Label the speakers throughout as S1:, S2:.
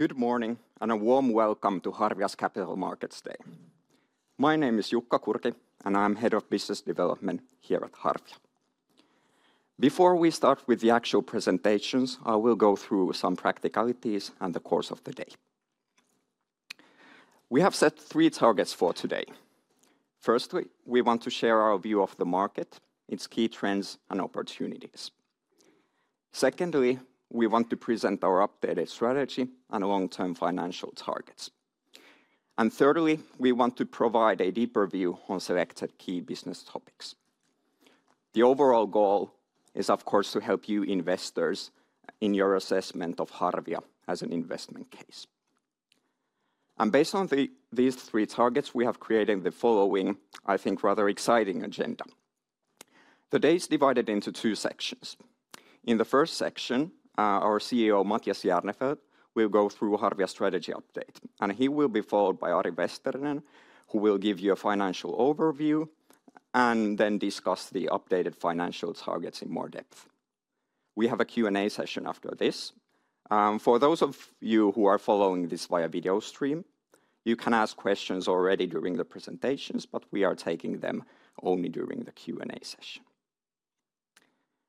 S1: Good morning, and a warm welcome to Harvia's Capital Markets Day. My name is Jukka Kurki, and I'm Head of Business Development here at Harvia. Before we start with the actual presentations, I will go through some practicalities and the course of the day. We have set three targets for today. Firstly, we want to share our view of the market, its key trends, and opportunities. Secondly, we want to present our updated strategy and long-term financial targets. And thirdly, we want to provide a deeper view on selected key business topics. The overall goal is, of course, to help you investors in your assessment of Harvia as an investment case. And based on these three targets, we have created the following, I think, rather exciting agenda. The day is divided into two sections. In the first section, our CEO, Matias Järnefelt, will go through Harvia's strategy update, and he will be followed by Ari Vesterinen, who will give you a financial overview, and then discuss the updated financial targets in more depth. We have a Q&A session after this. For those of you who are following this via video stream, you can ask questions already during the presentations, but we are taking them only during the Q&A session.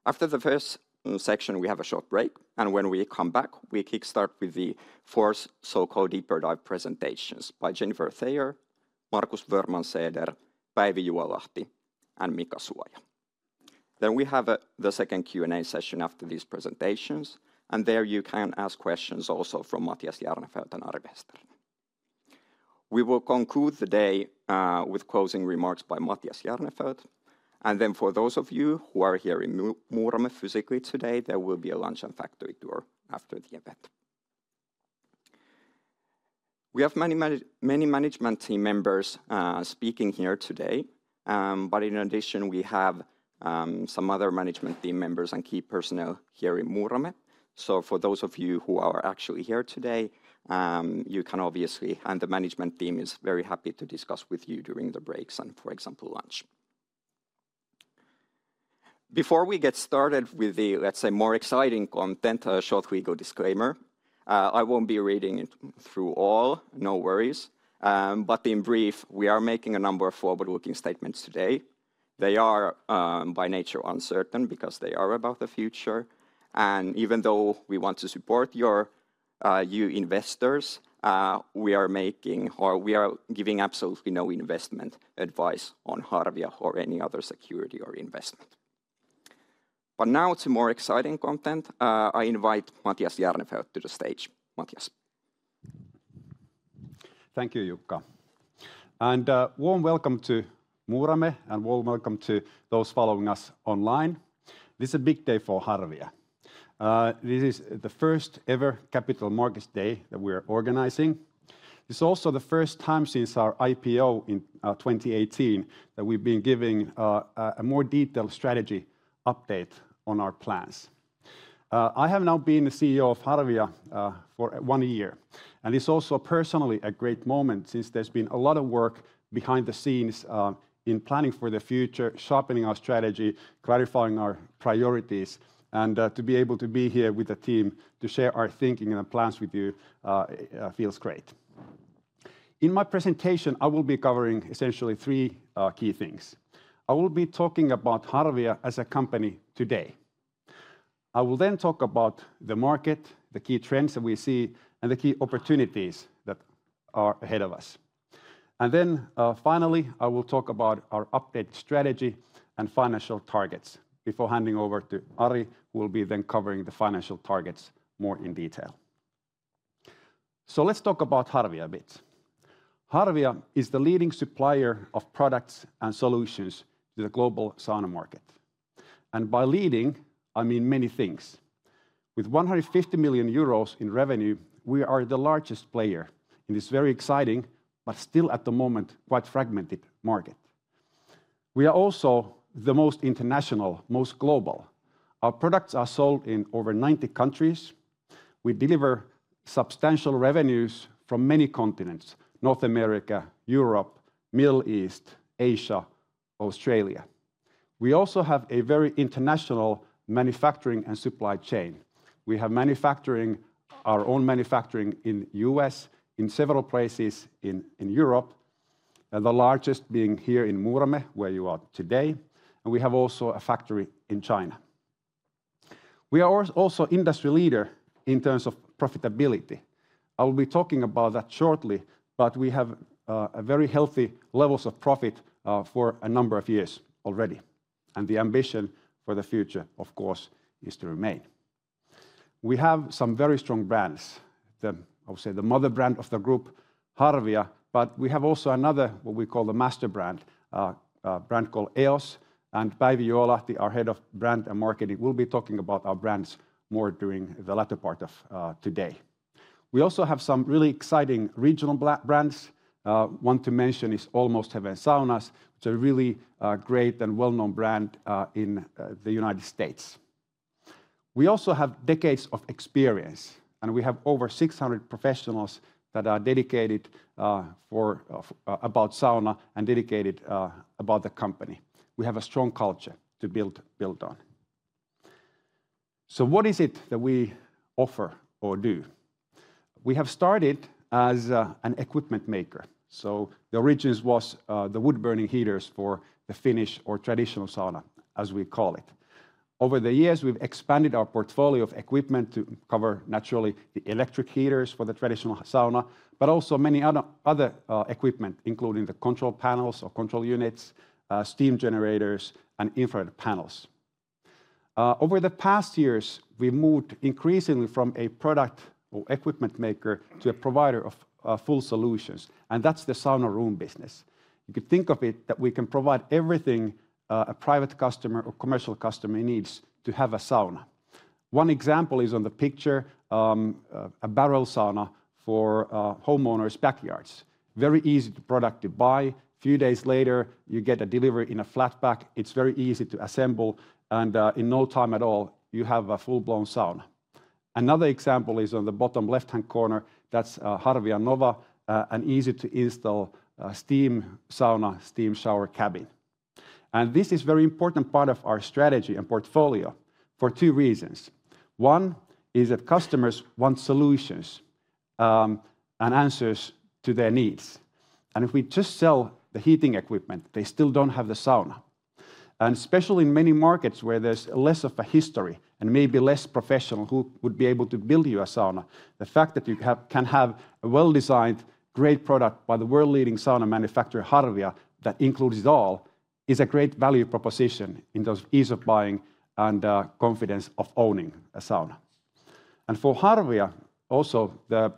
S1: After the first section, we have a short break, and when we come back, we kickstart with the four so-called deeper dive presentations by Jennifer Thayer, Markus Wörmanseder, Päivi Juolahti, and Mika Suoja. Then we have the second Q&A session after these presentations, and there you can ask questions also from Matias Järnefelt and Ari Vesterinen. We will conclude the day with closing remarks by Matias Järnefelt, and then for those of you who are here in Muurame physically today, there will be a lunch and factory tour after the event. We have many management team members speaking here today, but in addition, we have some other management team members and key personnel here in Muurame. So for those of you who are actually here today, you can obviously... and the management team is very happy to discuss with you during the breaks and, for example, lunch. Before we get started with the, let's say, more exciting content, a short legal disclaimer. I won't be reading it through all, no worries, but in brief, we are making a number of forward-looking statements today. They are, by nature, uncertain because they are about the future, and even though we want to support your, you investors, we are making or we are giving absolutely no investment advice on Harvia or any other security or investment. But now to more exciting content. I invite Matias Järnefelt to the stage. Matias?
S2: Thank you, Jukka. Warm welcome to Muurame, and warm welcome to those following us online. This is a big day for Harvia. This is the first ever Capital Markets Day that we're organizing. It's also the first time since our IPO in 2018 that we've been giving a more detailed strategy update on our plans. I have now been the CEO of Harvia for one year, and it's also personally a great moment since there's been a lot of work behind the scenes in planning for the future, sharpening our strategy, clarifying our priorities, and to be able to be here with the team to share our thinking and plans with you feels great. In my presentation, I will be covering essentially three key things. I will be talking about Harvia as a company today. I will then talk about the market, the key trends that we see, and the key opportunities that are ahead of us. And then, finally, I will talk about our updated strategy and financial targets before handing over to Ari, who will be then covering the financial targets more in detail. So let's talk about Harvia a bit. Harvia is the leading supplier of products and solutions to the global sauna market, and by leading, I mean many things. With 150 million euros in revenue, we are the largest player, and it's very exciting, but still at the moment, quite fragmented market. We are also the most international, most global. Our products are sold in over 90 countries. We deliver substantial revenues from many continents: North America, Europe, Middle East, Asia, Australia. We also have a very international manufacturing and supply chain. We have manufacturing, our own manufacturing in U.S., in several places in Europe, and the largest being here in Muurame, where you are today, and we have also a factory in China. We are also industry leader in terms of profitability. I will be talking about that shortly, but we have a very healthy levels of profit for a number of years already, and the ambition for the future, of course, is to remain. We have some very strong brands, the, I would say, the mother brand of the group, Harvia, but we have also another, what we call the master brand, a brand called EOS, and Päivi Juolahti, our Head of Brand and Marketing, will be talking about our brands more during the latter part of today. We also have some really exciting regional brands. One to mention is Almost Heaven Saunas, which are really a great and well-known brand in the United States. We also have decades of experience, and we have over 600 professionals that are dedicated to saunas and dedicated to the company. We have a strong culture to build on. So what is it that we offer or do? We have started as an equipment maker. So the origins was the wood-burning heaters for the Finnish or traditional sauna, as we call it. Over the years, we've expanded our portfolio of equipment to cover, naturally, the electric heaters for the traditional sauna, but also many other equipment, including the control panels or control units, steam generators, and infrared panels. Over the past years, we've moved increasingly from a product or equipment maker to a provider of full solutions, and that's the sauna room business. You could think of it that we can provide everything a private customer or commercial customer needs to have a sauna. One example is on the picture, a barrel sauna for homeowners' backyards. Very easy product to buy. Few days later, you get a delivery in a flat pack. It's very easy to assemble, and in no time at all, you have a full-blown sauna. Another example is on the bottom left-hand corner. That's Harvia Nova, an easy-to-install steam sauna, steam shower cabin. This is very important part of our strategy and portfolio for two reasons. One is that customers want solutions, and answers to their needs, and if we just sell the heating equipment, they still don't have the sauna. Especially in many markets where there's less of a history and maybe less professionals who would be able to build you a sauna, the fact that you can have a well-designed, great product by the world-leading sauna manufacturer, Harvia, that includes it all, is a great value proposition in terms of ease of buying and confidence of owning a sauna. For Harvia, also, the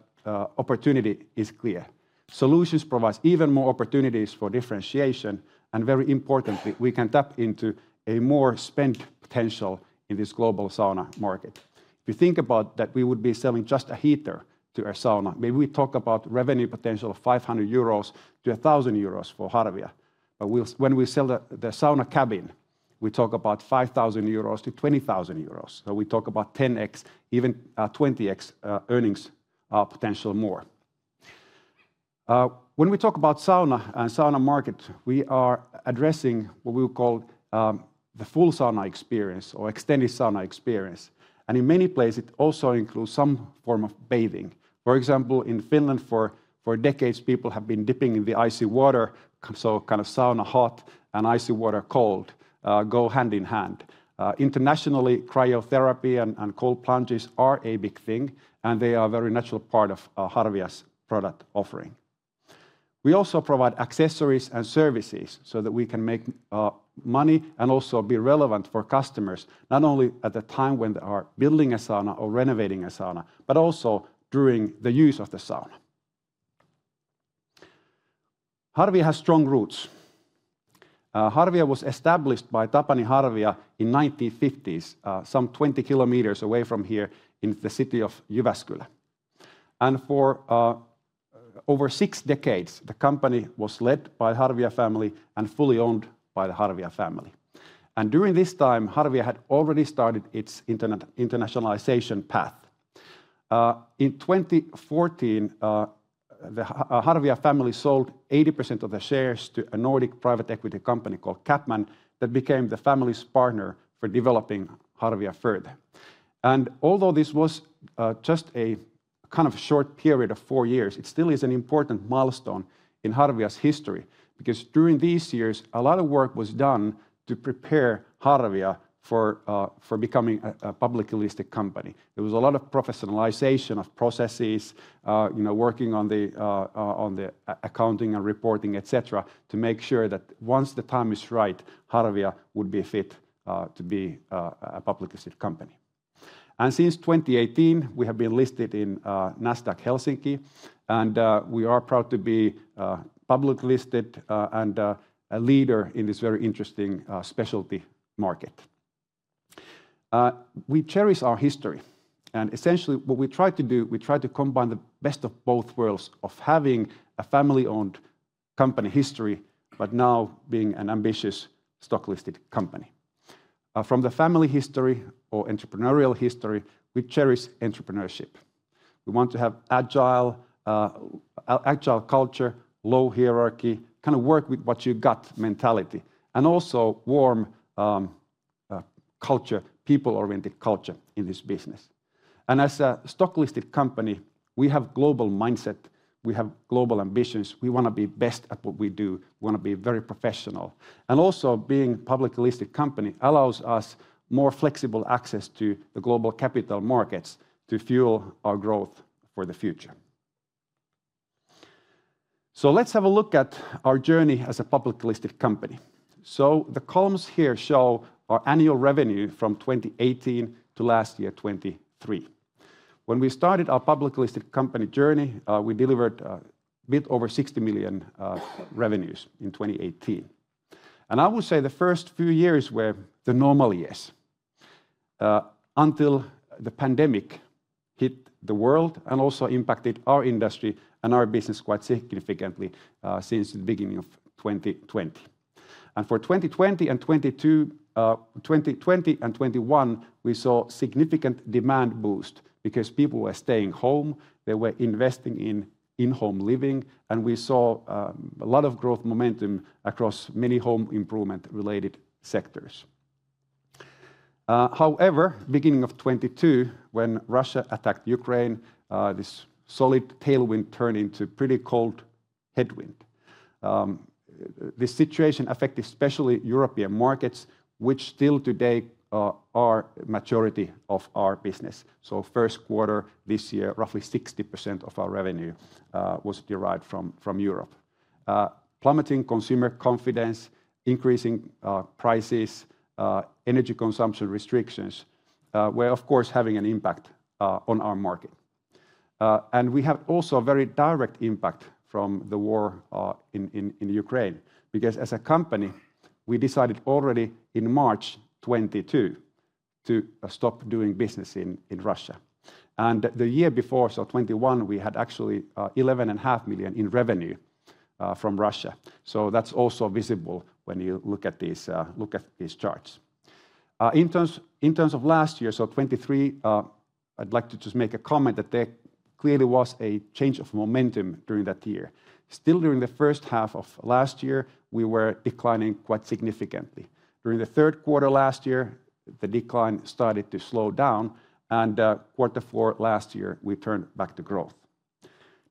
S2: opportunity is clear. Solutions provides even more opportunities for differentiation, and very importantly, we can tap into more spending potential in this global sauna market. If you think about that we would be selling just a heater to a sauna, maybe we talk about revenue potential of 500-1,000 euros for Harvia. But we'll—when we sell the sauna cabin, we talk about 5,000-20,000 euros. So we talk about 10x, even 20x earnings potential more. When we talk about sauna and sauna market, we are addressing what we would call the full sauna experience or extended sauna experience, and in many places, it also includes some form of bathing. For example, in Finland, for decades, people have been dipping in the icy water, so kind of sauna, hot, and icy water, cold, go hand in hand. Internationally, cryotherapy and cold plunges are a big thing, and they are a very natural part of Harvia's product offering. We also provide accessories and services so that we can make money and also be relevant for customers, not only at the time when they are building a sauna or renovating a sauna, but also during the use of the sauna. Harvia has strong roots. Harvia was established by Tapani Harvia in the 1950s, some 20 km away from here in the city of Jyväskylä. And for over six decades, the company was led by Harvia family and fully owned by the Harvia family. And during this time, Harvia had already started its internationalization path. In 2014, the Harvia family sold 80% of the shares to a Nordic private equity company called CapMan that became the family's partner for developing Harvia further. Although this was just a kind of short period of four years, it still is an important milestone in Harvia's history, because during these years, a lot of work was done to prepare Harvia for becoming a publicly listed company. There was a lot of professionalization of processes, you know, working on the accounting and reporting, et cetera, to make sure that once the time is right, Harvia would be fit to be a publicly listed company. Since 2018, we have been listed in Nasdaq Helsinki, and we are proud to be public listed, and a leader in this very interesting specialty market. We cherish our history, and essentially, what we try to do, we try to combine the best of both worlds, of having a family-owned company history, but now being an ambitious stock-listed company. From the family history or entrepreneurial history, we cherish entrepreneurship. We want to have agile, agile culture, low hierarchy, kind of work with what you've got mentality, and also warm, culture, people-oriented culture in this business. And as a stock-listed company, we have global mindset, we have global ambitions. We want to be best at what we do, want to be very professional. Also, being a publicly listed company allows us more flexible access to the global capital markets to fuel our growth for the future. Let's have a look at our journey as a publicly listed company. The columns here show our annual revenue from 2018 to last year, 2023. When we started our public listed company journey, we delivered a bit over 60 million revenues in 2018. I would say the first few years were the normal years, until the pandemic hit the world and also impacted our industry and our business quite significantly, since the beginning of 2020. For 2020 and 2021, we saw significant demand boost because people were staying home, they were investing in in-home living, and we saw a lot of growth momentum across many home improvement-related sectors. However, beginning of 2022, when Russia attacked Ukraine, this solid tailwind turned into pretty cold headwind. This situation affected especially European markets, which still today are majority of our business. So first quarter this year, roughly 60% of our revenue was derived from Europe. Plummeting consumer confidence, increasing prices, energy consumption restrictions were of course having an impact on our market. And we have also a very direct impact from the war in Ukraine, because as a company, we decided already in March 2022 to stop doing business in Russia. And the year before, so 2021, we had actually 11.5 million in revenue from Russia. So that's also visible when you look at these charts. In terms of last year, so 2023, I'd like to just make a comment that there clearly was a change of momentum during that year. Still, during the first half of last year, we were declining quite significantly. During the third quarter last year, the decline started to slow down, and quarter four last year, we turned back to growth.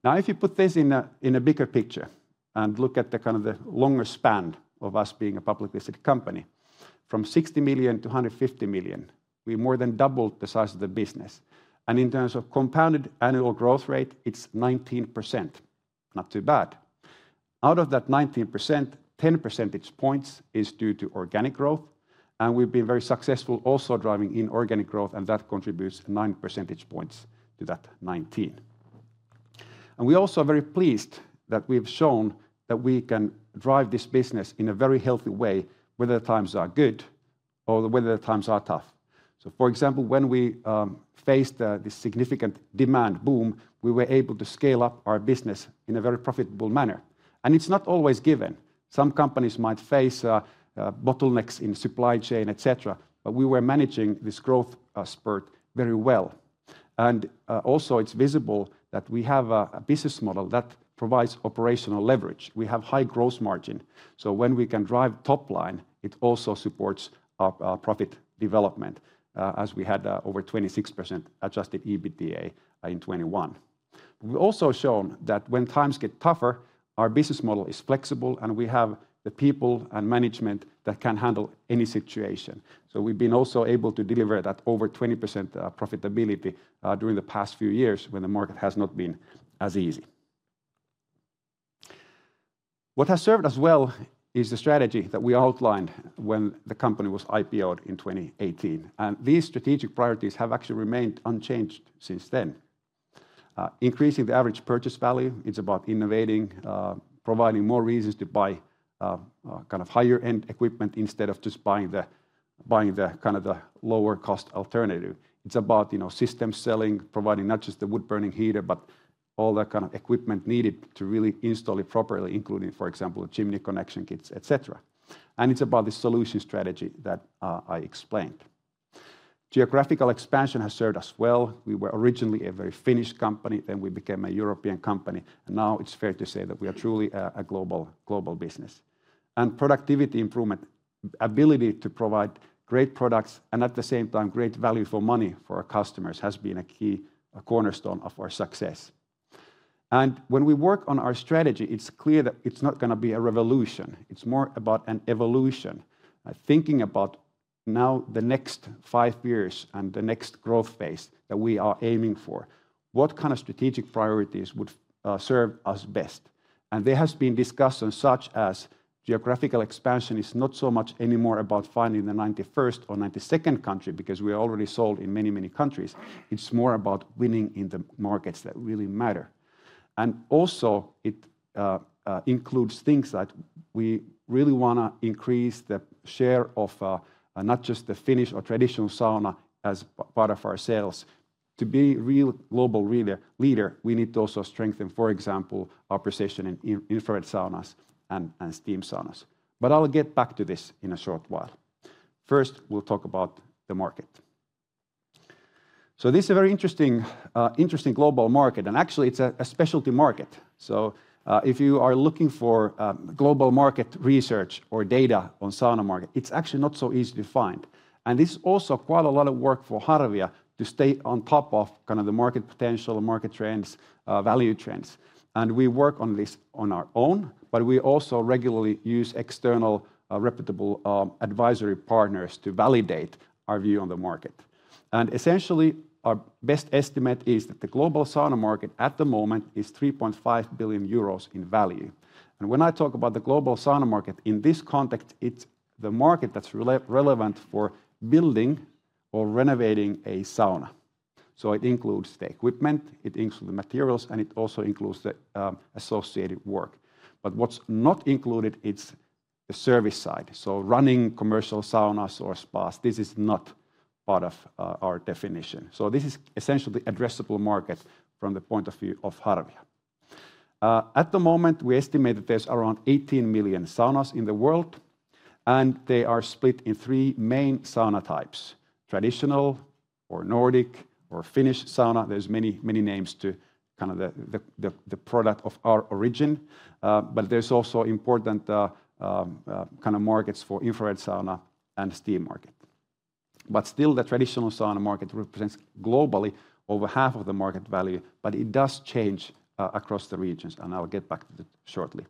S2: Now, if you put this in a bigger picture and look at the kind of the longer span of us being a publicly listed company, from 60 million-150 million, we more than doubled the size of the business. In terms of compounded annual growth rate, it's 19%. Not too bad. Out of that 19%, 10 percentage points is due to organic growth, and we've been very successful also driving inorganic growth, and that contributes 9 percentage points to that 19%. We're also very pleased that we have shown that we can drive this business in a very healthy way, whether times are good or whether times are tough. So, for example, when we faced this significant demand boom, we were able to scale up our business in a very profitable manner, and it's not always given. Some companies might face, bottlenecks in supply chain, et cetera, but we were managing this growth spurt very well. And, also, it's visible that we have a business model that provides operational leverage. We have high gross margin, so when we can drive top line, it also supports our profit development, as we had over 26% adjusted EBITDA in 2021. We've also shown that when times get tougher, our business model is flexible, and we have the people and management that can handle any situation. So we've been also able to deliver that over 20% profitability during the past few years, when the market has not been as easy. What has served us well is the strategy that we outlined when the company was IPO'd in 2018, and these strategic priorities have actually remained unchanged since then. Increasing the average purchase value, it's about innovating, providing more reasons to buy, kind of higher-end equipment, instead of just buying the, buying the kind of the lower cost alternative. It's about, you know, system selling, providing not just the wood-burning heater, but all that kind of equipment needed to really install it properly, including, for example, a chimney connection kits, et cetera. It's about the solution strategy that I explained. Geographical expansion has served us well. We were originally a very Finnish company, then we became a European company, and now it's fair to say that we are truly a, a global, global business. Productivity improvement, ability to provide great products, and at the same time, great value for money for our customers, has been a key cornerstone of our success. And when we work on our strategy, it's clear that it's not gonna be a revolution. It's more about an evolution. Thinking about now the next five years and the next growth phase that we are aiming for, what kind of strategic priorities would serve us best? And there has been discussions such as geographical expansion is not so much anymore about finding the 91st or 92nd country, because we are already sold in many, many countries. It's more about winning in the markets that really matter. And also, it includes things that we really wanna increase the share of, not just the Finnish or traditional sauna as part of our sales. To be real global leader, we need to also strengthen, for example, our position in infrared saunas and steam saunas. But I'll get back to this in a short while. First, we'll talk about the market. So this is a very interesting, interesting global market, and actually, it's a specialty market. So, if you are looking for global market research or data on sauna market, it's actually not so easy to find. And it's also quite a lot of work for Harvia to stay on top of kind of the market potential, market trends, value trends. And we work on this on our own, but we also regularly use external, reputable, advisory partners to validate our view on the market. And essentially, our best estimate is that the global sauna market at the moment is 3.5 billion euros in value. When I talk about the global sauna market, in this context, it's the market that's relevant for building or renovating a sauna. It includes the equipment, it includes the materials, and it also includes the associated work. But what's not included, it's the service side. Running commercial saunas or spas, this is not part of our definition. This is essentially addressable market from the point of view of Harvia. At the moment, we estimate that there's around 18 million saunas in the world, and they are split in three main sauna types: traditional or Nordic or Finnish sauna. There's many, many names to kind of the product of our origin. But there's also important kind of markets for infrared sauna and steam market. But still, the traditional sauna market represents globally over half of the market value, but it does change across the regions, and I'll get back to that shortly.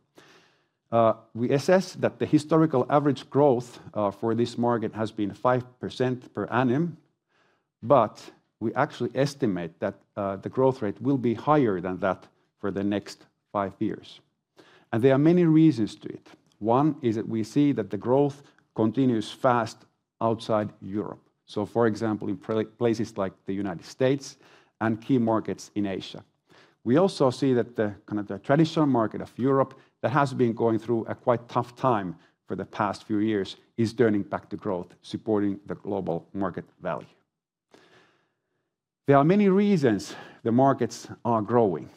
S2: We assess that the historical average growth for this market has been 5% per annum, but we actually estimate that the growth rate will be higher than that for the next five years, and there are many reasons to it. One is that we see that the growth continues fast outside Europe, so for example, in places like the United States and key markets in Asia. We also see that the kind of the traditional market of Europe that has been going through a quite tough time for the past few years is turning back to growth, supporting the global market value. There are many reasons the markets are growing,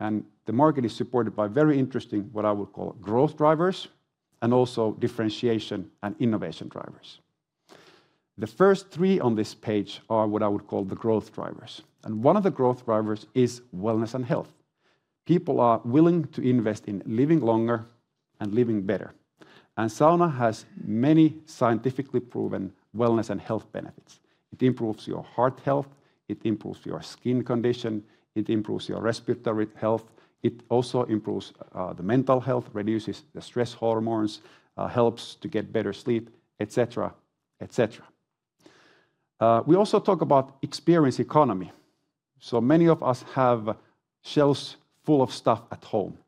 S2: and the market is supported by very interesting, what I would call, growth drivers, and also differentiation and innovation drivers. The first three on this page are what I would call the growth drivers, and one of the growth drivers is wellness and health. People are willing to invest in living longer and living better, and sauna has many scientifically proven wellness and health benefits. It improves your heart health, it improves your skin condition, it improves your respiratory health. It also improves the mental health, reduces the stress hormones, helps to get better sleep, et cetera, et cetera. We also talk about experience economy. So many of us have shelves full of stuff at home,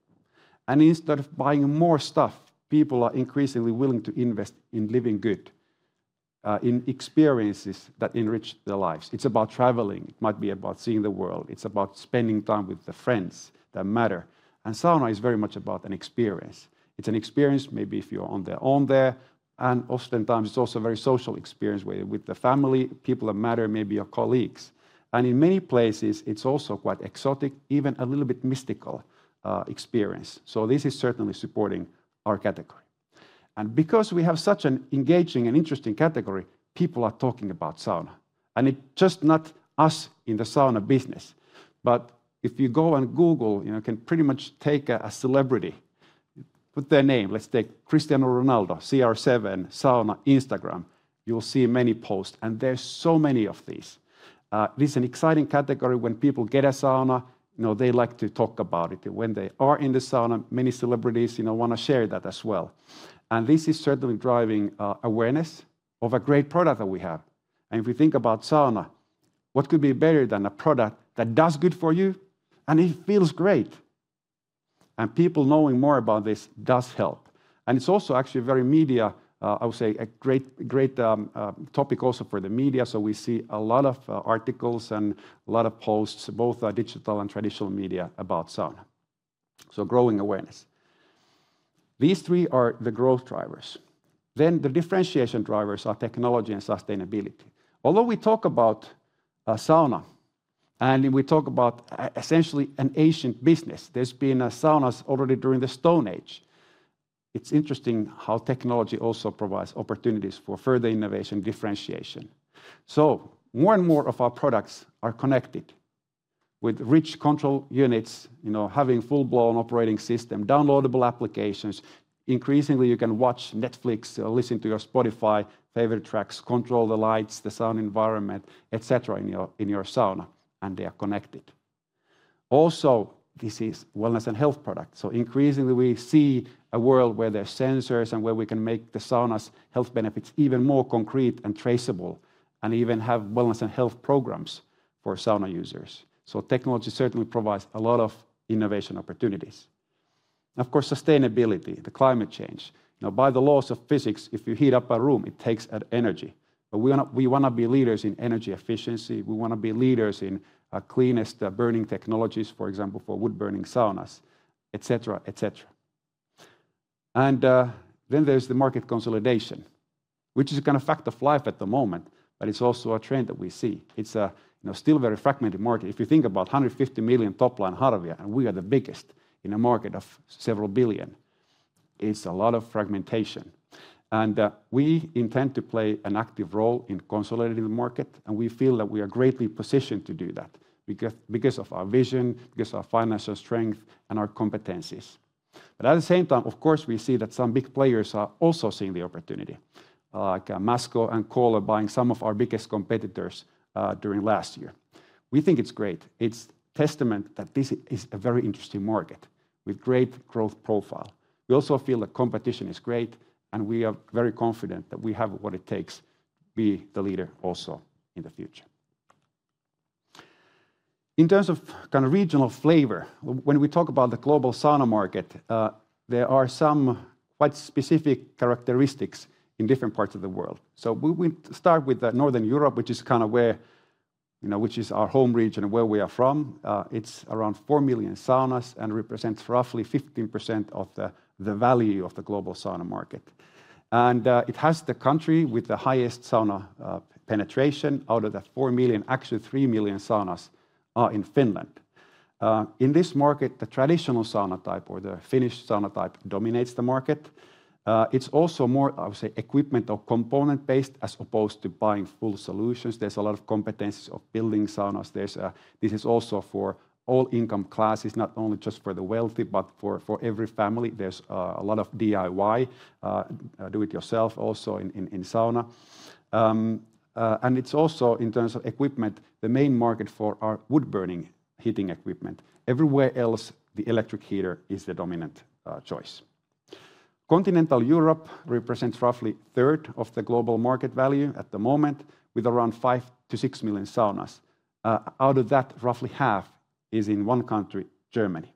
S2: and instead of buying more stuff, people are increasingly willing to invest in living good in experiences that enrich their lives. It's about traveling. It might be about seeing the world. It's about spending time with the friends that matter, and sauna is very much about an experience. It's an experience maybe if you're on their own there, and oftentimes, it's also a very social experience with the family, people that matter, maybe your colleagues. And in many places, it's also quite exotic, even a little bit mystical experience. So this is certainly supporting our category. And because we have such an engaging and interesting category, people are talking about sauna, and it just not us in the sauna business. But if you go on Google, you know, can pretty much take a celebrity, put their name... let's take Cristiano Ronaldo, CR7, sauna, Instagram. You'll see many posts, and there's so many of these. It is an exciting category. When people get a sauna, you know, they like to talk about it. When they are in the sauna, many celebrities, you know, want to share that as well, and this is certainly driving awareness of a great product that we have. And if we think about sauna, what could be better than a product that does good for you? And it feels great, and people knowing more about this does help. And it's also actually very media, I would say a great, great topic also for the media, so we see a lot of articles and a lot of posts, both digital and traditional media, about sauna, so growing awareness. These three are the growth drivers. Then the differentiation drivers are technology and sustainability. Although we talk about sauna, and we talk about essentially an ancient business, there's been saunas already during the Stone Age, it's interesting how technology also provides opportunities for further innovation differentiation. So more and more of our products are connected with rich control units, you know, having full-blown operating system, downloadable applications. Increasingly, you can watch Netflix or listen to your Spotify favorite tracks, control the lights, the sound environment, et cetera, in your, in your sauna, and they are connected. Also, this is wellness and health product, so increasingly we see a world where there are sensors and where we can make the sauna's health benefits even more concrete and traceable, and even have wellness and health programs for sauna users. So technology certainly provides a lot of innovation opportunities. And of course, sustainability, the climate change. Now, by the laws of physics, if you heat up a room, it takes up energy, but we wanna, we wanna be leaders in energy efficiency. We wanna be leaders in cleanest burning technologies, for example, for wood-burning saunas, et cetera, et cetera. Then there's the market consolidation, which is a kind of fact of life at the moment, but it's also a trend that we see. It's a, you know, still very fragmented market. If you think about 150 million top line Harvia, and we are the biggest in a market of several billion, it's a lot of fragmentation. And we intend to play an active role in consolidating the market, and we feel that we are greatly positioned to do that because, because of our vision, because our financial strength and our competencies. But at the same time, of course, we see that some big players are also seeing the opportunity, like, Masco and Kohler buying some of our biggest competitors, during last year. We think it's great. It's testament that this is a very interesting market with great growth profile. We also feel that competition is great, and we are very confident that we have what it takes to be the leader also in the future. In terms of kind of regional flavor, when we talk about the global sauna market, there are some quite specific characteristics in different parts of the world. So we start with Northern Europe, which is kind of where, you know, which is our home region and where we are from. It's around 4 million saunas and represents roughly 15% of the value of the global sauna market. And it has the country with the highest sauna penetration. Out of that 4 million, actually 3 million saunas are in Finland. In this market, the traditional sauna type, or the Finnish sauna type, dominates the market. It's also more, I would say, equipment or component-based, as opposed to buying full solutions. There's a lot of competencies of building saunas. This is also for all income classes, not only just for the wealthy, but for every family. There's a lot of DIY, Do-It-Yourself, also in sauna. And it's also, in terms of equipment, the main market for our wood-burning heating equipment. Everywhere else, the electric heater is the dominant choice. Continental Europe represents roughly a third of the global market value at the moment, with around 5-6 million saunas. Out of that, roughly half is in one country, Germany.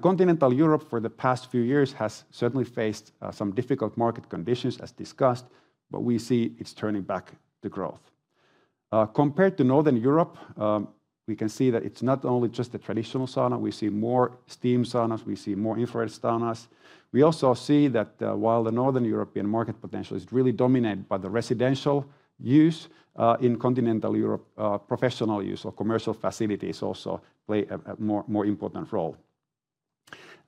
S2: Continental Europe, for the past few years, has certainly faced some difficult market conditions, as discussed, but we see it's turning back the growth. Compared to Northern Europe, we can see that it's not only just the traditional sauna. We see more steam saunas, we see more infrared saunas. We also see that, while the Northern European market potential is really dominated by the residential use, in Continental Europe, professional use or commercial facilities also play a more important role.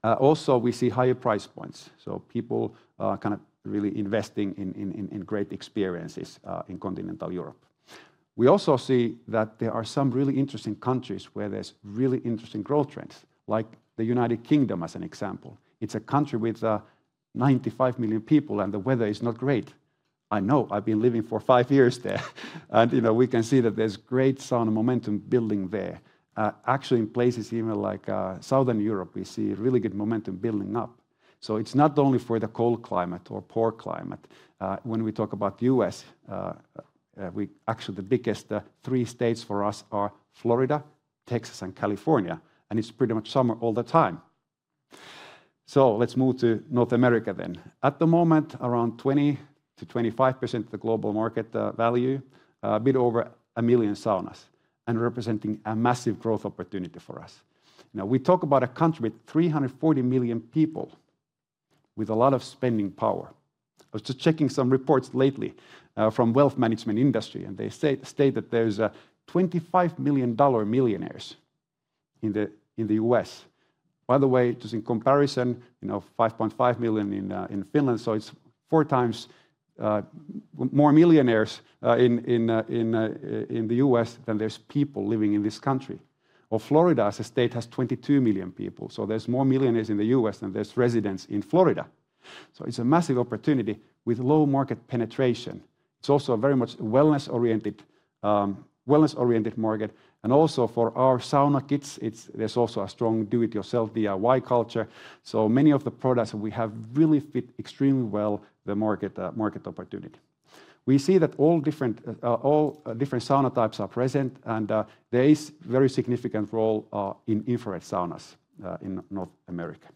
S2: Also, we see higher price points, so people are kind of really investing in great experiences, in Continental Europe. We also see that there are some really interesting countries where there's really interesting growth trends, like the United Kingdom, as an example. It's a country with 95 million people, and the weather is not great. I know. I've been living for five years there. And you know, we can see that there's great sauna momentum building there. Actually in places even like Southern Europe, we see really good momentum building up, so it's not only for the cold climate or poor climate. When we talk about the U.S., actually, the biggest three states for us are Florida, Texas, and California, and it's pretty much summer all the time. So let's move to North America then. At the moment, around 20%-25% of the global market value, a bit over 1 million saunas, and representing a massive growth opportunity for us. Now, we talk about a country with 340 million people with a lot of spending power. I was just checking some reports lately from wealth management industry, and they state that there's 25 million-dollar millionaires in the U.S. By the way, just in comparison, you know, 5.5 million in Finland, so it's four times more millionaires in the U.S. than there's people living in this country. Well, Florida, as a state, has 22 million people, so there's more millionaires in the U.S. than there's residents in Florida. So it's a massive opportunity with low market penetration. It's also a very much wellness-oriented market, and also for our sauna kits, there's also a strong Do-It-Yourself, DIY, culture. So many of the products that we have really fit extremely well the market opportunity. We see that all different sauna types are present and there is very significant role in infrared saunas in North America.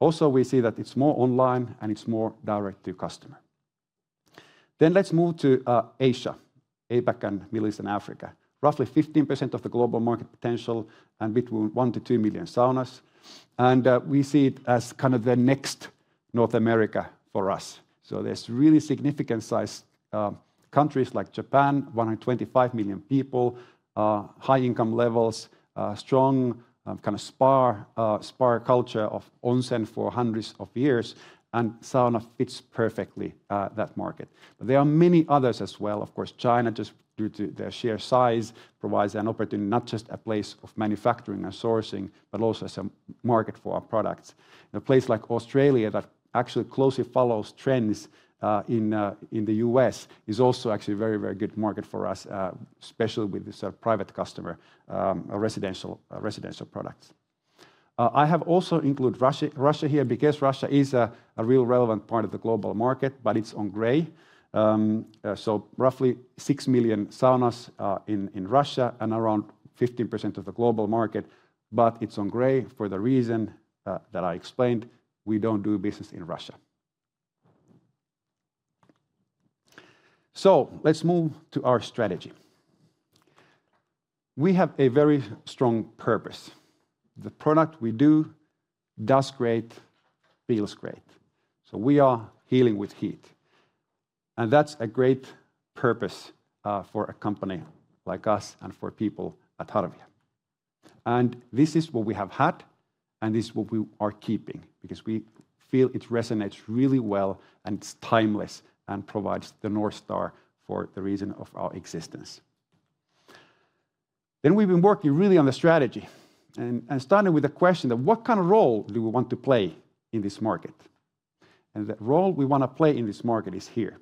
S2: Also, we see that it's more online, and it's more direct to customer. Then let's move to Asia, APAC, and Middle East, and Africa. Roughly 15% of the global market potential and between 1-2 million saunas, and we see it as kind of the next North America for us. So there's really significant sized countries, like Japan, 125 million people, high income levels, strong, kind of spa, spa culture of onsen for hundreds of years, and sauna fits perfectly, that market. There are many others as well. Of course, China, just due to their sheer size, provides an opportunity, not just a place of manufacturing and sourcing, but also some market for our products. In a place like Australia, that actually closely follows trends, in, in the U.S., is also actually a very, very good market for us, especially with this, private customer, a residential, residential products. I have also included Russia, Russia here because Russia is a, a real relevant part of the global market, but it's on gray. So roughly 6 million saunas in Russia, and around 15% of the global market, but it's on gray for the reason that I explained. We don't do business in Russia. So let's move to our strategy. We have a very strong purpose: the product we do does great, feels great, so we are healing with heat, and that's a great purpose for a company like us and for people at Harvia. And this is what we have had, and this is what we are keeping, because we feel it resonates really well, and it's timeless and provides the North Star for the reason of our existence. Then we've been working really on the strategy and starting with the question of: what kind of role do we want to play in this market? The role we wanna play in this market is here.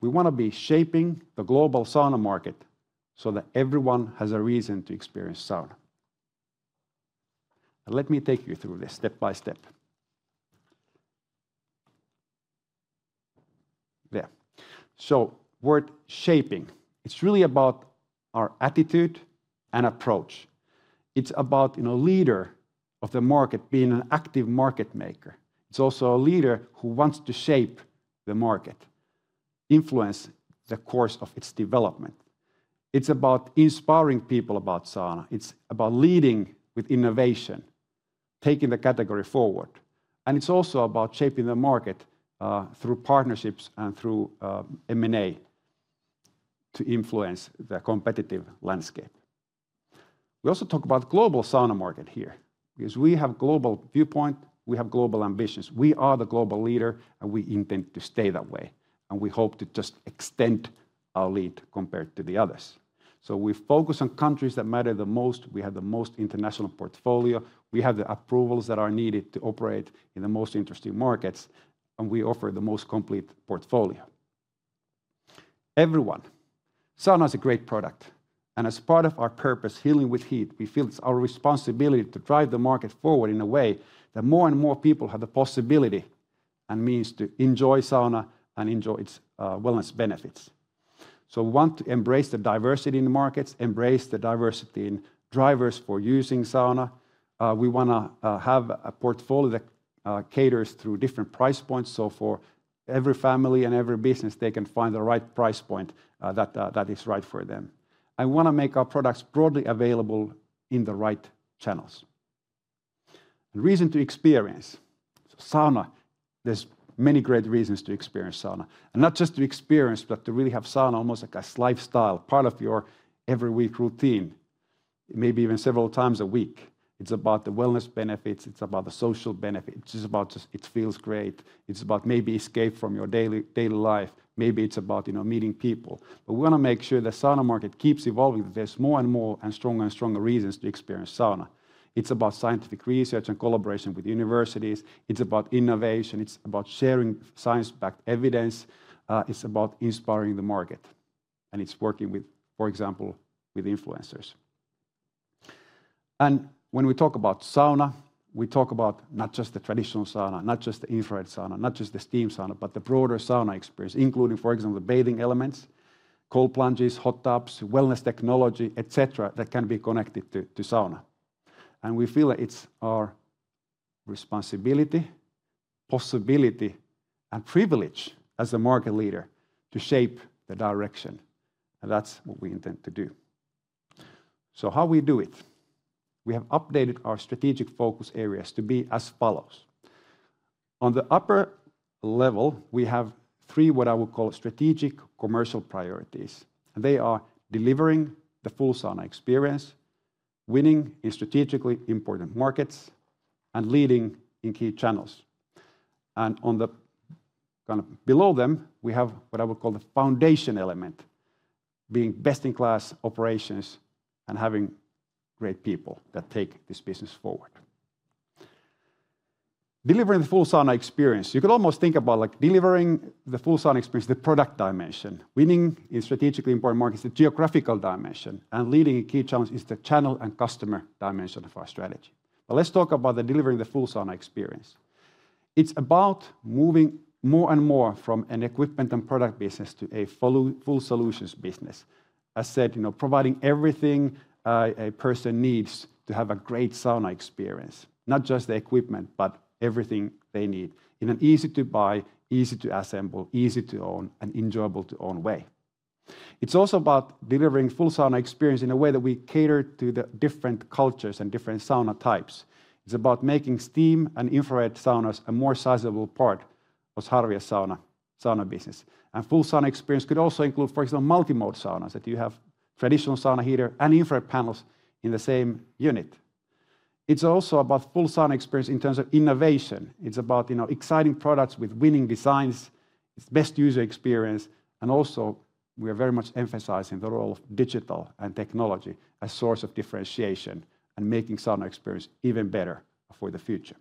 S2: We wanna be shaping the global sauna market so that everyone has a reason to experience sauna. Let me take you through this step-by-step. There. So word "shaping," it's really about our attitude and approach. It's about, you know, leader of the market being an active market maker. It's also a leader who wants to shape the market, influence the course of its development. It's about inspiring people about sauna. It's about leading with innovation... taking the category forward, and it's also about shaping the market through partnerships and through M&A to influence the competitive landscape. We also talk about global sauna market here, because we have global viewpoint, we have global ambitions. We are the global leader, and we intend to stay that way, and we hope to just extend our lead compared to the others. So we focus on countries that matter the most. We have the most international portfolio, we have the approvals that are needed to operate in the most interesting markets, and we offer the most complete portfolio. Everyone, sauna is a great product, and as part of our purpose, healing with heat, we feel it's our responsibility to drive the market forward in a way that more and more people have the possibility and means to enjoy sauna and enjoy its wellness benefits. So we want to embrace the diversity in the markets, embrace the diversity in drivers for using sauna. We wanna have a portfolio that caters through different price points, so for every family and every business, they can find the right price point that that is right for them. We wanna make our products broadly available in the right channels. And reason to experience. Sauna, there's many great reasons to experience sauna, and not just to experience, but to really have sauna almost like a lifestyle, part of your every week routine. Maybe even several times a week. It's about the wellness benefits, it's about the social benefits. It's about just, it feels great. It's about maybe escape from your daily, daily life. Maybe it's about, you know, meeting people. But we wanna make sure the sauna market keeps evolving, that there's more and more, and stronger and stronger reasons to experience sauna. It's about scientific research and collaboration with universities. It's about innovation, it's about sharing science-backed evidence. It's about inspiring the market, and it's working with, for example, with influencers. And when we talk about sauna, we talk about not just the traditional sauna, not just the infrared sauna, not just the steam sauna, but the broader sauna experience, including, for example, the bathing elements, cold plunges, hot tubs, wellness technology, et cetera, that can be connected to, to sauna. And we feel that it's our responsibility, possibility, and privilege as a market leader to shape the direction, and that's what we intend to do. So how we do it? We have updated our strategic focus areas to be as follows. On the upper level, we have three, what I would call, strategic commercial priorities, and they are delivering the full sauna experience, winning in strategically important markets, and leading in key channels. And on the... Kind of below them, we have what I would call the foundation element, being best-in-class operations and having great people that take this business forward. Delivering the full sauna experience. You could almost think about, like, delivering the full sauna experience, the product dimension. Winning in strategically important markets, the geographical dimension, and leading in key channels is the channel and customer dimension of our strategy. But let's talk about the delivering the full sauna experience. It's about moving more and more from an equipment and product business to a full solutions business. As said, you know, providing everything, a person needs to have a great sauna experience, not just the equipment, but everything they need, in an easy-to-buy, easy-to-assemble, easy-to-own, and enjoyable-to-own way. It's also about delivering full sauna experience in a way that we cater to the different cultures and different sauna types. It's about making steam and infrared saunas a more sizable part of Harvia sauna, sauna business. Full sauna experience could also include, for example, multi-mode saunas, that you have traditional sauna heater and infrared panels in the same unit. It's also about full sauna experience in terms of innovation. It's about, you know, exciting products with winning designs, it's best user experience, and also, we are very much emphasizing the role of digital and technology as source of differentiation, and making sauna experience even better for the future.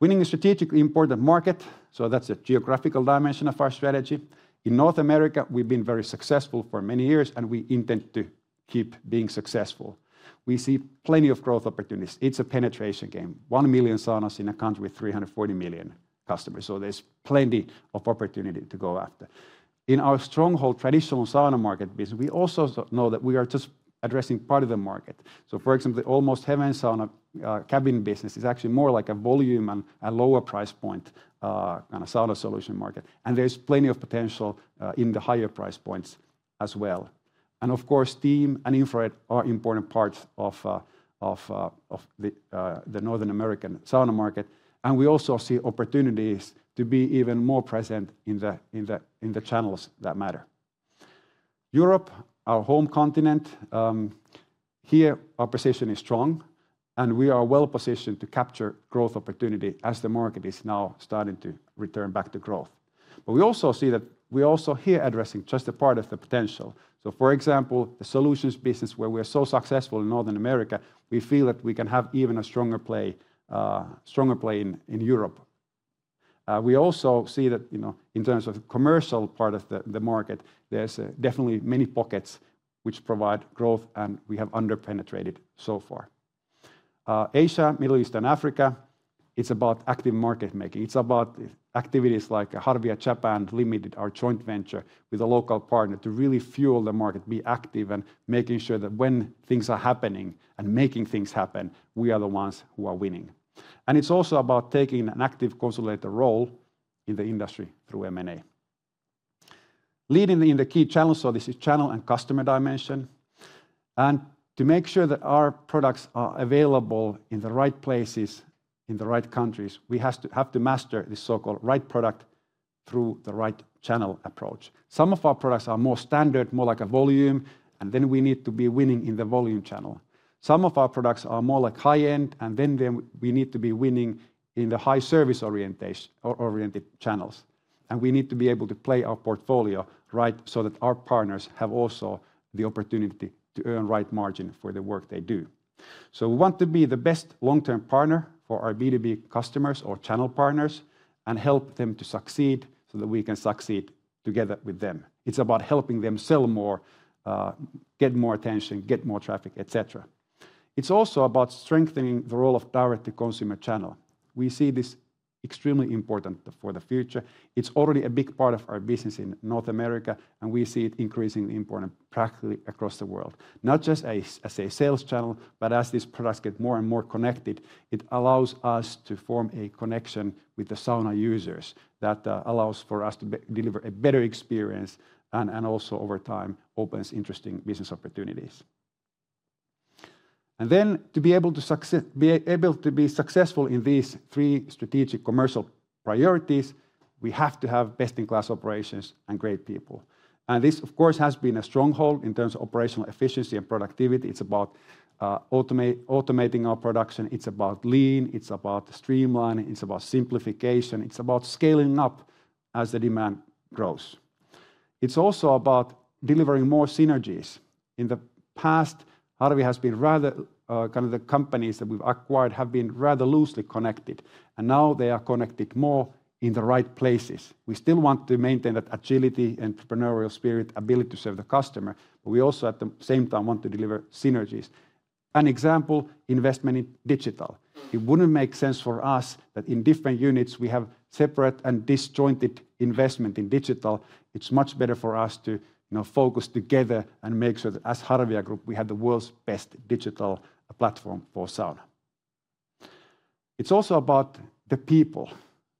S2: Winning a strategically important market, so that's a geographical dimension of our strategy. In North America, we've been very successful for many years, and we intend to keep being successful. We see plenty of growth opportunities. It's a penetration game. 1 million saunas in a country with 340 million customers, so there's plenty of opportunity to go after. In our stronghold traditional sauna market business, we also know that we are just addressing part of the market. So, for example, Almost Heaven Sauna cabin business is actually more like a volume and a lower price point in a sauna solution market, and there's plenty of potential in the higher price points as well. And of course, steam and infrared are important parts of the North American sauna market, and we also see opportunities to be even more present in the channels that matter. Europe, our home continent, here our position is strong, and we are well positioned to capture growth opportunity as the market is now starting to return back to growth. But we also see that we're also here addressing just a part of the potential. So, for example, the solutions business, where we are so successful in North America, we feel that we can have even a stronger play in Europe. We also see that, you know, in terms of commercial part of the market, there's definitely many pockets which provide growth, and we have under-penetrated so far. Asia, Middle East, and Africa, it's about active market making. It's about activities like Harvia Japan Limited, our joint venture with a local partner, to really fuel the market, be active, and making sure that when things are happening and making things happen, we are the ones who are winning. And it's also about taking an active consolidator role in the industry through M&A, leading in the key channels, so this is channel and customer dimension. To make sure that our products are available in the right places, in the right countries, we have to master this so-called right product through the right channel approach. Some of our products are more standard, more like a volume, and then we need to be winning in the volume channel. Some of our products are more like high-end, and then we need to be winning in the high service oriented channels. We need to be able to play our portfolio right, so that our partners have also the opportunity to earn right margin for the work they do. We want to be the best long-term partner for our B2B customers or channel partners, and help them to succeed, so that we can succeed together with them. It's about helping them sell more, get more attention, get more traffic, et cetera. It's also about strengthening the role of direct-to-consumer channel. We see this extremely important for the future. It's already a big part of our business in North America, and we see it increasingly important practically across the world. Not just as a sales channel, but as these products get more and more connected, it allows us to form a connection with the sauna users, that allows us to deliver a better experience, and also over time, opens interesting business opportunities. And then, to be able to be successful in these three strategic commercial priorities, we have to have best-in-class operations and great people. And this, of course, has been a stronghold in terms of operational efficiency and productivity. It's about automating our production, it's about lean, it's about streamlining, it's about simplification, it's about scaling up as the demand grows. It's also about delivering more synergies. In the past, Harvia has been rather kind of, the companies that we've acquired have been rather loosely connected, and now they are connected more in the right places. We still want to maintain that agility, entrepreneurial spirit, ability to serve the customer, but we also at the same time want to deliver synergies. An example, investment in digital. It wouldn't make sense for us that in different units we have separate and disjointed investment in digital. It's much better for us to, you know, focus together and make sure that as Harvia Group, we have the world's best digital platform for sauna. It's also about the people,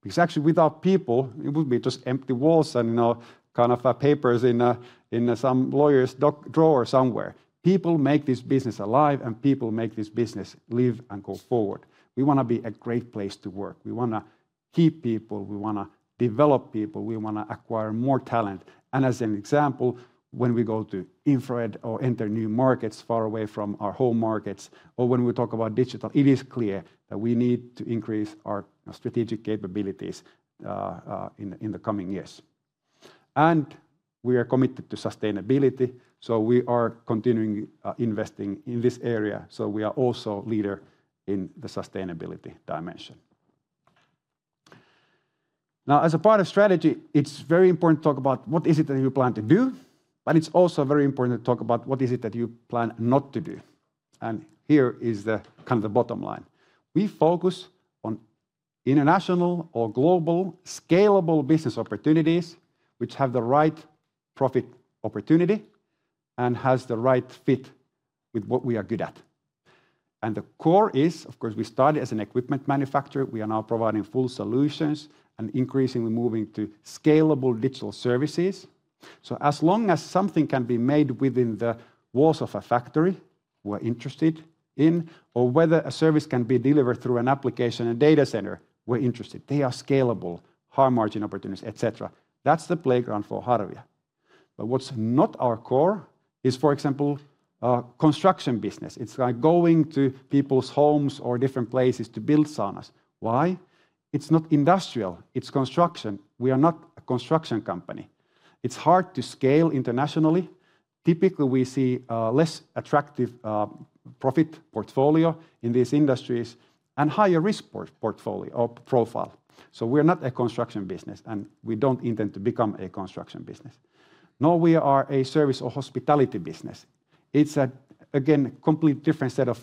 S2: because actually, without people, it would be just empty walls and, you know, kind of, papers in some lawyer's documents drawer somewhere. People make this business alive, and people make this business live and go forward. We wanna be a great place to work. We wanna keep people, we wanna develop people, we wanna acquire more talent. And as an example, when we go to infrared or enter new markets far away from our home markets, or when we talk about digital, it is clear that we need to increase our strategic capabilities in the coming years. And we are committed to sustainability, so we are continuing investing in this area, so we are also leader in the sustainability dimension. Now, as a part of strategy, it's very important to talk about what is it that you plan to do, but it's also very important to talk about what is it that you plan not to do. And here is the, kind of, the bottom line: We focus on international or global scalable business opportunities, which have the right profit opportunity, and has the right fit with what we are good at. And the core is, of course, we started as an equipment manufacturer. We are now providing full solutions, and increasingly moving to scalable digital services. So as long as something can be made within the walls of a factory, we're interested in, or whether a service can be delivered through an application and data center, we're interested. They are scalable, high-margin opportunities, et cetera. That's the playground for Harvia. But what's not our core is, for example, construction business. It's like going to people's homes or different places to build saunas. Why? It's not industrial, it's construction. We are not a construction company. It's hard to scale internationally. Typically, we see a less attractive profit portfolio in these industries, and higher risk portfolio or profile. So we're not a construction business, and we don't intend to become a construction business. Nor we are a service or hospitality business. It's a, again, complete different set of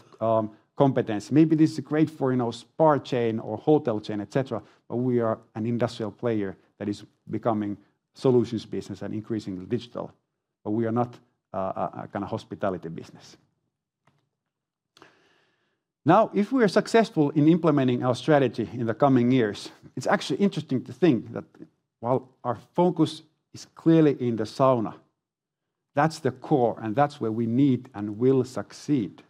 S2: competence. Maybe this is great for, you know, spa chain or hotel chain, et cetera, but we are an industrial player that is becoming solutions business and increasingly digital, but we are not a kind of hospitality business. Now, if we are successful in implementing our strategy in the coming years, it's actually interesting to think that while our focus is clearly in the sauna, that's the core, and that's where we need and will succeed.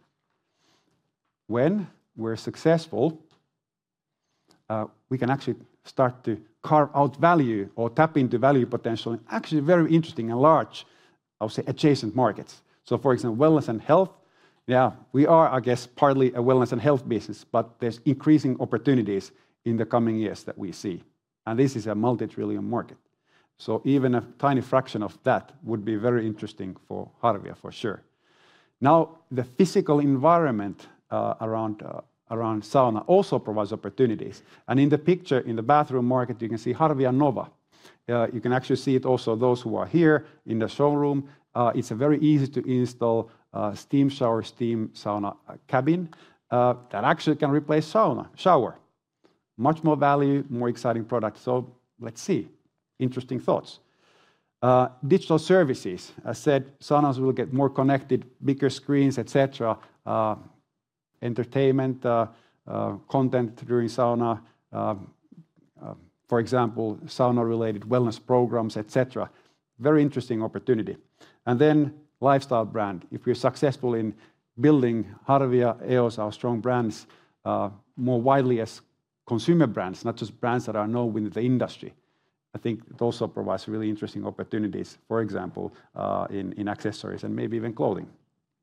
S2: When we're successful, we can actually start to carve out value or tap into value potential in actually very interesting and large, I'll say, adjacent markets. So for example, wellness and health. Yeah, we are, I guess, partly a wellness and health business, but there's increasing opportunities in the coming years that we see, and this is a multi-trillion market. So even a tiny fraction of that would be very interesting for Harvia, for sure. Now, the physical environment around sauna also provides opportunities. And in the picture, in the bathroom market, you can see Harvia Nova. You can actually see it also, those who are here in the showroom. It's a very easy-to-install steam shower, steam sauna cabin that actually can replace sauna shower. Much more value, more exciting product. So let's see. Interesting thoughts. Digital services. I said saunas will get more connected, bigger screens, et cetera, entertainment, content during sauna, for example, sauna-related wellness programs, et cetera. Very interesting opportunity. And then lifestyle brand. If we're successful in building Harvia, EOS, our strong brands more widely as consumer brands, not just brands that are known within the industry, I think it also provides really interesting opportunities, for example, in accessories and maybe even clothing.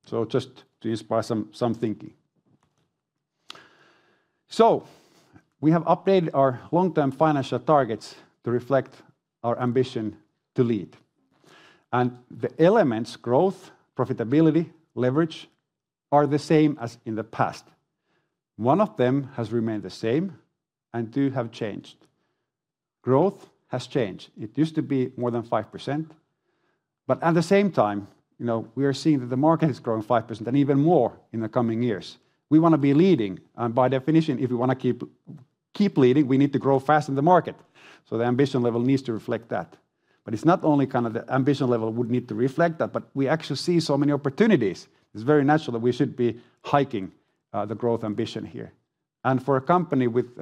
S2: So just to inspire some thinking. So we have updated our long-term financial targets to reflect our ambition to lead. The elements: growth, profitability, leverage, are the same as in the past. One of them has remained the same, and two have changed. Growth has changed. It used to be more than 5%, but at the same time, you know, we are seeing that the market is growing 5% and even more in the coming years. We want to be leading, and by definition, if we want to keep, keep leading, we need to grow faster than the market. So the ambition level needs to reflect that. But it's not only kind of the ambition level would need to reflect that, but we actually see so many opportunities. It's very natural that we should be hiking the growth ambition here. For a company with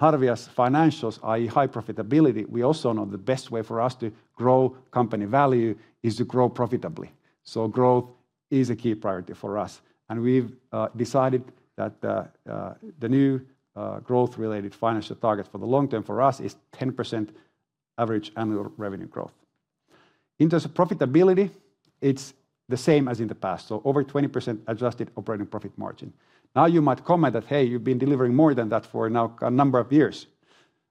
S2: Harvia's financials, i.e., high profitability, we also know the best way for us to grow company value is to grow profitably. So growth is a key priority for us, and we've decided that the new growth-related financial target for the long term for us is 10% average annual revenue growth. In terms of profitability, it's the same as in the past, so over 20% adjusted operating profit margin. Now, you might comment that, "Hey, you've been delivering more than that for now a number of years."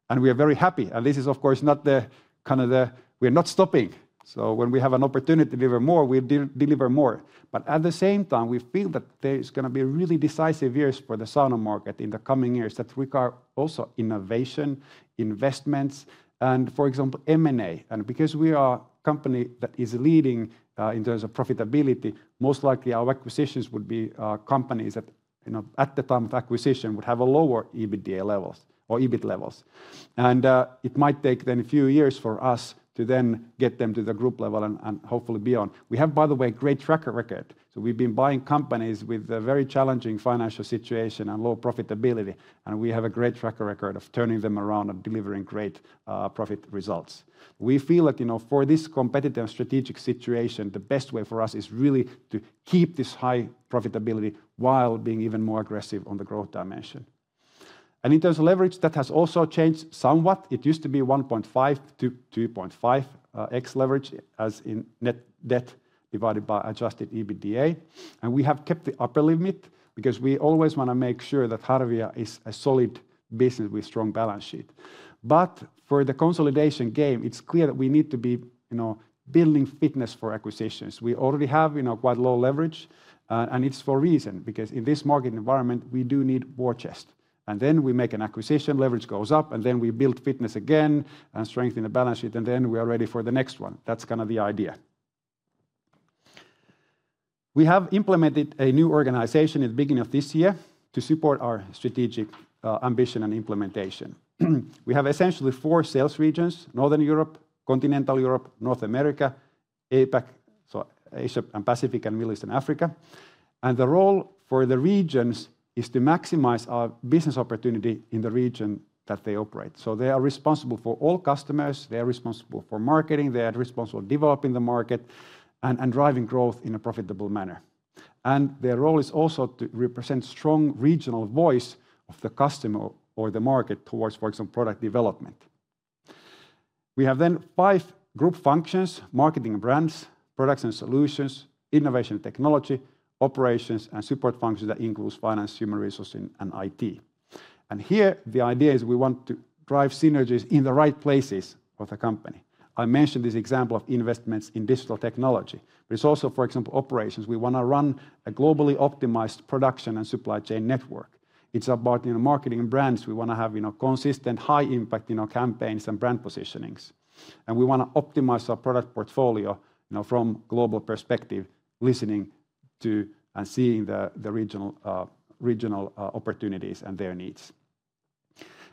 S2: And we are very happy, and this is, of course, not the kind of... we're not stopping. So when we have an opportunity to deliver more, we deliver more. But at the same time, we feel that there is going to be really decisive years for the sauna market in the coming years that require also innovation, investments, and for example, M&A. And because we are a company that is leading in terms of profitability, most likely our acquisitions would be companies that, you know, at the time of acquisition, would have a lower EBITDA levels or EBIT levels. And it might take then a few years for us to then get them to the group level and hopefully beyond. We have, by the way, a great track record, so we've been buying companies with a very challenging financial situation and low profitability, and we have a great track record of turning them around and delivering great profit results. We feel like, you know, for this competitive strategic situation, the best way for us is really to keep this high profitability while being even more aggressive on the growth dimension. In terms of leverage, that has also changed somewhat. It used to be 1.5x-2.5x leverage, as in net debt divided by adjusted EBITDA. We have kept the upper limit because we always want to make sure that Harvia is a solid business with strong balance sheet. But for the consolidation game, it's clear that we need to be, you know, building fitness for acquisitions. We already have, you know, quite low leverage, and it's for a reason, because in this market environment, we do need war chest. And then we make an acquisition, leverage goes up, and then we build fitness again and strengthen the balance sheet, and then we are ready for the next one. That's kind of the idea. We have implemented a new organization at the beginning of this year to support our strategic ambition and implementation. We have essentially four sales regions: Northern Europe, Continental Europe, North America, APAC, so Asia and Pacific, and Middle East, and Africa. And the role for the regions is to maximize our business opportunity in the region that they operate. So they are responsible for all customers, they are responsible for marketing, they are responsible for developing the market, and driving growth in a profitable manner. And their role is also to represent strong regional voice of the customer or the market towards, for example, product development. We have then five group functions: marketing brands, products and solutions, innovation technology, operations, and support functions that includes finance, human resources, and IT. And here, the idea is we want to drive synergies in the right places of the company. I mentioned this example of investments in digital technology. There's also, for example, operations. We want to run a globally optimized production and supply chain network. It's about, you know, marketing brands. We want to have, you know, consistent, high impact, you know, campaigns and brand positionings. And we want to optimize our product portfolio, you know, from global perspective, listening to and seeing the regional opportunities and their needs.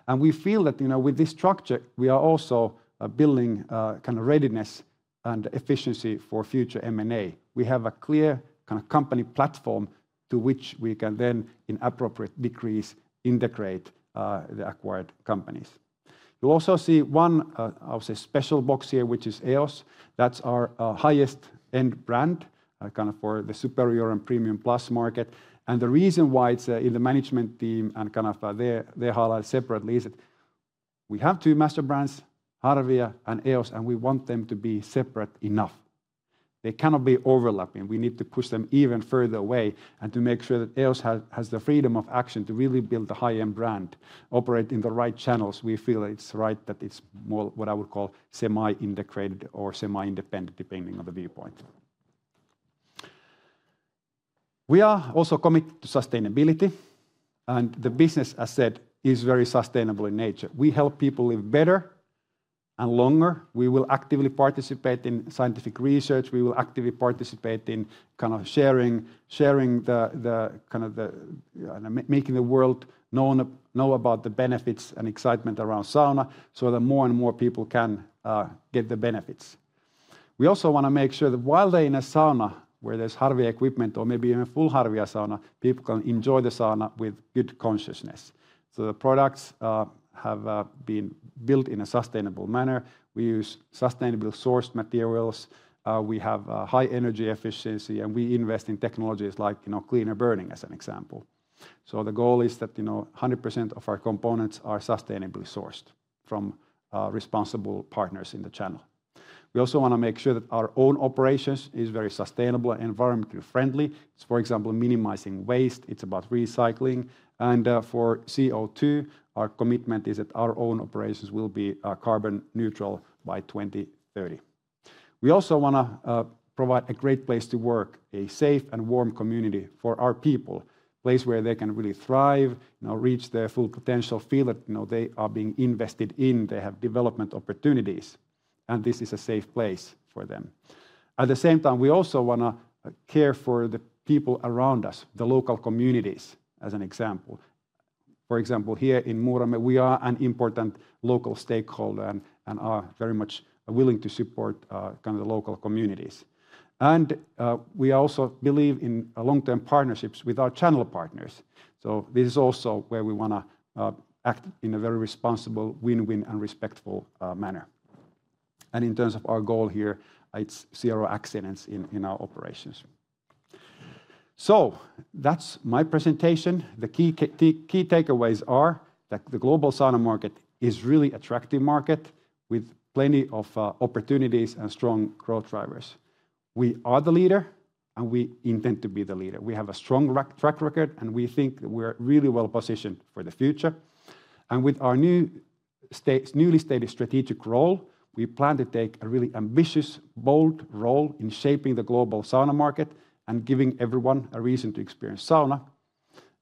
S2: And we feel that, you know, with this structure, we are also building kind of readiness and efficiency for future M&A. We have a clear kind of company platform to which we can then, in appropriate degrees, integrate the acquired companies. You'll also see one, I would say, special box here, which is EOS. That's our highest-end brand, kind of for the superior and premium plus market. The reason why it's in the management team and kind of they highlight separately is that we have two master brands, Harvia and EOS, and we want them to be separate enough. They cannot be overlapping. We need to push them even further away and to make sure that EOS has the freedom of action to really build a high-end brand, operate in the right channels. We feel it's right that it's more what I would call semi-integrated or semi-independent, depending on the viewpoint. We are also committed to sustainability, and the business, as said, is very sustainable in nature. We help people live better and longer. We will actively participate in scientific research. We will actively participate in kind of sharing the kind of making the world know about the benefits and excitement around sauna so that more and more people can get the benefits. We also want to make sure that while they're in a sauna, where there's Harvia equipment or maybe even a full Harvia sauna, people can enjoy the sauna with good consciousness. So the products have been built in a sustainable manner. We use sustainable sourced materials, we have high energy efficiency, and we invest in technologies like, you know, cleaner burning, as an example. So the goal is that, you know, 100% of our components are sustainably sourced from responsible partners in the channel. We also want to make sure that our own operations is very sustainable and environmentally friendly. It's, for example, minimizing waste, it's about recycling, and for CO2, our commitment is that our own operations will be carbon neutral by 2030. We also want to provide a great place to work, a safe and warm community for our people, a place where they can really thrive, you know, reach their full potential, feel that, you know, they are being invested in, they have development opportunities, and this is a safe place for them. At the same time, we also want to care for the people around us, the local communities, as an example. For example, here in Muurame, we are an important local stakeholder and, and are very much willing to support, kind of the local communities. And, we also believe in long-term partnerships with our channel partners. So this is also where we want to, act in a very responsible, win-win, and respectful, manner. And in terms of our goal here, it's zero accidents in, in our operations. So that's my presentation. The key - the key takeaways are that the global sauna market is really attractive market, with plenty of, opportunities and strong growth drivers. We are the leader, and we intend to be the leader. We have a strong - track record, and we think we're really well positioned for the future. With our newly stated strategic role, we plan to take a really ambitious, bold role in shaping the global sauna market and giving everyone a reason to experience sauna.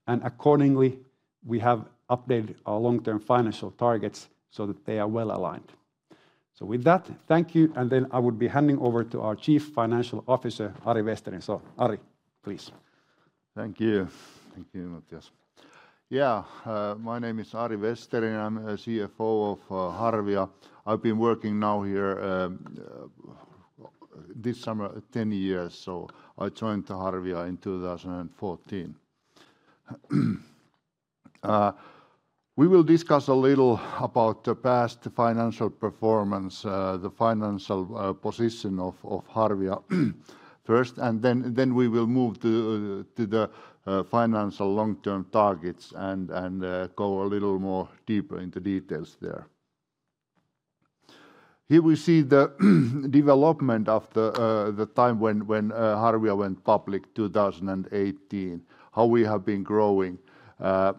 S2: Accordingly, we have updated our long-term financial targets so that they are well aligned. With that, thank you, and then I would be handing over to our Chief Financial Officer, Ari Vesterinen. Ari, please.
S3: Thank you. Thank you, Matias. Yeah, my name is Ari Vesterinen. I'm a CFO of Harvia. I've been working now here, this summer, 10 years, so I joined the Harvia in 2014. We will discuss a little about the past financial performance, the financial position of Harvia first, and then we will move to the financial long-term targets and go a little more deeper into details there. Here we see the development of the time when Harvia went public, 2018, how we have been growing. The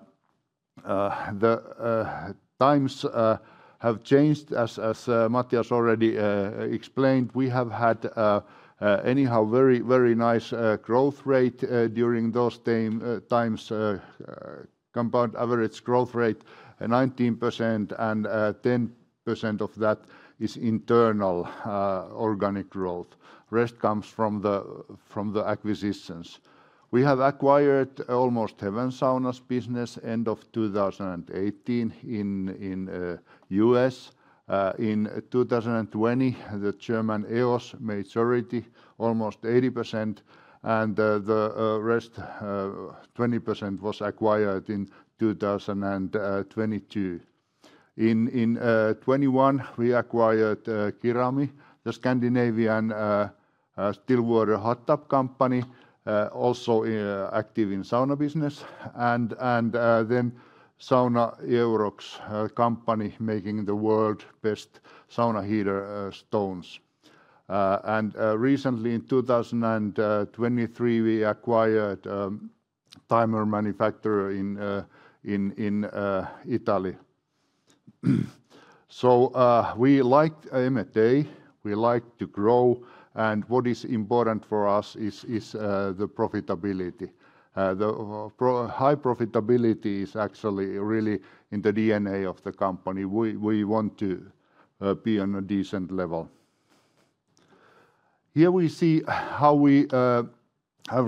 S3: times have changed, as Matias already explained. We have had, anyhow, very, very nice growth rate during those times, compound average growth rate 19%, and 10% of that is internal organic growth. Rest comes from the, from the acquisitions. We have acquired Almost Heaven Saunas business, end of 2018 in the U.S. In 2020, the German EOS majority, almost 80%, and the rest, 20%, was acquired in 2022. In 2021, we acquired Kirami, the Scandinavian still water hot tub company, also active in sauna business, and then Sauna-Eurox, company making the world-best sauna heater stones. And recently in 2023, we acquired timer manufacturer in Italy. So, we like M&A, we like to grow, and what is important for us is the profitability. The high profitability is actually really in the DNA of the company. We want to be on a decent level. Here we see how we have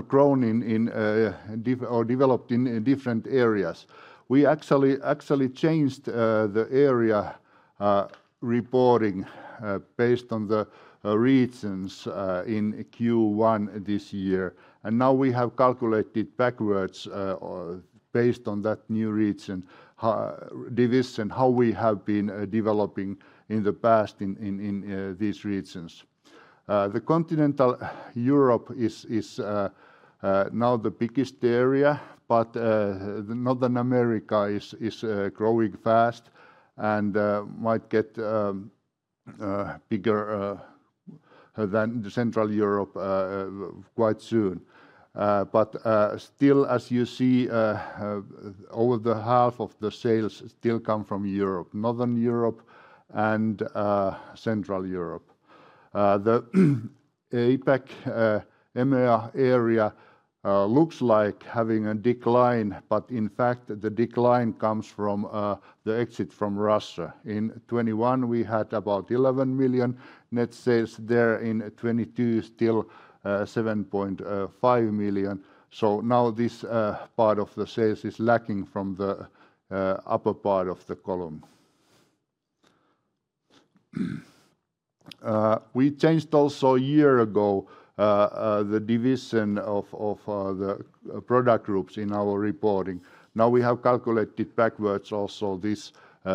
S3: grown or developed in different areas. We actually changed the area reporting based on the regions in Q1 this year. And now we have calculated backwards based on that new region division, how we have been developing in the past in these regions. The Continental Europe is now the biggest area, but North America is growing fast and might get bigger than the Continental Europe quite soon. But still, as you see, over the half of the sales still come from Europe, Northern Europe and Central Europe. The APAC EMEA area looks like having a decline, but in fact, the decline comes from the exit from Russia. In 2021, we had about 11 million net sales there. In 2022, still, 7.5 million. So now this part of the sales is lacking from the upper part of the column... We changed also a year ago the division of the product groups in our reporting. Now, we have calculated backwards also this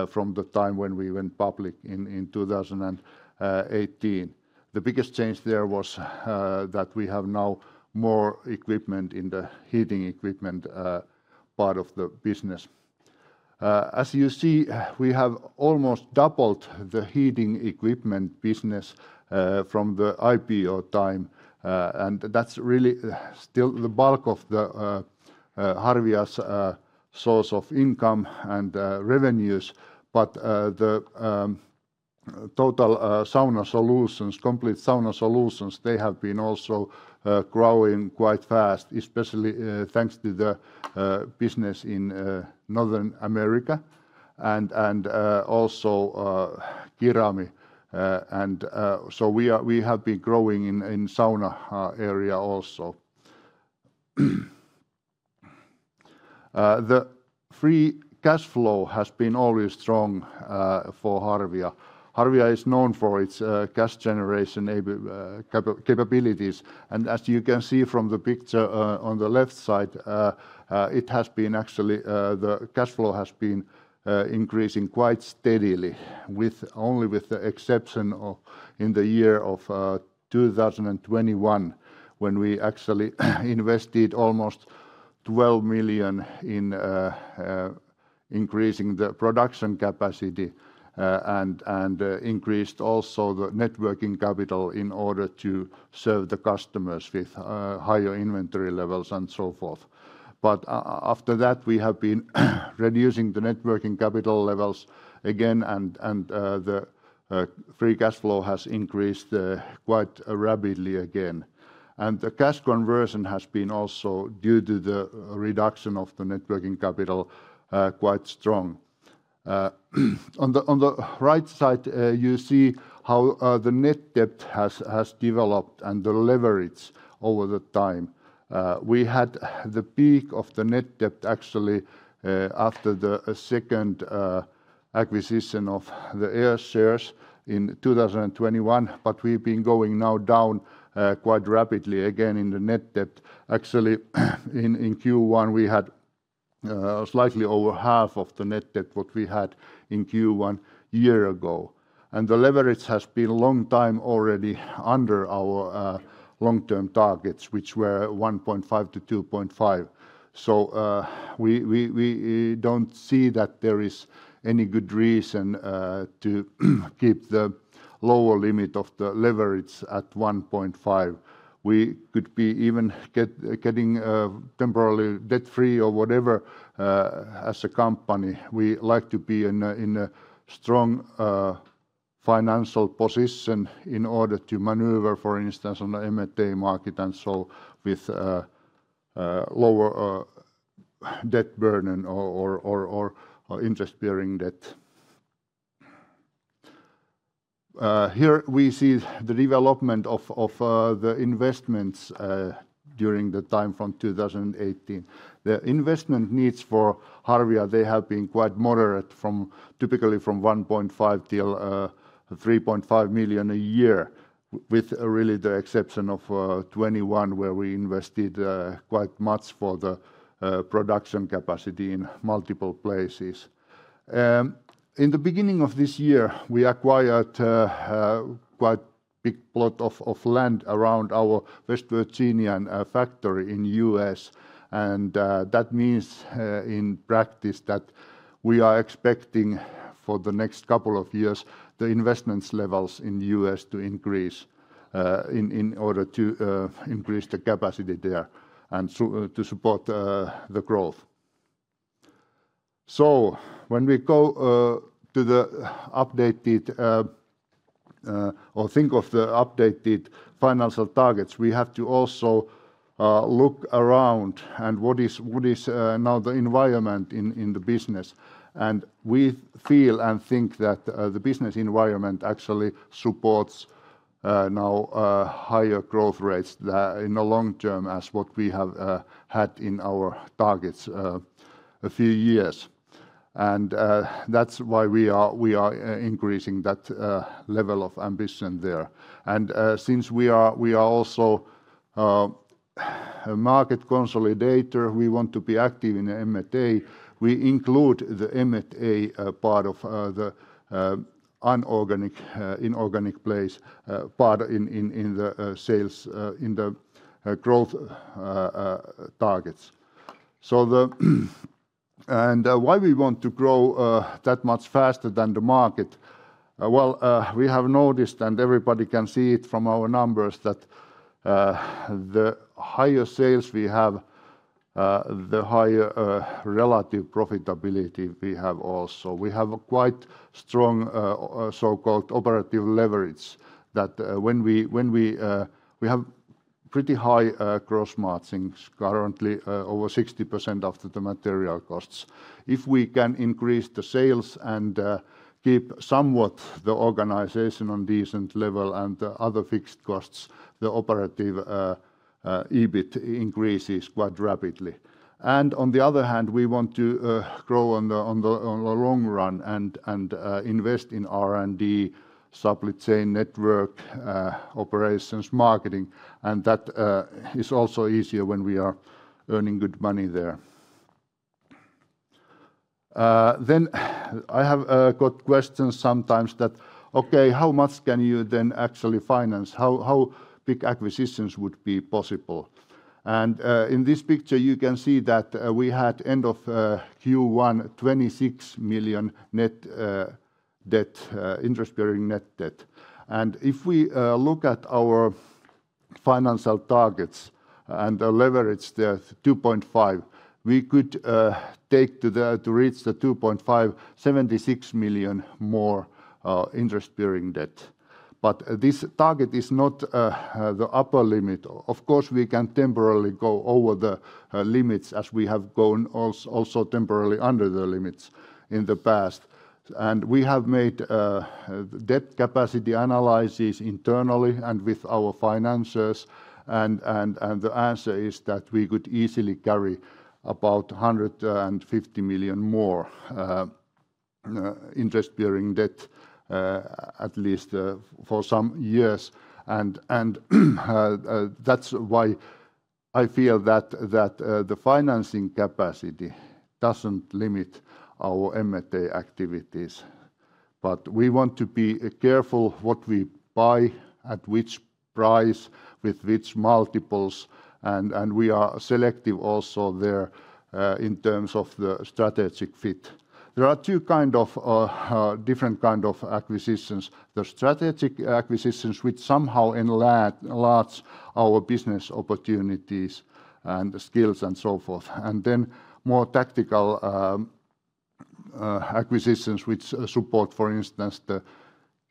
S3: from the time when we went public in 2018. The biggest change there was that we have now more equipment in the heating equipment part of the business. As you see, we have almost doubled the heating equipment business from the IPO time, and that's really still the bulk of Harvia's source of income and revenues. But the total sauna solutions, complete sauna solutions, they have been also growing quite fast, especially thanks to the business in North America, and also Kirami. And so we have been growing in sauna area also. The free cash flow has been always strong for Harvia. Harvia is known for its cash generation capabilities, and as you can see from the picture on the left side, it has been actually the cash flow has been increasing quite steadily, with only the exception of in the year of 2021, when we actually invested almost 12 million in increasing the production capacity, and increased also the working capital in order to serve the customers with higher inventory levels, and so forth. But after that, we have been reducing the working capital levels again, and the free cash flow has increased quite rapidly again. And the cash conversion has been also, due to the reduction of the working capital, quite strong. On the right side, you see how the net debt has developed and the leverage over time. We had the peak of the net debt actually after the second acquisition of the EOS shares in 2021, but we've been going down quite rapidly again in the net debt. Actually, in Q1, we had slightly over half of the net debt what we had in Q1 year ago. The leverage has been a long time already under our long-term targets, which were 1.5x-2.5x. So, we don't see that there is any good reason to keep the lower limit of the leverage at 1.5x. We could even be getting temporarily debt-free or whatever as a company. We like to be in a strong financial position in order to maneuver, for instance, on the M&A market, and so with lower debt burden or interest-bearing debt. Here we see the development of the investments during the time from 2018. The investment needs for Harvia, they have been quite moderate, from typically 1.5 million-3.5 million a year, with really the exception of 2021, where we invested quite much for the production capacity in multiple places. In the beginning of this year, we acquired quite big plot of land around our West Virginia factory in the U.S. That means, in practice, that we are expecting for the next couple of years, the investments levels in the U.S. to increase, in order to increase the capacity there, and so to support the growth. So when we go to the updated or think of the updated financial targets, we have to also look around, and what is now the environment in the business? We feel and think that the business environment actually supports now higher growth rates in the long term as what we have had in our targets a few years. That's why we are increasing that level of ambition there. Since we are also a market consolidator, we want to be active in the M&A. We include the M&A part of the inorganic growth part in the sales growth targets. So... why we want to grow that much faster than the market? Well, we have noticed, and everybody can see it from our numbers, that the higher sales we have, the higher relative profitability we have also. We have a quite strong so-called operative leverage, that when we... we have pretty high gross margins, currently over 60% of the material costs. If we can increase the sales and keep somewhat the organization on decent level and the other fixed costs, the operative EBIT increases quite rapidly. And on the other hand, we want to grow on the long run and invest in R&D, supply chain network, operations, marketing, and that is also easier when we are earning good money there. Then I have got questions sometimes that: "Okay, how much can you then actually finance? How big acquisitions would be possible?" And in this picture, you can see that we had end of Q1, 26 million interest-bearing net debt. If we look at our financial targets and the leverage there, 2.5x, we could take to reach the 2.5x, 76 million more interest-bearing debt. But this target is not the upper limit. Of course, we can temporarily go over the limits as we have gone also temporarily under the limits in the past. And we have made debt capacity analyses internally and with our financiers, and the answer is that we could easily carry about 150 million more interest-bearing debt, at least for some years. And that's why I feel that the financing capacity doesn't limit our M&A activities. But we want to be careful what we buy, at which price, with which multiples, and we are selective also there in terms of the strategic fit. There are two kind of different kind of acquisitions: the strategic acquisitions, which somehow enlarge, enlarge our business opportunities and skills and so forth, and then more tactical acquisitions, which support, for instance, the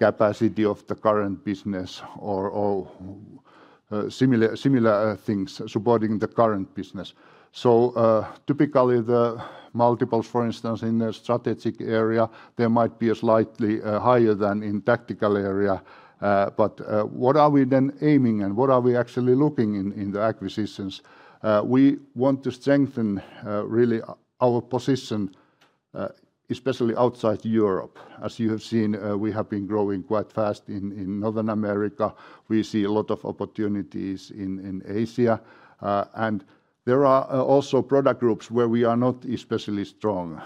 S3: capacity of the current business or similar things supporting the current business. So, typically, the multiples, for instance, in the strategic area, they might be a slightly higher than in tactical area. But, what are we then aiming, and what are we actually looking in the acquisitions? We want to strengthen really our position, especially outside Europe. As you have seen, we have been growing quite fast in North America. We see a lot of opportunities in Asia. And there are also product groups where we are not especially strong,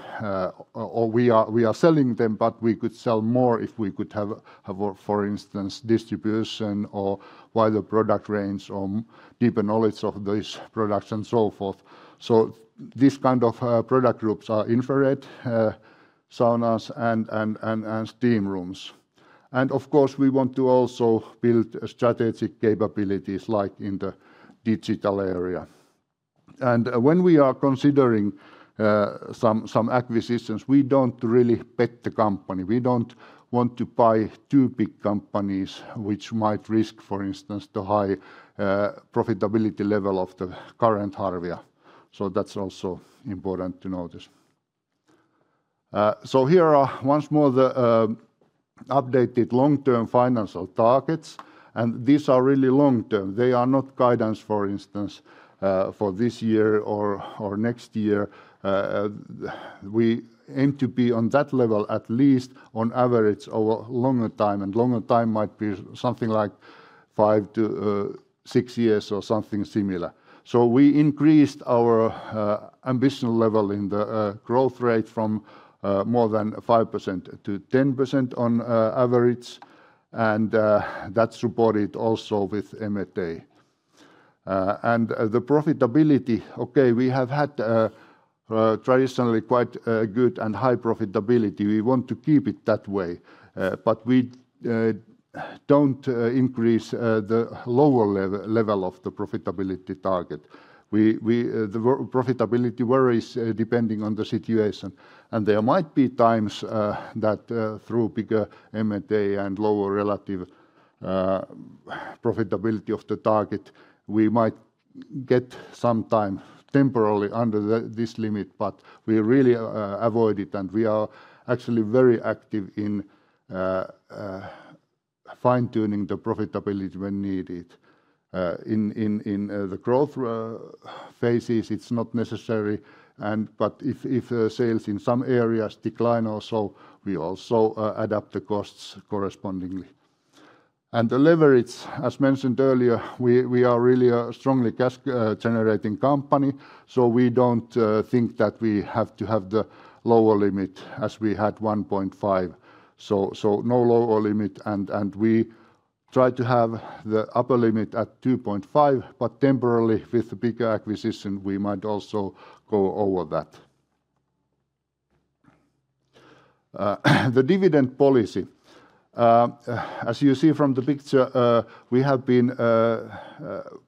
S3: or we are selling them, but we could sell more if we could have, for instance, distribution or wider product range or deeper knowledge of these products and so forth. So these kind of product groups are infrared saunas and steam rooms. And of course, we want to also build strategic capabilities, like in the digital area. And when we are considering some acquisitions, we don't really bet the company. We don't want to buy too big companies, which might risk, for instance, the high profitability level of the current Harvia. So that's also important to notice. So here are once more the updated long-term financial targets, and these are really long term. They are not guidance, for instance, for this year or next year. We aim to be on that level, at least on average, over longer time, and longer time might be something like five to six years or something similar. So we increased our ambition level in the growth rate from more than 5% to 10% on average, and that's supported also with M&A. And the profitability, okay, we have had traditionally quite good and high profitability. We want to keep it that way, but we don't increase the lower level of the profitability target. We, we... The profitability varies, depending on the situation, and there might be times that, through bigger M&A and lower relative profitability of the target, we might get some time temporarily under this limit, but we really avoid it, and we are actually very active in fine-tuning the profitability when needed. In the growth phases, it's not necessary, but if sales in some areas decline also, we also adapt the costs correspondingly. The leverage, as mentioned earlier, we are really a strongly cash generating company, so we don't think that we have to have the lower limit as we had 1.5x, so no lower limit, and we try to have the upper limit at 2.5x, but temporarily, with the bigger acquisition, we might also go over that. The dividend policy. As you see from the picture, we have been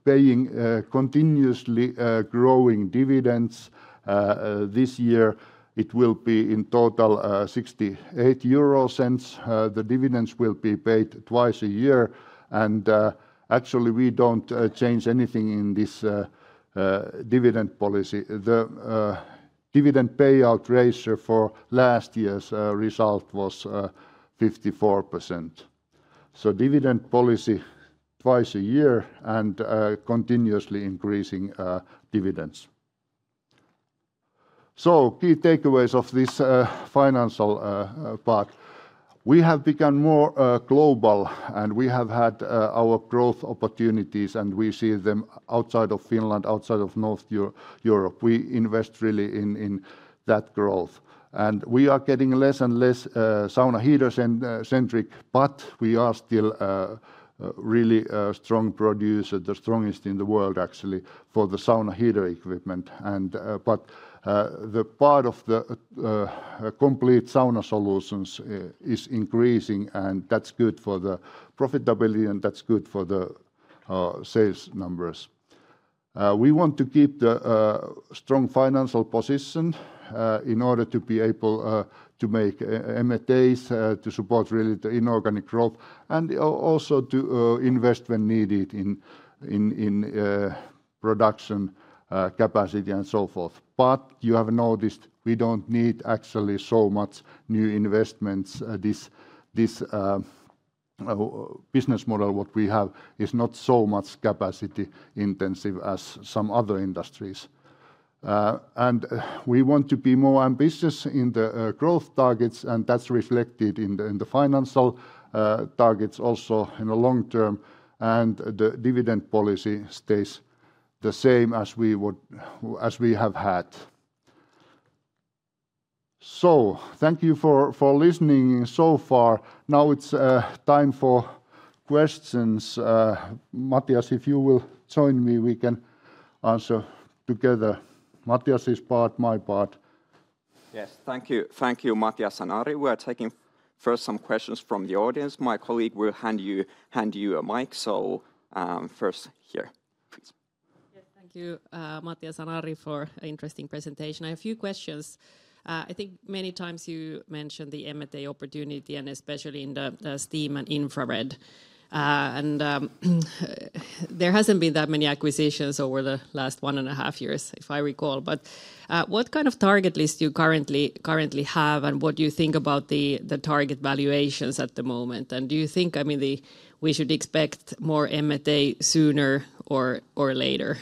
S3: paying continuously growing dividends. This year, it will be in total 0.68. The dividends will be paid twice a year, and actually, we don't change anything in this dividend policy. The dividend payout ratio for last year's result was 54%. Dividend policy twice a year and continuously increasing dividends. So key takeaways of this financial part: we have become more global, and we have had our growth opportunities, and we see them outside of Finland, outside of Northern Europe. We invest really in that growth. We are getting less and less sauna heater centric, but we are still really a strong producer, the strongest in the world, actually, for the sauna heater equipment. But the part of the complete sauna solutions is increasing, and that's good for the profitability, and that's good for the sales numbers. We want to keep the strong financial position in order to be able to make M&As to support really the inorganic growth and also to invest when needed in production capacity, and so forth. But you have noticed we don't need actually so much new investments. This business model, what we have, is not so much capacity-intensive as some other industries. And we want to be more ambitious in the growth targets, and that's reflected in the financial targets also in the long term, and the dividend policy stays the same as we have had. So thank you for listening so far. Now it's time for questions. Matias, if you will join me, we can answer together. Matias's part, my part.
S1: Yes, thank you. Thank you, Matias and Ari. We are taking first some questions from the audience. My colleague will hand you a mic, so first here, please.
S4: Yes, thank you, Matias and Ari, for an interesting presentation. I have a few questions. I think many times you mentioned the M&A opportunity, and especially in the, the steam and infrared. And, there hasn't been that many acquisitions over the last one and a half years, if I recall. But, what kind of target list do you currently, currently have, and what do you think about the, the target valuations at the moment? And do you think, I mean, we should expect more M&A sooner or, or later?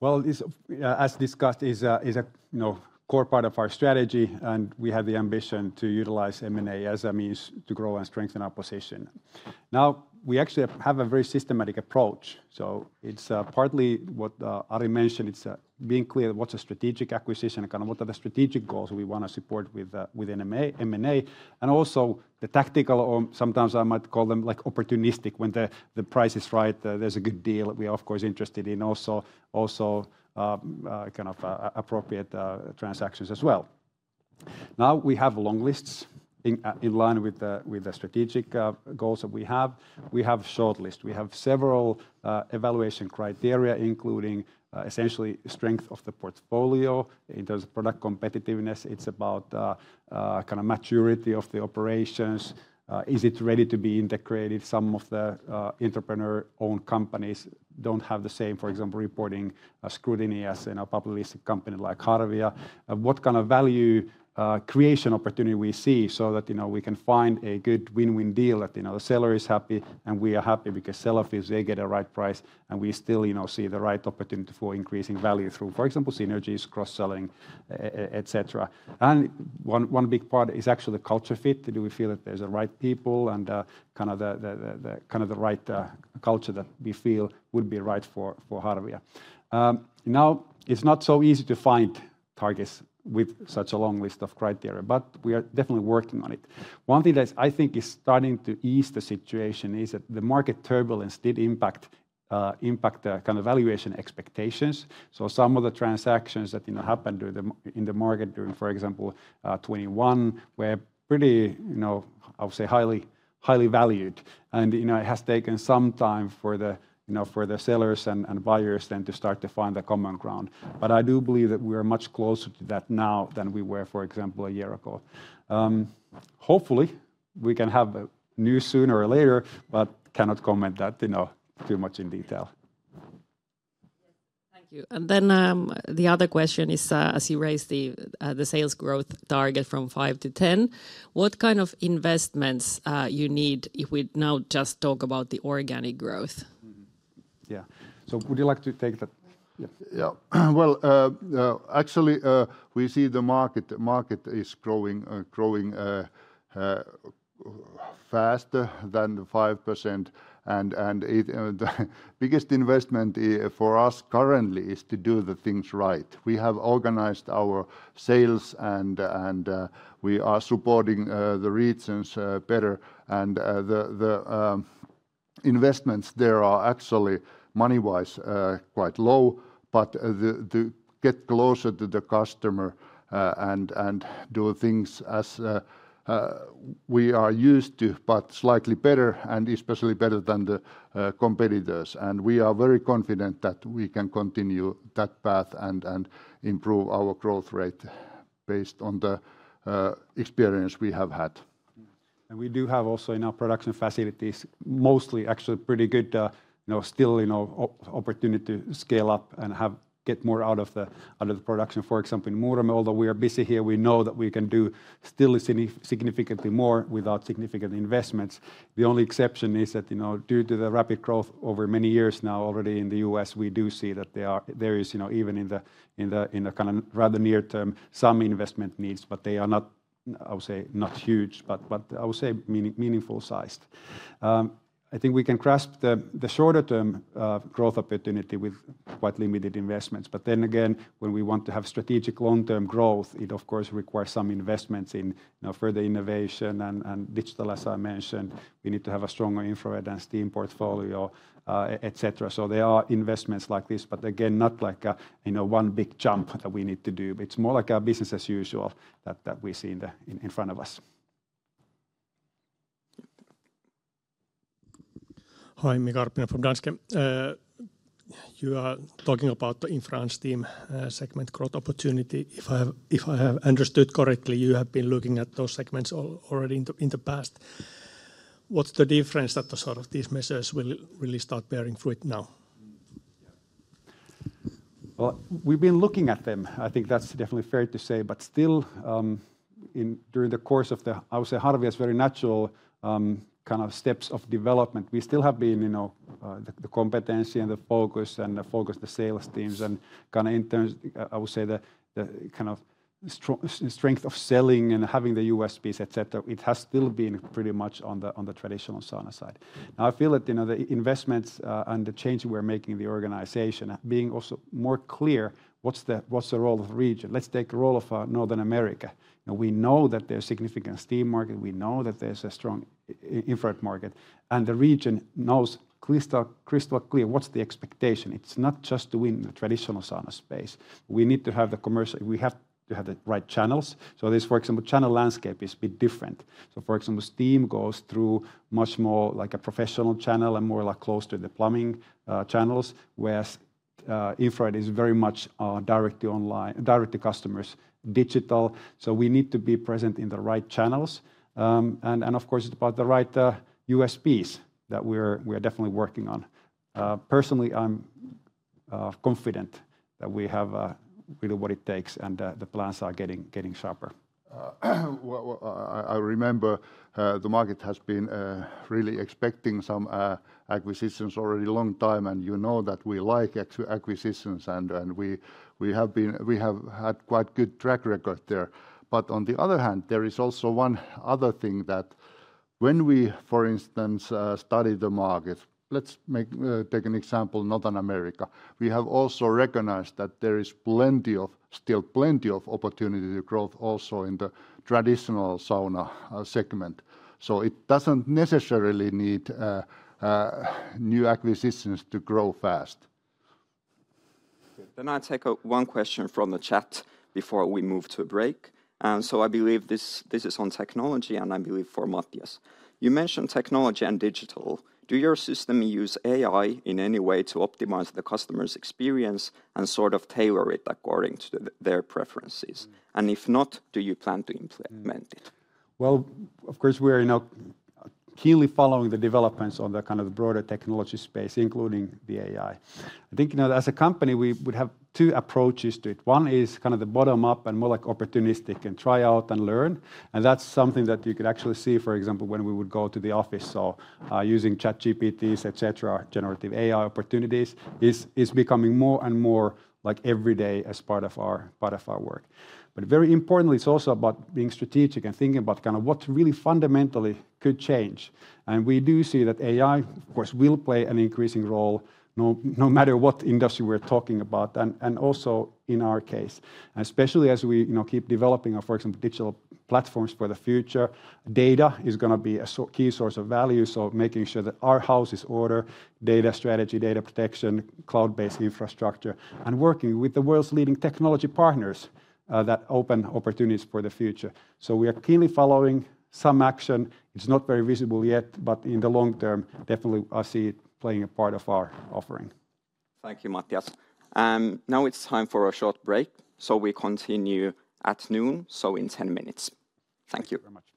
S2: Well, it's as discussed, a you know core part of our strategy, and we have the ambition to utilize M&A as a means to grow and strengthen our position. Now, we actually have a very systematic approach, so it's partly what Ari mentioned. It's being clear what's a strategic acquisition and kind of what are the strategic goals we want to support with M&A, and also the tactical, or sometimes I might call them like opportunistic, when the price is right, there's a good deal, we are of course interested in also kind of appropriate transactions as well. Now, we have long lists in line with the strategic goals that we have. We have short list. We have several evaluation criteria, including essentially strength of the portfolio in terms of product competitiveness. It's about kind of maturity of the operations. Is it ready to be integrated? Some of the entrepreneur-owned companies don't have the same, for example, reporting scrutiny as in a public listed company like Harvia. What kind of value creation opportunity we see so that, you know, we can find a good win-win deal that, you know, the seller is happy, and we are happy because seller feels they get a right price, and we still, you know, see the right opportunity for increasing value through, for example, synergies, cross-selling, et cetera. And one big part is actually the culture fit. Do we feel that there's the right people and kind of the right culture that we feel would be right for Harvia? Now, it's not so easy to find targets with such a long list of criteria, but we are definitely working on it. One thing that I think is starting to ease the situation is that the market turbulence did impact the kind of valuation expectations. So some of the transactions that, you know, happened during in the market during, for example, 2021, were pretty, you know, I would say, highly, highly valued. And, you know, it has taken some time for the, you know, for the sellers and buyers then to start to find the common ground. But I do believe that we are much closer to that now than we were, for example, a year ago. Hopefully, we can have news sooner or later, but cannot comment that, you know, too much in detail.
S4: Yes. Thank you. Then, the other question is, as you raise the sales growth target from five to 10, what kind of investments you need if we now just talk about the organic growth?
S2: Mm-hmm. Yeah. So would you like to take that?
S3: Yeah. Yeah. Well, actually, we see the market is growing faster than the 5%, and it. The biggest investment for us currently is to do the things right. We have organized our sales, and we are supporting the regions better, and the investments there are actually, money-wise, quite low, but to get closer to the customer and do things as we are used to, but slightly better, and especially better than the competitors. And we are very confident that we can continue that path and improve our growth rate based on the experience we have had.
S2: We do have also in our production facilities, mostly actually pretty good, you know, still, you know, opportunity to scale up and get more out of the production. For example, in Muurame, although we are busy here, we know that we can do still significantly more without significant investments. The only exception is that, you know, due to the rapid growth over many years now already in the U.S., we do see that there is, you know, even in the kind of rather near term, some investment needs, but they are not, I would say, not huge, but I would say meaningful sized. I think we can grasp the shorter term growth opportunity with quite limited investments. But then again, when we want to have strategic long-term growth, it of course requires some investments in, you know, further innovation and digital, as I mentioned. We need to have a stronger infrared and steam portfolio, et cetera. So there are investments like this, but again, not like a, you know, one big jump that we need to do, but it's more like a business as usual that we see in front of us.
S5: Hi, Mika Karppinen from Danske. You are talking about the infra and steam segment growth opportunity. If I have, if I have understood correctly, you have been looking at those segments already in the, in the past. What's the difference that the sort of these measures will really start bearing fruit now?
S2: Well, we've been looking at them, I think that's definitely fair to say. But still, during the course of the, I would say, Harvia's very natural kind of steps of development, we still have been, you know, the competency and the focus and the focus the sales teams and kind of in terms, I would say the kind of strength of selling and having the USPs, et cetera, it has still been pretty much on the, on the traditional sauna side. Now, I feel that, you know, the investments and the change we're making in the organization, being also more clear, what's the, what's the role of region? Let's take the role of North America. Now, we know that there's significant steam market, we know that there's a strong infrared market, and the region knows crystal clear what's the expectation. It's not just to win the traditional sauna space. We need to have the commercial. We have to have the right channels. So this, for example, channel landscape is a bit different. So, for example, steam goes through much more like a professional channel and more like close to the plumbing channels, whereas infrared is very much directly online, direct to customers, digital. So we need to be present in the right channels. And of course, it's about the right USPs that we are definitely working on. Personally, I'm confident that we have really what it takes and the plans are getting sharper.
S3: Well, well, I remember the market has been really expecting some acquisitions already long time, and you know that we like acquisitions and we have had quite good track record there. But on the other hand, there is also one other thing that when we, for instance, study the market, let's take an example, Northern America. We have also recognized that there is plenty of, still plenty of opportunity to growth also in the traditional sauna segment. So it doesn't necessarily need new acquisitions to grow fast.
S1: Then I take one question from the chat before we move to a break. And so I believe this is on technology, and I believe for Matias. You mentioned technology and digital. Do your system use AI in any way to optimize the customer's experience and sort of tailor it according to their preferences? And if not, do you plan to implement it?
S2: Well, of course, we are, you know, keenly following the developments on the kind of broader technology space, including the AI. I think, you know, as a company, we would have two approaches to it. One is kind of the bottom-up and more like opportunistic and try out and learn, and that's something that you could actually see, for example, when we would go to the office or using ChatGPT, et cetera, generative AI opportunities is becoming more and more like every day as part of our, part of our work. But very importantly, it's also about being strategic and thinking about kind of what really fundamentally could change. And we do see that AI, of course, will play an increasing role, no matter what industry we're talking about, and also in our case. Especially as we, you know, keep developing, for example, digital platforms for the future, data is going to be a key source of value, so making sure that our house is in order, data strategy, data protection, cloud-based infrastructure, and working with the world's leading technology partners that open opportunities for the future. So we are keenly following some action. It's not very visible yet, but in the long term, definitely I see it playing a part in our offering.
S1: Thank you, Matias. Now it's time for a short break, so we continue at noon, so in 10 minutes. Thank you.
S2: Thank you very much.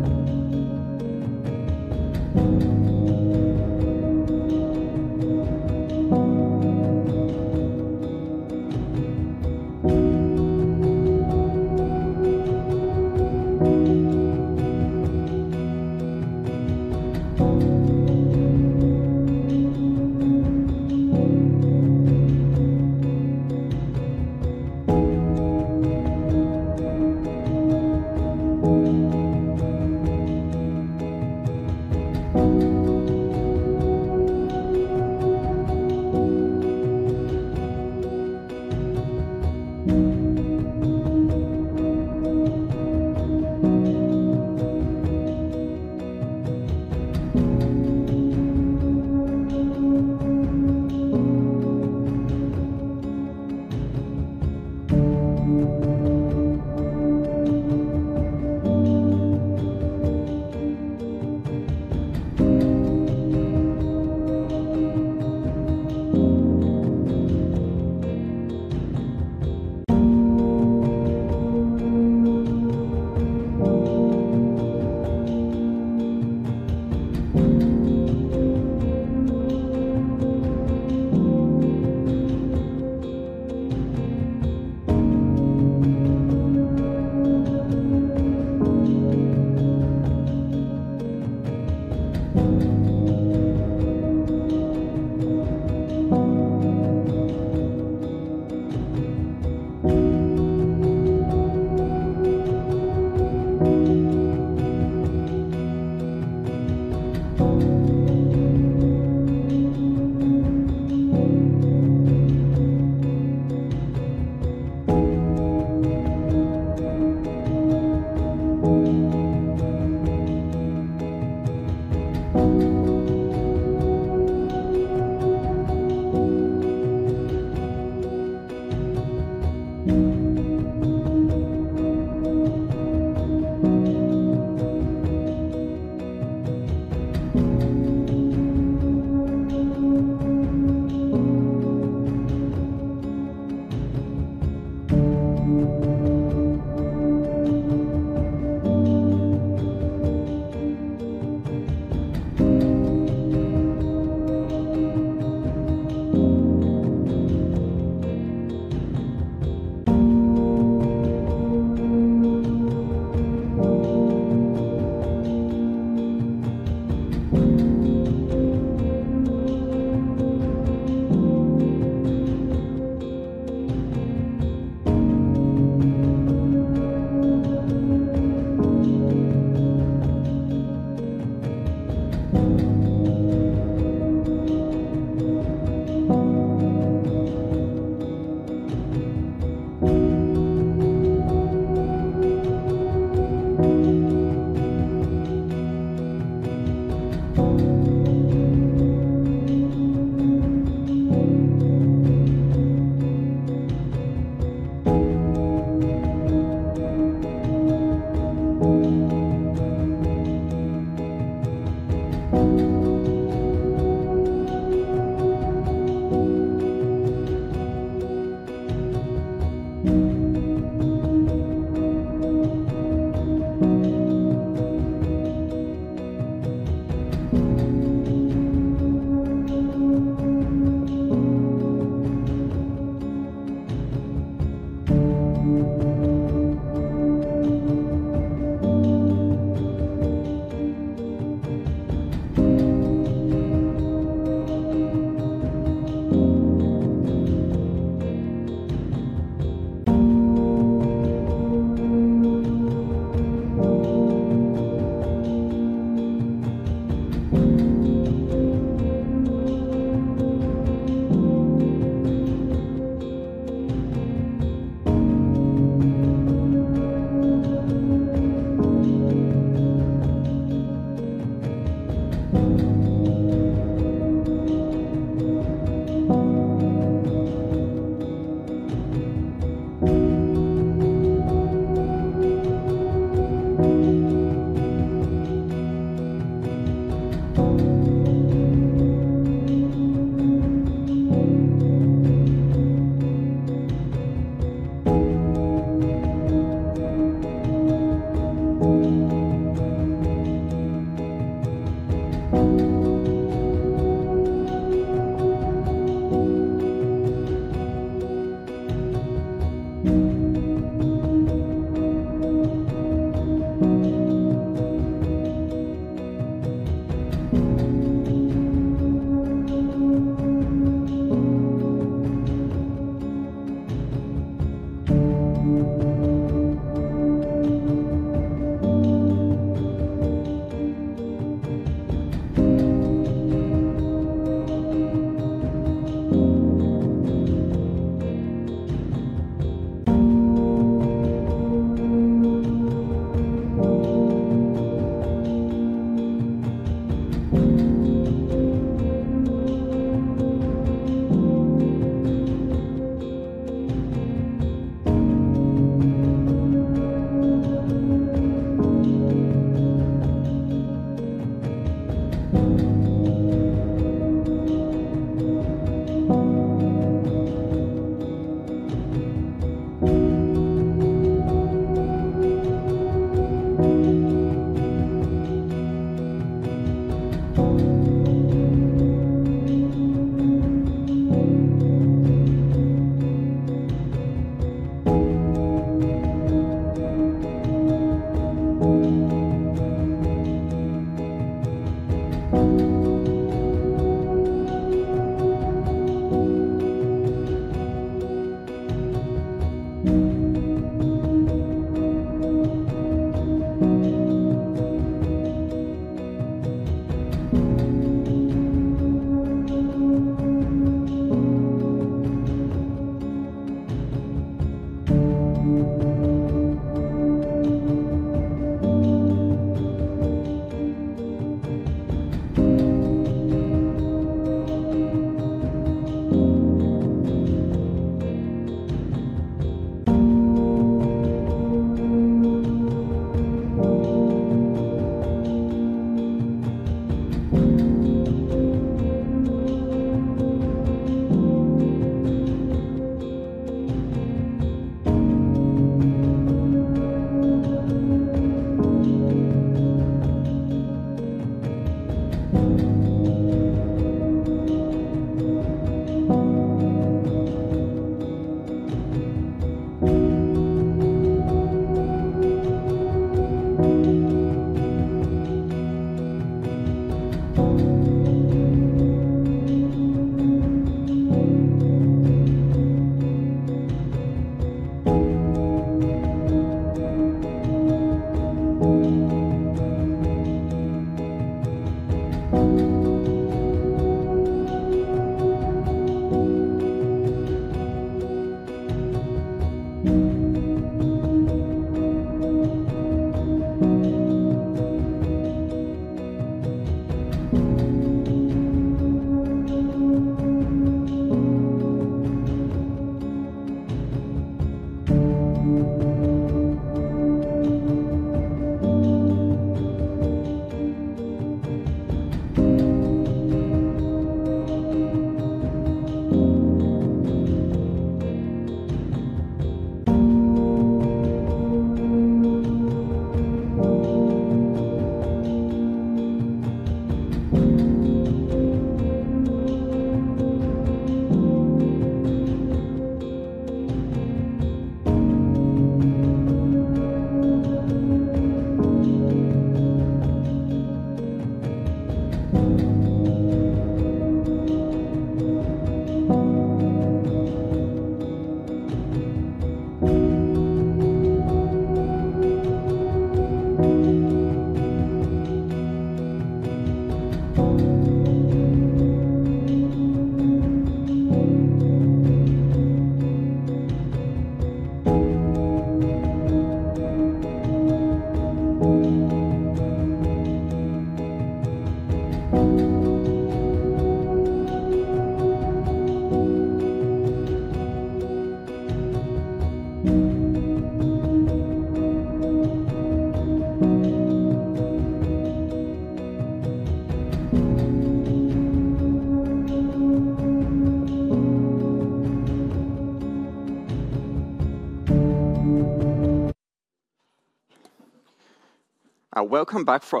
S1: Welcome back to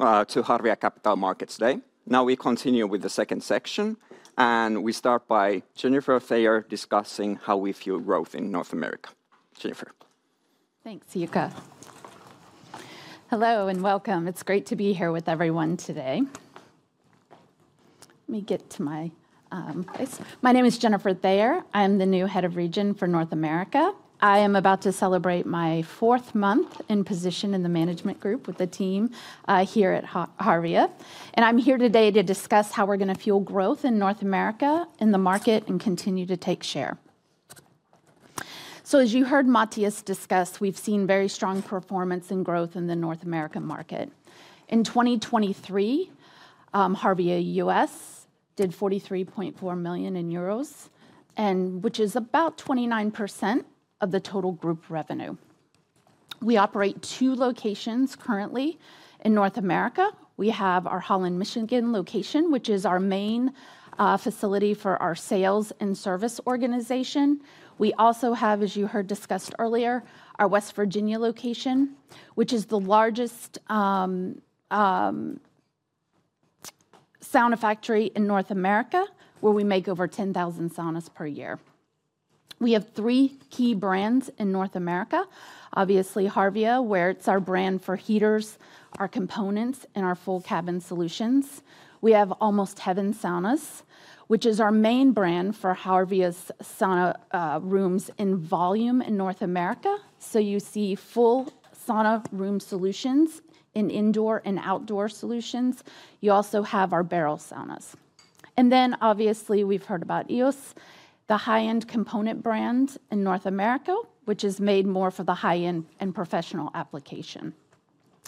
S1: Harvia Capital Markets Day. Now we continue with the second section, and we start by Jennifer Thayer discussing how we fuel growth in North America. Jennifer.
S6: Thanks, Jukka. Hello, and welcome. It's great to be here with everyone today. Let me get to my place. My name is Jennifer Thayer. I'm the new Head of Region for North America. I am about to celebrate my fourth month in position in the management group with the team here at Harvia, and I'm here today to discuss how we're going to fuel growth in North America, in the market, and continue to take share. So as you heard Matias discuss, we've seen very strong performance and growth in the North American market. In 2023, Harvia U.S. did 43.4 million euros, which is about 29% of the total group revenue. We operate two locations currently in North America. We have our Holland, Michigan location, which is our main facility for our sales and service organization. We also have, as you heard discussed earlier, our West Virginia location, which is the largest sauna factory in North America, where we make over 10,000 saunas per year. We have three key brands in North America: obviously, Harvia, where it's our brand for heaters, our components, and our full cabin solutions. We have Almost Heaven Saunas, which is our main brand for Harvia's sauna rooms in volume in North America. So you see full sauna room solutions in indoor and outdoor solutions. You also have our barrel saunas. And then obviously, we've heard about EOS, the high-end component brand in North America, which is made more for the high-end and professional application.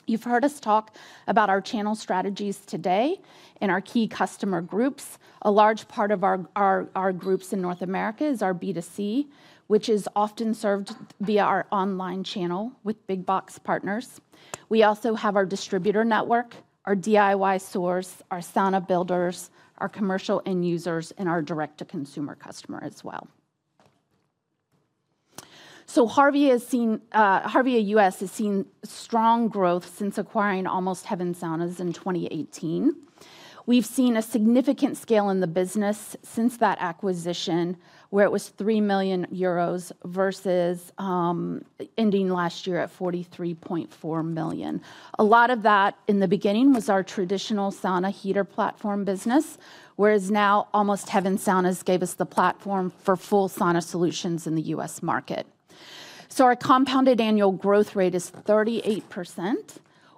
S6: You've heard us talk about our channel strategies today and our key customer groups. A large part of our groups in North America is our B2C, which is often served via our online channel with big box partners. We also have our distributor network, our DIY source, our sauna builders, our commercial end users, and our direct-to-consumer customer as well. Harvia has seen, Harvia U.S. has seen strong growth since acquiring Almost Heaven Saunas in 2018. We've seen a significant scale in the business since that acquisition, where it was 3 million euros versus ending last year at 43.4 million. A lot of that, in the beginning, was our traditional sauna heater platform business, whereas now, Almost Heaven Saunas gave us the platform for full sauna solutions in the U.S. market. Our compound annual growth rate is 38%,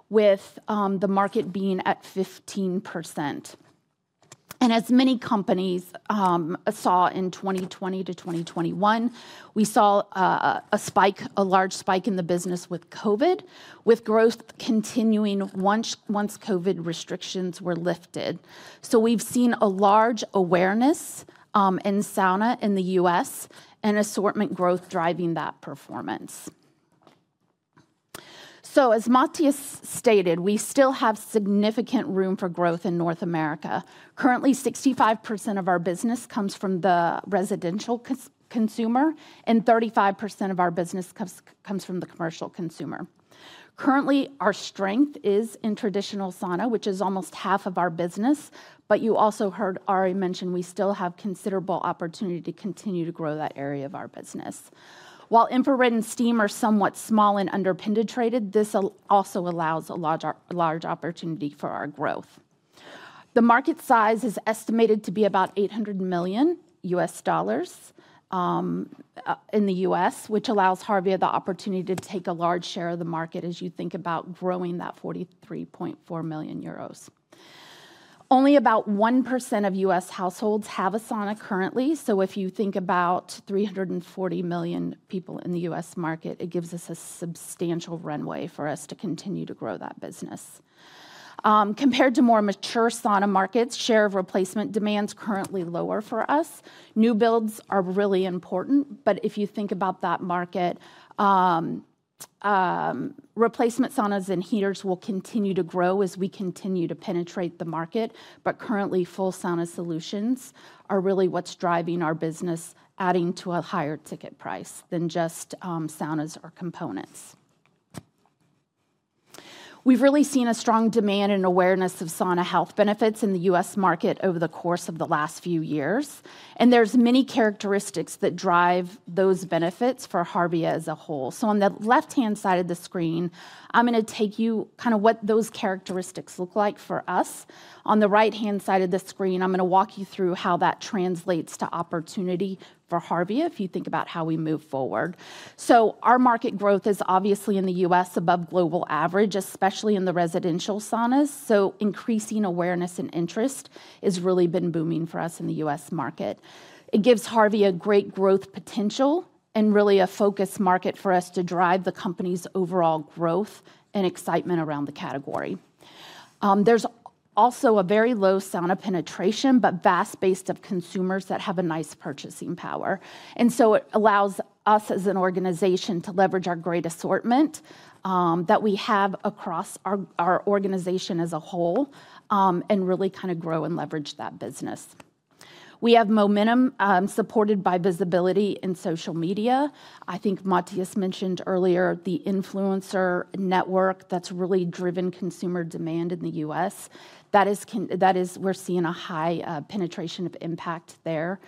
S6: with the market being at 15%. As many companies saw in 2020 to 2021, we saw a spike, a large spike in the business with COVID, with growth continuing once COVID restrictions were lifted. So we've seen a large awareness in sauna in the U.S. and assortment growth driving that performance. So as Matias stated, we still have significant room for growth in North America. Currently, 65% of our business comes from the residential consumer, and 35% of our business comes from the commercial consumer. Currently, our strength is in traditional sauna, which is almost half of our business, but you also heard Ari mention we still have considerable opportunity to continue to grow that area of our business. While infrared and steam are somewhat small and under-penetrated, this also allows a large opportunity for our growth. The market size is estimated to be about $800 million in the U.S., which allows Harvia the opportunity to take a large share of the market as you think about growing that 43.4 million euros. Only about 1% of U.S. households have a sauna currently. So if you think about 340 million people in the US market, it gives us a substantial runway for us to continue to grow that business. Compared to more mature sauna markets, share of replacement demand's currently lower for us. New builds are really important, but if you think about that market, replacement saunas and heaters will continue to grow as we continue to penetrate the market. But currently, full sauna solutions are really what's driving our business, adding to a higher ticket price than just saunas or components. We've really seen a strong demand and awareness of sauna health benefits in the U.S. market over the course of the last few years, and there's many characteristics that drive those benefits for Harvia as a whole. On the left-hand side of the screen, I'm going to take you kind of what those characteristics look like for us. On the right-hand side of the screen, I'm going to walk you through how that translates to opportunity for Harvia, if you think about how we move forward. Our market growth is obviously in the U.S. above global average, especially in the residential saunas, so increasing awareness and interest has really been booming for us in the U.S. market. It gives Harvia a great growth potential and really a focus market for us to drive the company's overall growth and excitement around the category. There's also a very low sauna penetration, but vast base of consumers that have a nice purchasing power. And so it allows us as an organization to leverage our great assortment, that we have across our, our organization as a whole, and really kind of grow and leverage that business. We have momentum, supported by visibility in social media. I think Matias mentioned earlier the influencer network that's really driven consumer demand in the U.S. That is, that is, we're seeing a high penetration of impact there,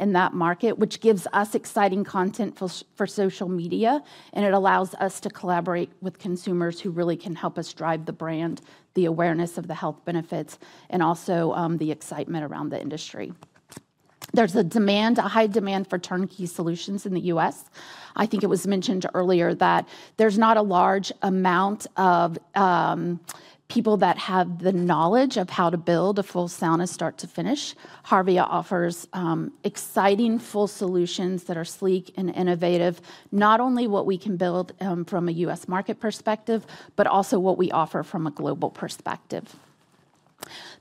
S6: in that market, which gives us exciting content for social media, and it allows us to collaborate with consumers who really can help us drive the brand, the awareness of the health benefits, and also, the excitement around the industry. There's a demand, a high demand for turnkey solutions in the U.S. I think it was mentioned earlier that there's not a large amount of people that have the knowledge of how to build a full sauna, start to finish. Harvia offers exciting full solutions that are sleek and innovative, not only what we can build from a U.S. market perspective, but also what we offer from a global perspective.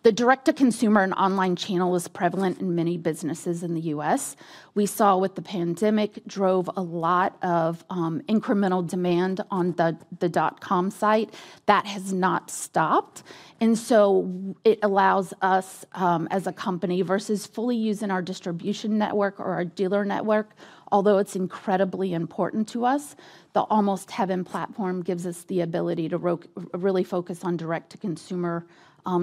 S6: The direct-to-consumer and online channel is prevalent in many businesses in the U.S. We saw with the pandemic drove a lot of incremental demand on the dot-com site. That has not stopped, and so it allows us as a company, versus fully using our distribution network or our dealer network, although it's incredibly important to us, the Almost Heaven platform gives us the ability to really focus on direct-to-consumer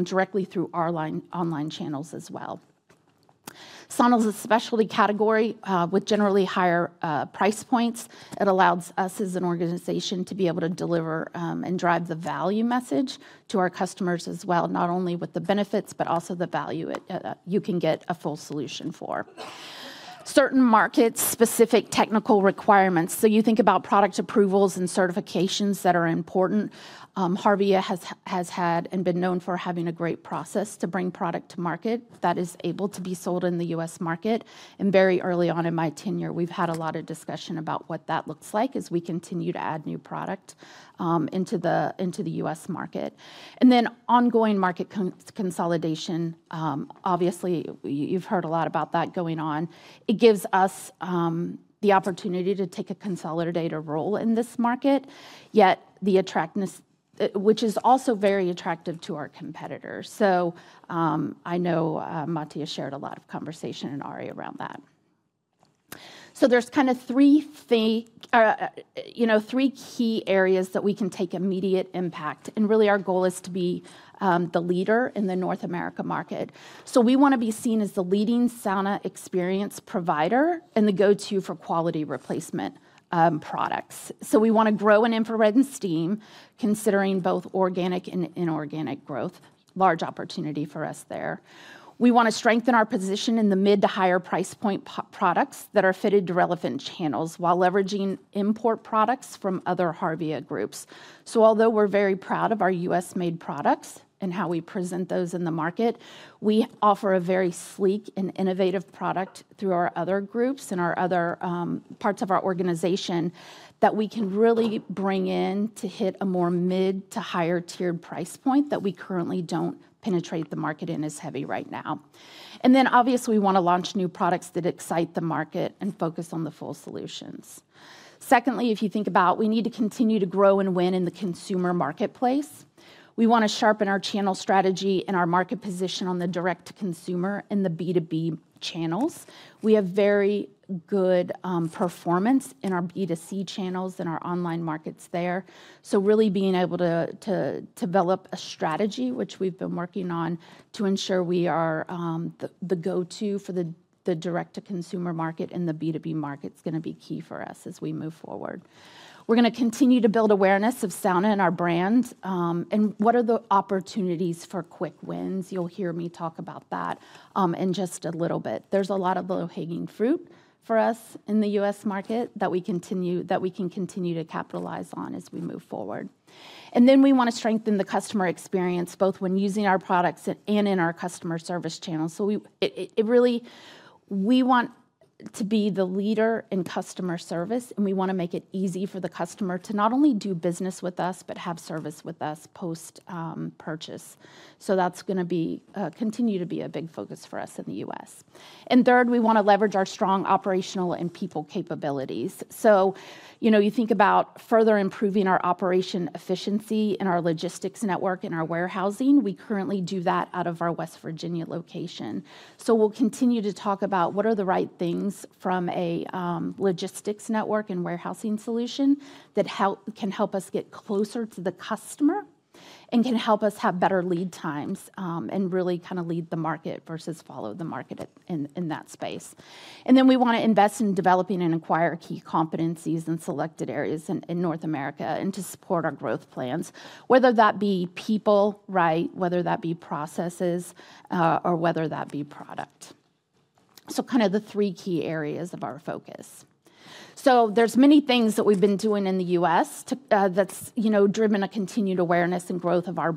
S6: directly through our line online channels as well. Sauna is a specialty category with generally higher price points. It allows us as an organization to be able to deliver and drive the value message to our customers as well, not only with the benefits, but also the value it you can get a full solution for certain markets, specific technical requirements. So you think about product approvals and certifications that are important. Harvia has had and been known for having a great process to bring product to market that is able to be sold in the U.S. market. And very early on in my tenure, we've had a lot of discussion about what that looks like as we continue to add new product into the U.S. market. And then ongoing market consolidation. Obviously, you've heard a lot about that going on. It gives us the opportunity to take a consolidator role in this market, yet the attractiveness, which is also very attractive to our competitors. So, I know Matias shared a lot of conversation and Ari around that. So there's kind of three, you know, three key areas that we can take immediate impact, and really, our goal is to be the leader in the North America market. So we want to be seen as the leading sauna experience provider and the go-to for quality replacement products. So we want to grow in infrared and steam, considering both organic and inorganic growth. Large opportunity for us there. We want to strengthen our position in the mid- to higher-price-point products that are fitted to relevant channels, while leveraging import products from other Harvia groups. So although we're very proud of our U.S.-made products and how we present those in the market, we offer a very sleek and innovative product through our other groups and our other, parts of our organization, that we can really bring in to hit a more mid to higher tiered price point that we currently don't penetrate the market in as heavy right now. And then obviously, we want to launch new products that excite the market and focus on the full solutions. Secondly, if you think about, we need to continue to grow and win in the consumer marketplace. We want to sharpen our channel strategy and our market position on the direct-to-consumer and the B2B channels. We have very good, performance in our B2C channels and our online markets there. So really being able to develop a strategy, which we've been working on, to ensure we are the go-to for the direct-to-consumer market and the B2B market is going to be key for us as we move forward. We're going to continue to build awareness of sauna and our brands, and what are the opportunities for quick wins? You'll hear me talk about that in just a little bit. There's a lot of low-hanging fruit for us in the U.S. market that we can continue to capitalize on as we move forward. And then we want to strengthen the customer experience, both when using our products and in our customer service channels. So it really... We want to be the leader in customer service, and we want to make it easy for the customer to not only do business with us, but have service with us post purchase. So that's going to continue to be a big focus for us in the U.S. And third, we want to leverage our strong operational and people capabilities. So you know, you think about further improving our operation efficiency and our logistics network and our warehousing. We currently do that out of our West Virginia location. So we'll continue to talk about what are the right things from a logistics network and warehousing solution that can help us get closer to the customer and can help us have better lead times, and really kind of lead the market versus follow the market in that space. Then we want to invest in developing and acquire key competencies in selected areas in North America and to support our growth plans, whether that be people, right, whether that be processes, or whether that be product. So kind of the three key areas of our focus. So there's many things that we've been doing in the U.S. that's, you know, driven a continued awareness and growth of our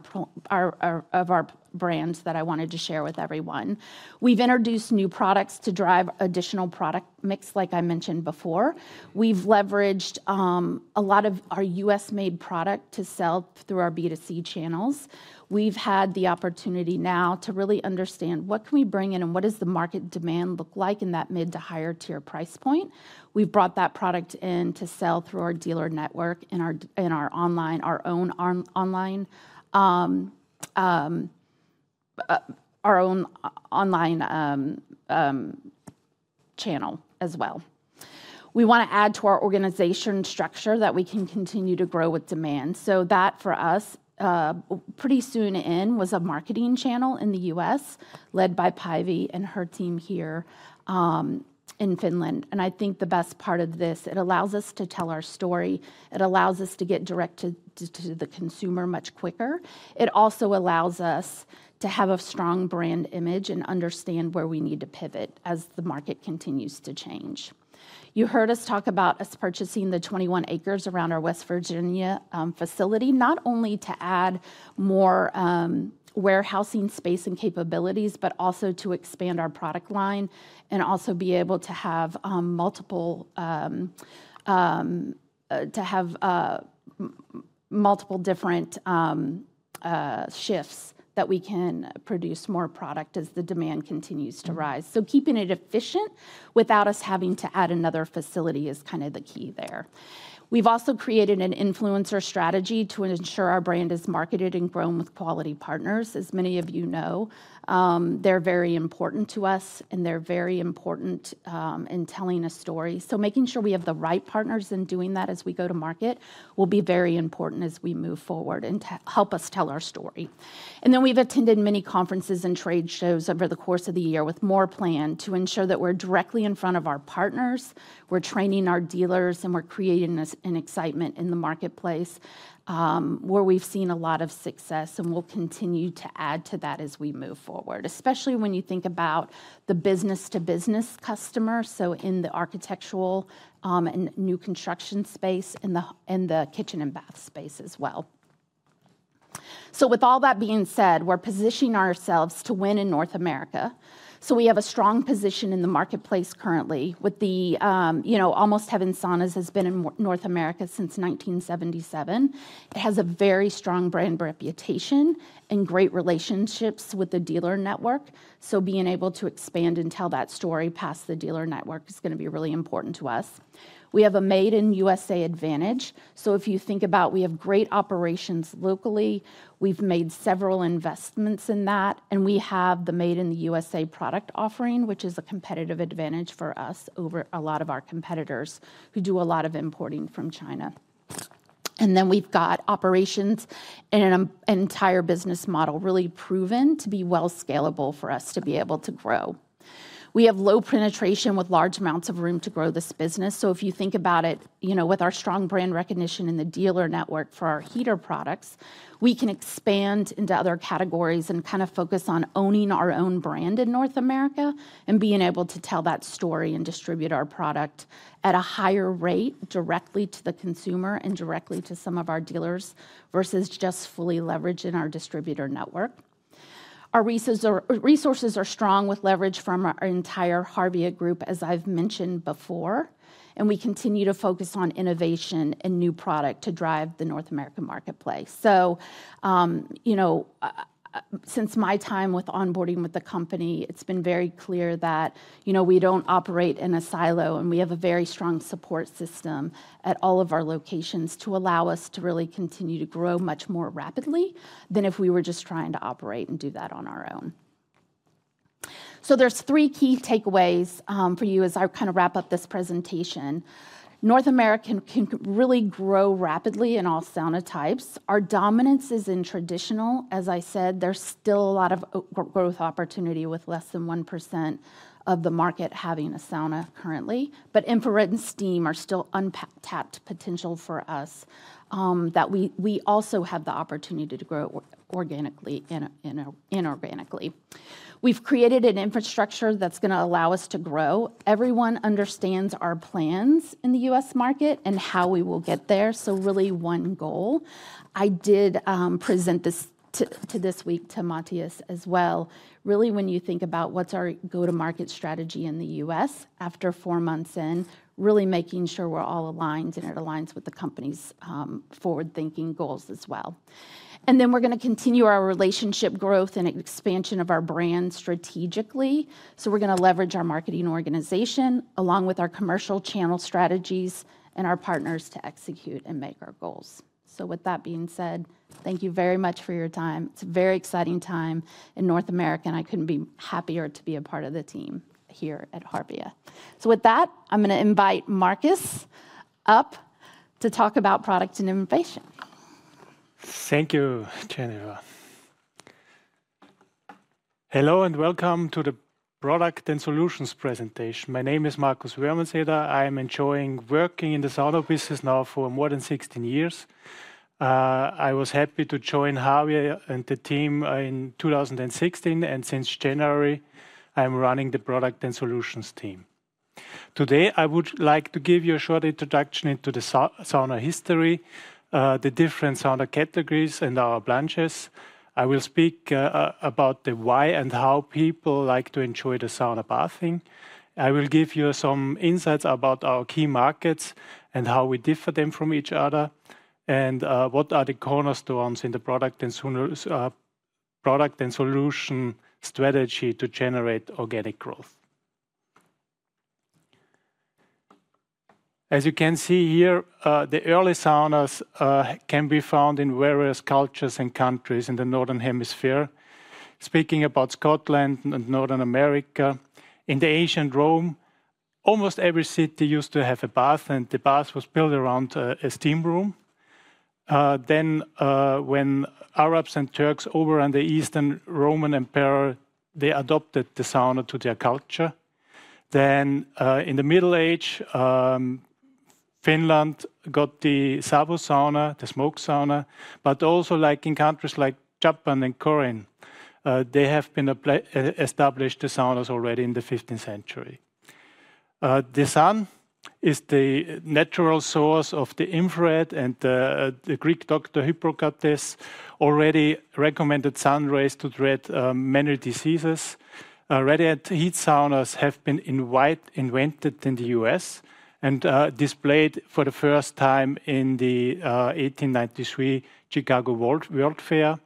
S6: brands that I wanted to share with everyone. We've introduced new products to drive additional product mix, like I mentioned before. We've leveraged a lot of our U.S.-made product to sell through our B2C channels. We've had the opportunity now to really understand what can we bring in and what does the market demand look like in that mid- to higher-tier price point. We've brought that product in to sell through our dealer network in our online, our own online channel as well. We want to add to our organization structure that we can continue to grow with demand. So that, for us, is a marketing channel in the U.S., led by Päivi and her team here in Finland. And I think the best part of this, it allows us to tell our story. It allows us to get direct to the consumer much quicker. It also allows us to have a strong brand image and understand where we need to pivot as the market continues to change. You heard us talk about us purchasing the 21 acres around our West Virginia facility, not only to add more warehousing space and capabilities, but also to expand our product line and also be able to have multiple different shifts that we can produce more product as the demand continues to rise. So keeping it efficient without us having to add another facility is kind of the key there. We've also created an influencer strategy to ensure our brand is marketed and grown with quality partners. As many of you know, they're very important to us, and they're very important in telling a story. So making sure we have the right partners in doing that as we go to market will be very important as we move forward and to help us tell our story. And then we've attended many conferences and trade shows over the course of the year, with more planned, to ensure that we're directly in front of our partners, we're training our dealers, and we're creating this, an excitement in the marketplace, where we've seen a lot of success, and we'll continue to add to that as we move forward, especially when you think about the business-to-business customer, so in the architectural, and new construction space and the, and the kitchen and bath space as well. So with all that being said, we're positioning ourselves to win in North America. So we have a strong position in the marketplace currently with the, you know, Almost Heaven Saunas has been in North America since 1977. It has a very strong brand reputation and great relationships with the dealer network, so being able to expand and tell that story past the dealer network is going to be really important to us. We have a made in U.S.A. advantage. So if you think about, we have great operations locally, we've made several investments in that, and we have the made in the U.S.A. product offering, which is a competitive advantage for us over a lot of our competitors who do a lot of importing from China. And then we've got operations and an entire business model really proven to be well scalable for us to be able to grow. We have low penetration with large amounts of room to grow this business. If you think about it, you know, with our strong brand recognition in the dealer network for our heater products, we can expand into other categories and kind of focus on owning our own brand in North America, and being able to tell that story and distribute our product at a higher rate directly to the consumer and directly to some of our dealers, versus just fully leveraging our distributor network. Our resources are strong with leverage from our entire Harvia Group, as I've mentioned before, and we continue to focus on innovation and new product to drive the North American marketplace. So, you know, since my time with onboarding with the company, it's been very clear that, you know, we don't operate in a silo, and we have a very strong support system at all of our locations to allow us to really continue to grow much more rapidly than if we were just trying to operate and do that on our own. So there's three key takeaways for you as I kinda wrap up this presentation. North America can really grow rapidly in all sauna types. Our dominance is in traditional. As I said, there's still a lot of growth opportunity, with less than 1% of the market having a sauna currently. But infrared and steam are still untapped potential for us, that we also have the opportunity to grow organically and inorganically. We've created an infrastructure that's gonna allow us to grow. Everyone understands our plans in the U.S. market and how we will get there, so really one goal. I did present this to this week to Matias as well. Really, when you think about what's our go-to-market strategy in the U.S. after four months in, really making sure we're all aligned, and it aligns with the company's forward-thinking goals as well. Then we're gonna continue our relationship growth and expansion of our brand strategically. So we're gonna leverage our marketing organization, along with our commercial channel strategies and our partners to execute and make our goals. So with that being said, thank you very much for your time. It's a very exciting time in North America, and I couldn't be happier to be a part of the team here at Harvia. With that, I'm gonna invite Markus up to talk about product and innovation.
S7: Thank you, Jennifer. Hello, and welcome to the Product and Solutions presentation. My name is Markus Wörmanseder. I am enjoying working in the sauna business now for more than 16 years. I was happy to join Harvia and the team in 2016, and since January, I'm running the Product and Solutions team. Today, I would like to give you a short introduction into the sauna history, the different sauna categories and our branches. I will speak about the why and how people like to enjoy the sauna bathing. I will give you some insights about our key markets and how we differ them from each other, and what are the cornerstones in the product and solution strategy to generate organic growth. As you can see here, the early saunas can be found in various cultures and countries in the Northern Hemisphere. Speaking about Scotland and North America, in ancient Rome, almost every city used to have a bath, and the bath was built around a steam room. Then, when Arabs and Turks overran the Eastern Roman Empire, they adopted the sauna to their culture. Then, in the Middle Age, Finland got the Savo sauna, the smoke sauna. But also, like in countries like Japan and Korean, they have been established the saunas already in the 15th century. The sun is the natural source of the infrared, and, the Greek doctor, Hippocrates, already recommended sun rays to treat, many diseases. Radiant heat saunas have been widely invented in the U.S. and displayed for the first time in the 1893 Chicago World's Fair.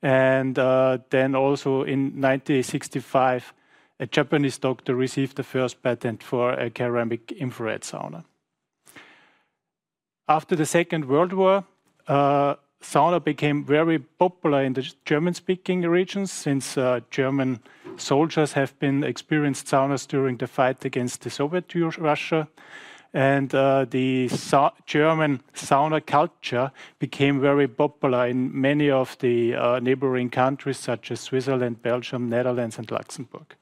S7: Then also in 1965, a Japanese doctor received the first patent for a ceramic infrared sauna. After the Second World War, sauna became very popular in the German-speaking regions, since German soldiers have experienced saunas during the fight against the Soviet Russia. And the German sauna culture became very popular in many of the neighboring countries such as Switzerland, Belgium, Netherlands and Luxembourg.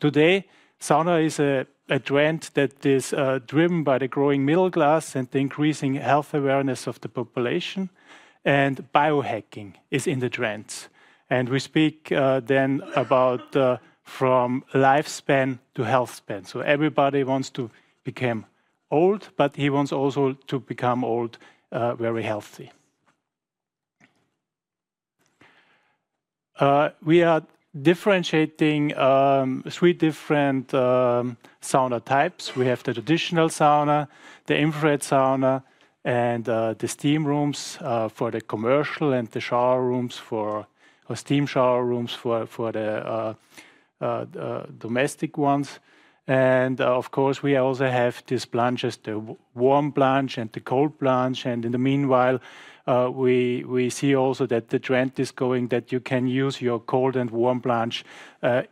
S7: Today, sauna is a trend that is driven by the growing middle class and the increasing health awareness of the population, and biohacking is in the trends. And we speak then about from lifespan to healthspan. So everybody wants to become old, but he wants also to become old, very healthy. We are differentiating three different sauna types. We have the traditional sauna, the infrared sauna, and the steam rooms for the commercial and the shower rooms for, or steam shower rooms for, for the domestic ones. And of course, we also have these plunges, the warm plunge and the cold plunge. And in the meanwhile, we see also that the trend is going that you can use your cold and warm plunge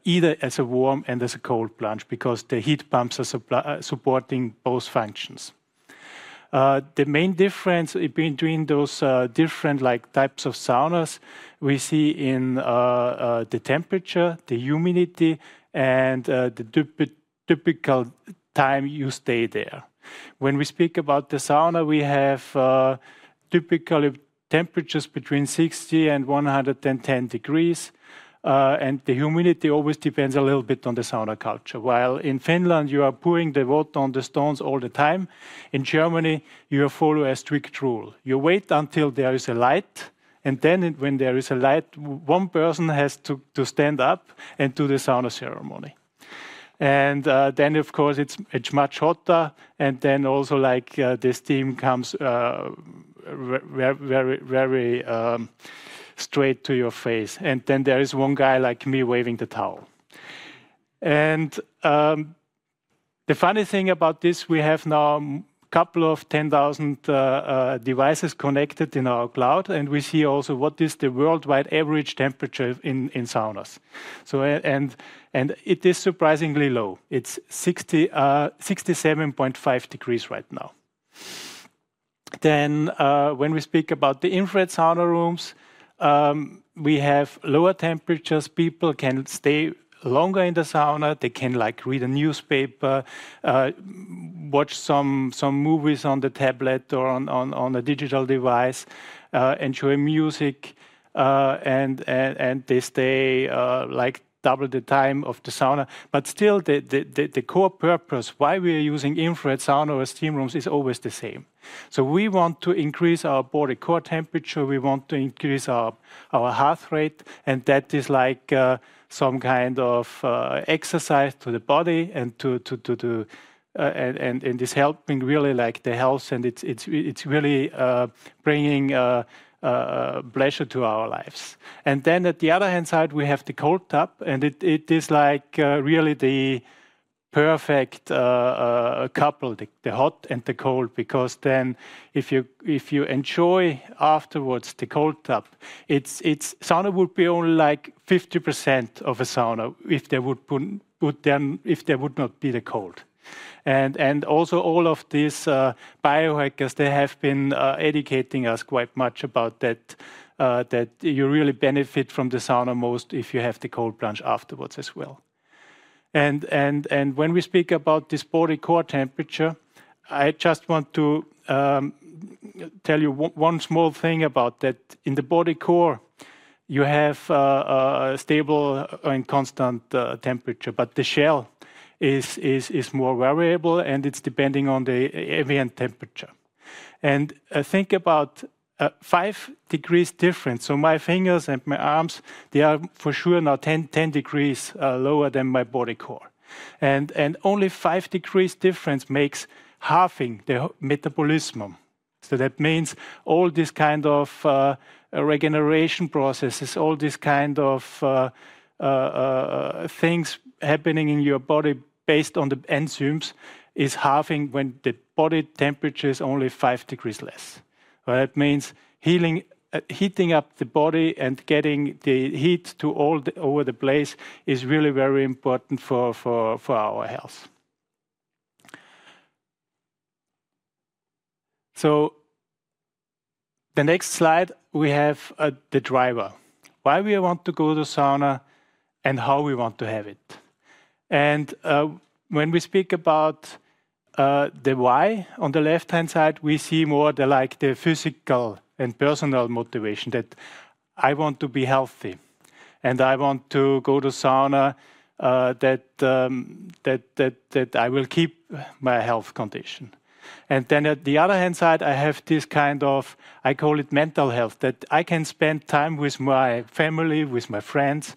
S7: either as a warm and as a cold plunge, because the heat pumps are supporting both functions. The main difference between those different like types of saunas, we see in the temperature, the humidity, and the typical time you stay there. When we speak about the sauna, we have typically temperatures between 60 and 110 degrees, and the humidity always depends a little bit on the sauna culture. While in Finland, you are pouring the water on the stones all the time, in Germany, you follow a strict rule. You wait until there is a light, and then when there is a light, one person has to stand up and do the sauna ceremony. And then of course, it's much hotter, and then also, like, the steam comes very, very straight to your face. And then there is one guy like me, waving the towel. The funny thing about this, we have now a couple of 10,000 devices connected in our cloud, and we see also what is the worldwide average temperature in saunas. And it is surprisingly low. It's 67.5 degrees right now. Then, when we speak about the infrared sauna rooms, we have lower temperatures. People can stay longer in the sauna. They can, like, read a newspaper, watch some movies on the tablet or on a digital device, enjoy music, and they stay, like, double the time of the sauna. But still, the core purpose, why we are using infrared sauna or steam rooms is always the same. So we want to increase our body core temperature, we want to increase our heart rate, and that is like some kind of exercise to the body, and it's helping really like the health, and it's really bringing pleasure to our lives. And then on the other hand side, we have the cold tub, and it is like really the perfect couple, the hot and the cold, because then if you enjoy afterwards the cold tub, it's -- sauna would be only like 50% of a sauna if there would put them, if there would not be the cold. And also all of these biohackers, they have been educating us quite much about that, that you really benefit from the sauna most if you have the cold plunge afterwards as well. And when we speak about this body core temperature, I just want to tell you one small thing about that. In the body core, you have a stable and constant temperature, but the shell is more variable, and it's depending on the ambient temperature. And think about five degrees difference. So my fingers and my arms, they are for sure now 10 degrees lower than my body core. And only five degrees difference makes halving the metabolism. So that means all this kind of regeneration processes, all these kind of things happening in your body based on the enzymes, is halving when the body temperature is only five degrees less. Well, that means heating up the body and getting the heat to all over the place is really very important for our health. So the next slide, we have the driver. Why we want to go to sauna and how we want to have it. And when we speak about the why, on the left-hand side, we see more the, like, the physical and personal motivation, that I want to be healthy, and I want to go to sauna, that I will keep my health condition. And then at the other hand side, I have this kind of, I call it mental health, that I can spend time with my family, with my friends,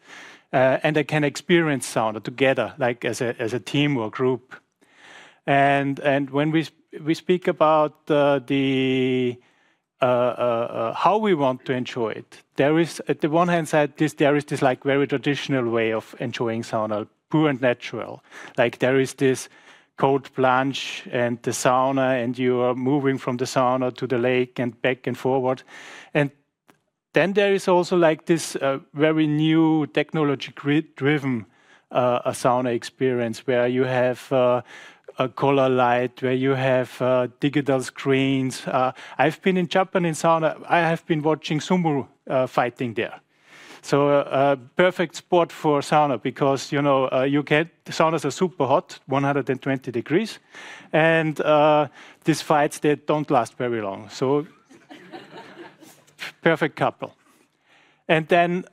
S7: and I can experience sauna together, like as a team or group. And when we speak about the how we want to enjoy it, there is, at the one hand side, there is this, like, very traditional way of enjoying sauna, pure and natural. Like, there is this cold plunge and the sauna, and you are moving from the sauna to the lake and back and forward. And then there is also, like, this very new technology driven sauna experience, where you have a color light, where you have digital screens. I've been in Japan in sauna. I have been watching sumo fighting there. So, a perfect spot for sauna because, you know, you get... saunas are super hot, 120 degrees, and, these fights, they don't last very long. So... perfect couple. And then,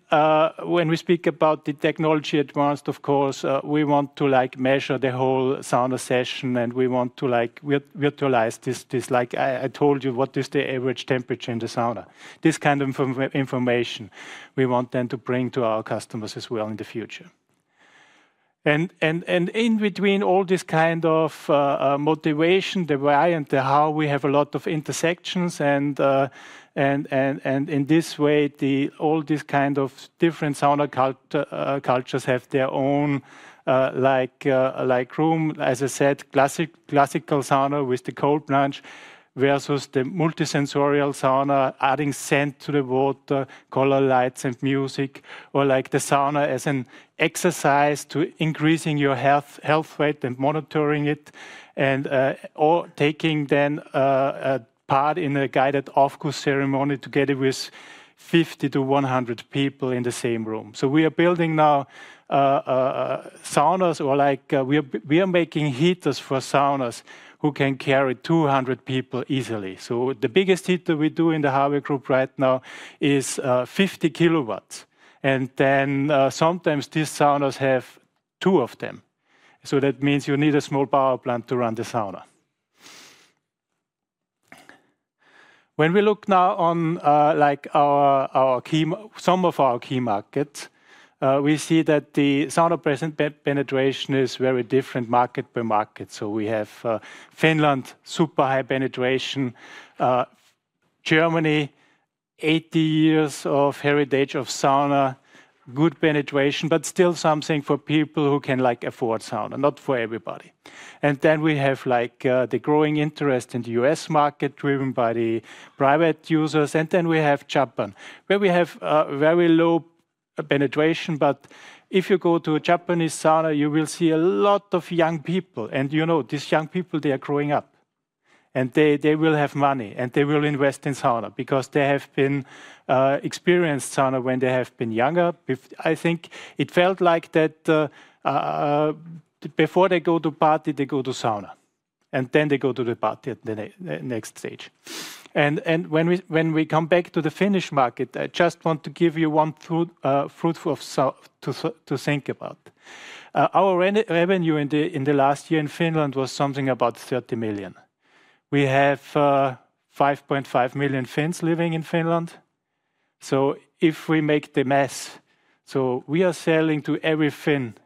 S7: when we speak about the technology advanced, of course, we want to, like, measure the whole sauna session, and we want to, like, visualize this, this, like I told you, what is the average temperature in the sauna? This kind of information we want then to bring to our customers as well in the future... And in between all this kind of motivation, the why and the how, we have a lot of intersections and, and in this way, all these kind of different sauna cultures have their own, like, like room. As I said, classical sauna with the cold plunge, versus the multi-sensorial sauna, adding scent to the water, color lights and music, or like the sauna as an exercise to increasing your health, heart rate and monitoring it. Or taking then a part in a guided Aufguss ceremony together with 50 to 100 people in the same room. So we are building now saunas or like we are making heaters for saunas who can carry 200 people easily. So the biggest heater we do in the Harvia Group right now is 50 kW. And then sometimes these saunas have two of them. So that means you need a small power plant to run the sauna. When we look now on, like our, our key, some of our key markets, we see that the sauna penetration is very different market per market. So we have, Finland, super high penetration. Germany, 80 years of heritage of sauna, good penetration, but still something for people who can, like, afford sauna, not for everybody. And then we have, like, the growing interest in the U.S. market, driven by the private users. And then we have Japan, where we have, very low penetration, but if you go to a Japanese sauna, you will see a lot of young people. And you know, these young people, they are growing up, and they, they will have money, and they will invest in sauna because they have been, experienced sauna when they have been younger. I think it felt like that, before they go to party, they go to sauna, and then they go to the party at the next stage. And when we come back to the Finnish market, I just want to give you one food for thought to think about. Our revenue in the last year in Finland was something about 30 million. We have 5.5 million Finns living in Finland. So if we do the math, we are selling to every Finn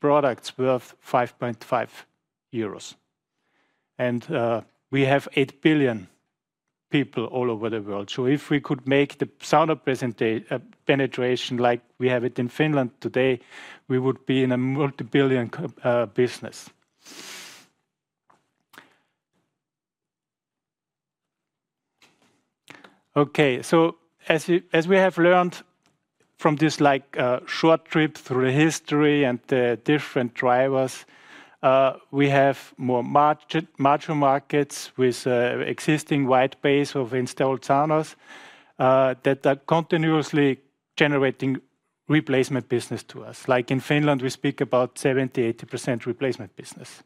S7: products worth 5.5 euros. And we have 8 billion people all over the world. So if we could make the sauna penetration like we have it in Finland today, we would be in a multi-billion business. Okay, so as we have learned from this, like, short trip through the history and the different drivers, we have more mature markets with existing wide base of installed saunas that are continuously generating replacement business to us. Like in Finland, we speak about 70%-80% replacement business.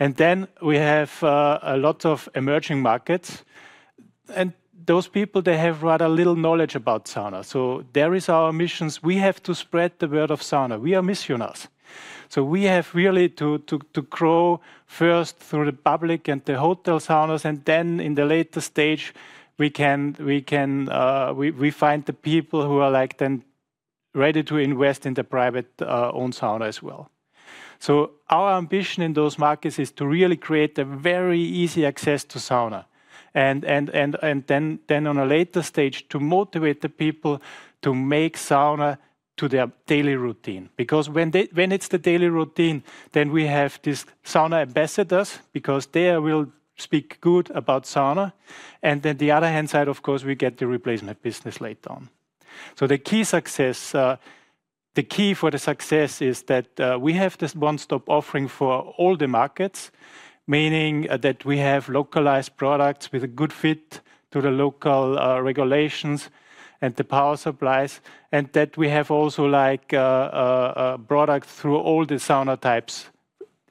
S7: And then we have a lot of emerging markets. And those people, they have rather little knowledge about sauna, so there is our missions. We have to spread the word of sauna. We are missionaries. So we have really to grow first through the public and the hotel saunas, and then in the later stage, we can find the people who are, like, then ready to invest in the private own sauna as well. So our ambition in those markets is to really create a very easy access to sauna, and then on a later stage, to motivate the people to make sauna to their daily routine. Because when it's the daily routine, then we have these sauna ambassadors, because they will speak good about sauna. And on the other hand side, of course, we get the replacement business later on. So the key success, the key for the success is that, we have this one-stop offering for all the markets, meaning, that we have localized products with a good fit to the local, regulations and the power supplies, and that we have also, like, a product through all the sauna types,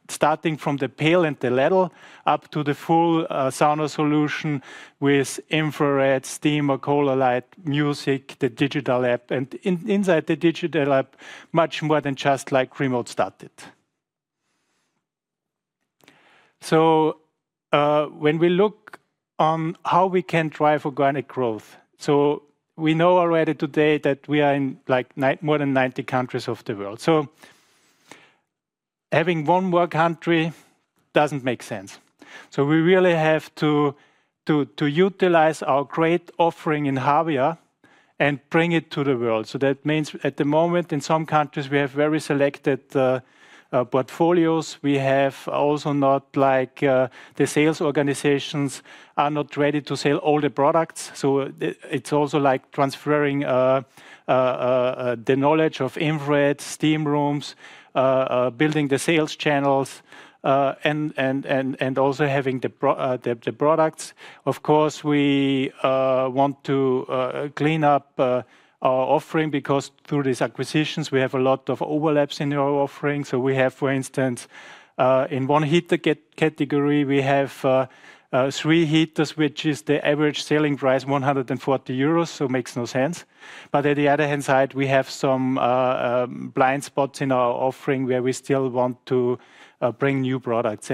S7: starting from the pail and the ladle, up to the full, sauna solution with infrared, steam or color light, music, the digital app, and inside the digital app, much more than just like remote started. So, when we look on how we can drive organic growth, so we know already today that we are in, like, more than 90 countries of the world, so having one more country doesn't make sense. So we really have to utilize our great offering in Harvia and bring it to the world. So that means at the moment, in some countries, we have very selected portfolios. We have also not like the sales organizations are not ready to sell all the products, so it's also like transferring the knowledge of infrared, steam rooms, building the sales channels, and also having the products. Of course, we want to clean up our offering because through these acquisitions, we have a lot of overlaps in our offerings. So we have, for instance, in one heater category, we have three heaters, which is the average selling price 140 euros, so it makes no sense. But on the other hand side, we have some blind spots in our offering, where we still want to bring new products.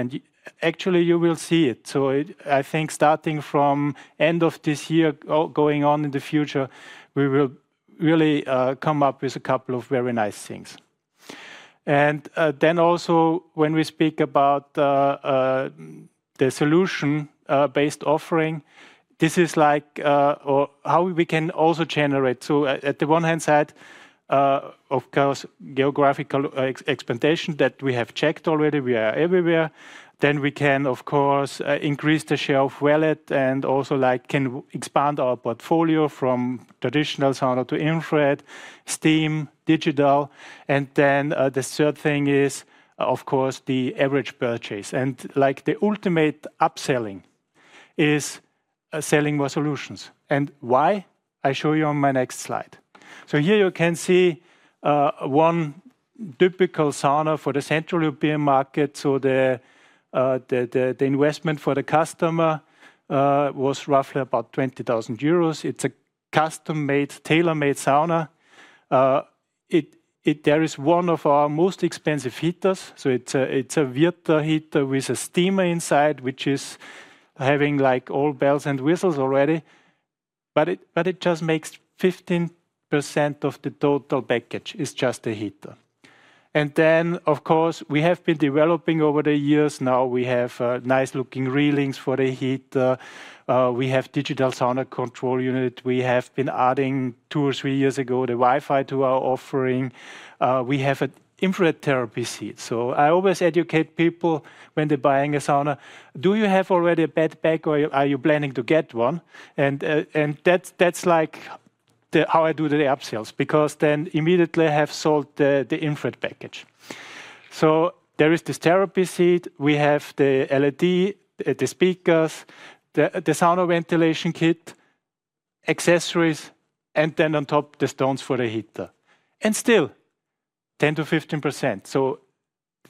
S7: Actually, you will see it. So I think starting from end of this year, going on in the future, we will really come up with a couple of very nice things. And then also when we speak about the solution based offering, this is like or how we can also generate. So at the one hand side, of course, geographical expansion that we have checked already, we are everywhere. Then we can, of course, increase the share of wallet, and also, like, can expand our portfolio from traditional sauna to infrared, steam, digital. And then the third thing is, of course, the average purchase. And, like, the ultimate upselling is, selling more solutions. And why? I show you on my next slide. So here you can see, one typical sauna for the Central European market. So the investment for the customer, was roughly about 20,000 euros. It's a custom-made, tailor-made sauna. There is one of our most expensive heaters, so it's a Virta heater with a steamer inside, which is having, like, all bells and whistles already. But it just makes 15% of the total package, is just the heater. And then, of course, we have been developing over the years. Now we have, nice-looking railings for the heater. We have digital sauna control unit. We have been adding, two or three years ago, the Wi-Fi to our offering. We have an infrared therapy seat. So I always educate people when they're buying a sauna, "Do you have already a bed pack, or are you planning to get one?" And that's, that's, like, the how I do the upsells, because then immediately I have sold the infrared package. So there is this therapy seat. We have the LED, the speakers, the sauna ventilation kit, accessories, and then on top, the stones for the heater. And still, 10%-15%, so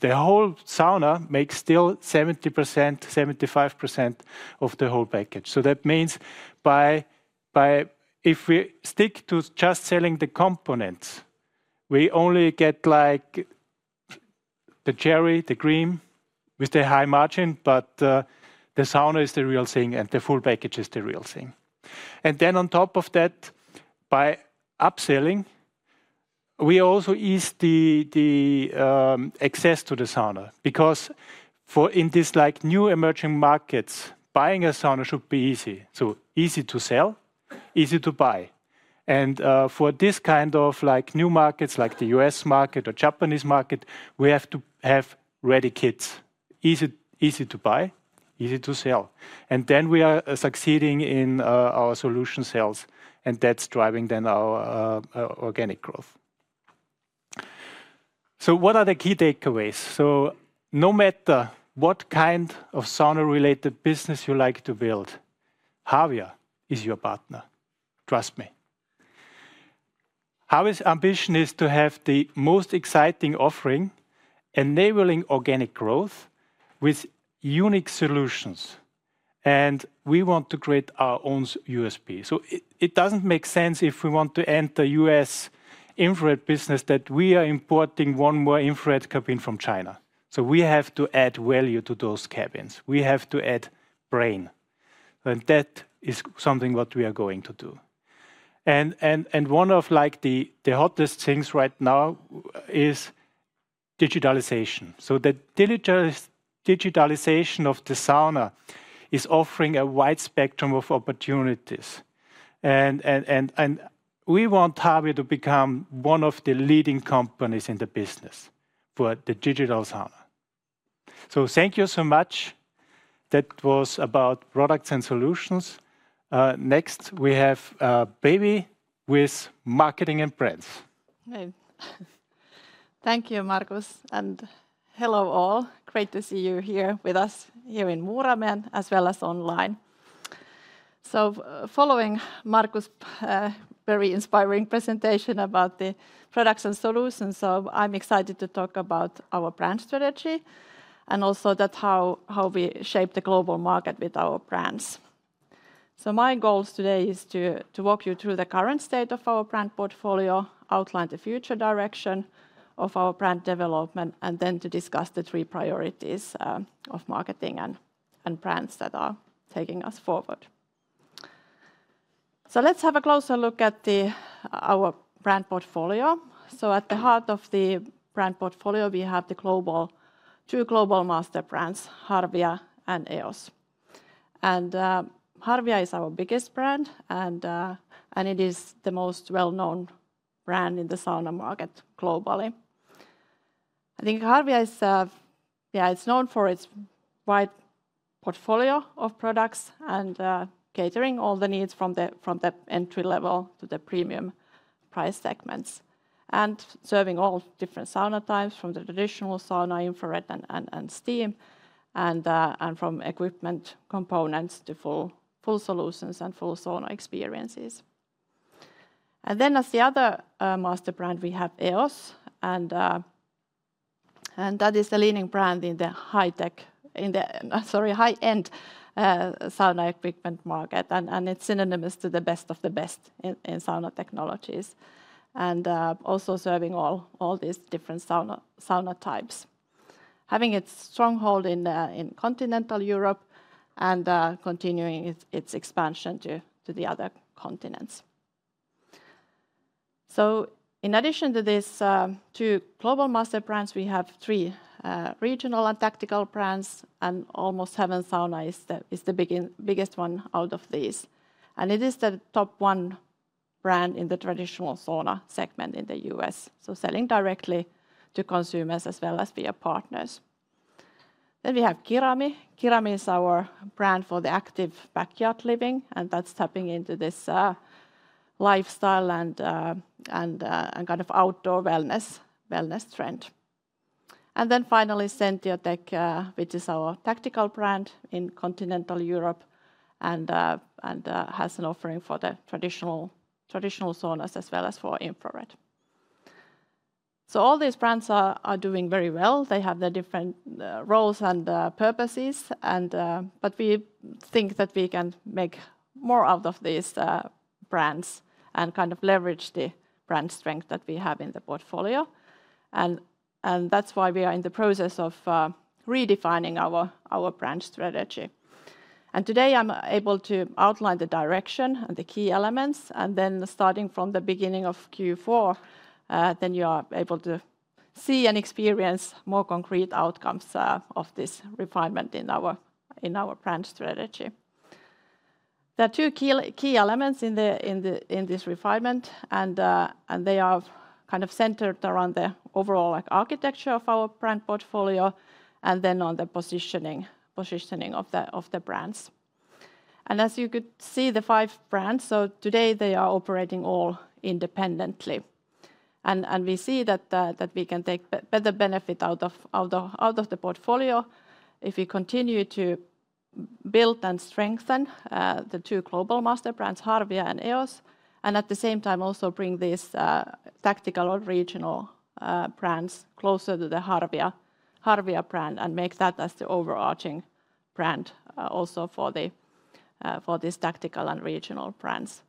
S7: the whole sauna makes still 70%, 75% of the whole package. So that means by. If we stick to just selling the components, we only get, like, the cherry, the cream with the high margin, but the sauna is the real thing, and the full package is the real thing. And then on top of that, by upselling, we also ease the access to the sauna, because for in this, like, new emerging markets, buying a sauna should be easy. So easy to sell, easy to buy. And for this kind of, like, new markets, like the U.S. market or Japanese market, we have to have ready kits, easy, easy to buy, easy to sell. And then we are succeeding in our solution sales, and that's driving then our organic growth. So what are the key takeaways? So no matter what kind of sauna-related business you like to build, Harvia is your partner, trust me. Harvia's ambition is to have the most exciting offering, enabling organic growth with unique solutions, and we want to create our own USP. So it doesn't make sense if we want to enter U.S. infrared business, that we are importing one more infrared cabin from China. So we have to add value to those cabins. We have to add brain, and that is something what we are going to do. And one of, like, the hottest things right now is digitalization. So the digitalization of the sauna is offering a wide spectrum of opportunities, and we want Harvia to become one of the leading companies in the business for the digital sauna. So thank you so much. That was about products and solutions. Next, we have Päivi with marketing and brands.
S8: Hey. Thank you, Markus, and hello, all. Great to see you here with us here in Muurame, as well as online. So following Markus', very inspiring presentation about the products and solutions, so I'm excited to talk about our brand strategy and also that how, how we shape the global market with our brands. So my goals today is to walk you through the current state of our brand portfolio, outline the future direction of our brand development, and then to discuss the three priorities of marketing and brands that are taking us forward. So let's have a closer look at our brand portfolio. So at the heart of the brand portfolio, we have the global... two global master brands, Harvia and EOS. And Harvia is our biggest brand, and it is the most well-known brand in the sauna market globally. I think Harvia is, yeah, it's known for its wide portfolio of products and, catering all the needs from the, from the entry level to the premium price segments, and serving all different sauna types, from the traditional sauna, infrared, and steam, and, from equipment components to full, full solutions and full sauna experiences. And then as the other, master brand, we have EOS, and, and that is the leading brand in the high-tech, in the, sorry, high-end, sauna equipment market, and, and it's synonymous to the best of the best in, in sauna technologies, and, also serving all, all these different sauna, sauna types.... having its stronghold in, in continental Europe and, continuing its, its expansion to, to the other continents. So in addition to these two global master brands, we have three regional and tactical brands, and Almost Heaven Saunas is the biggest one out of these. And it is the top one brand in the traditional sauna segment in the U.S., so selling directly to consumers as well as via partners. Then we have Kirami. Kirami is our brand for the active backyard living, and that's tapping into this lifestyle and kind of outdoor wellness trend. And then finally, Sentiotec, which is our tactical brand in continental Europe and has an offering for the traditional saunas as well as for infrared. So all these brands are doing very well. They have their different, roles and, purposes, and, but we think that we can make more out of these, brands and kind of leverage the brand strength that we have in the portfolio. And, and that's why we are in the process of, redefining our, our brand strategy. And today, I'm able to outline the direction and the key elements, and then starting from the beginning of Q4, then you are able to see and experience more concrete outcomes, of this refinement in our, in our brand strategy. There are two key, key elements in the, in the, in this refinement, and, and they are kind of centered around the overall, like, architecture of our brand portfolio and then on the positioning, positioning of the, of the brands. As you could see, the five brands, so today they are operating all independently. We see that we can take better benefit out of the portfolio if we continue to build and strengthen the two global master brands, Harvia and EOS, and at the same time, also bring these tactical or regional brands closer to the Harvia brand and make that as the overarching brand also for these tactical and regional brands.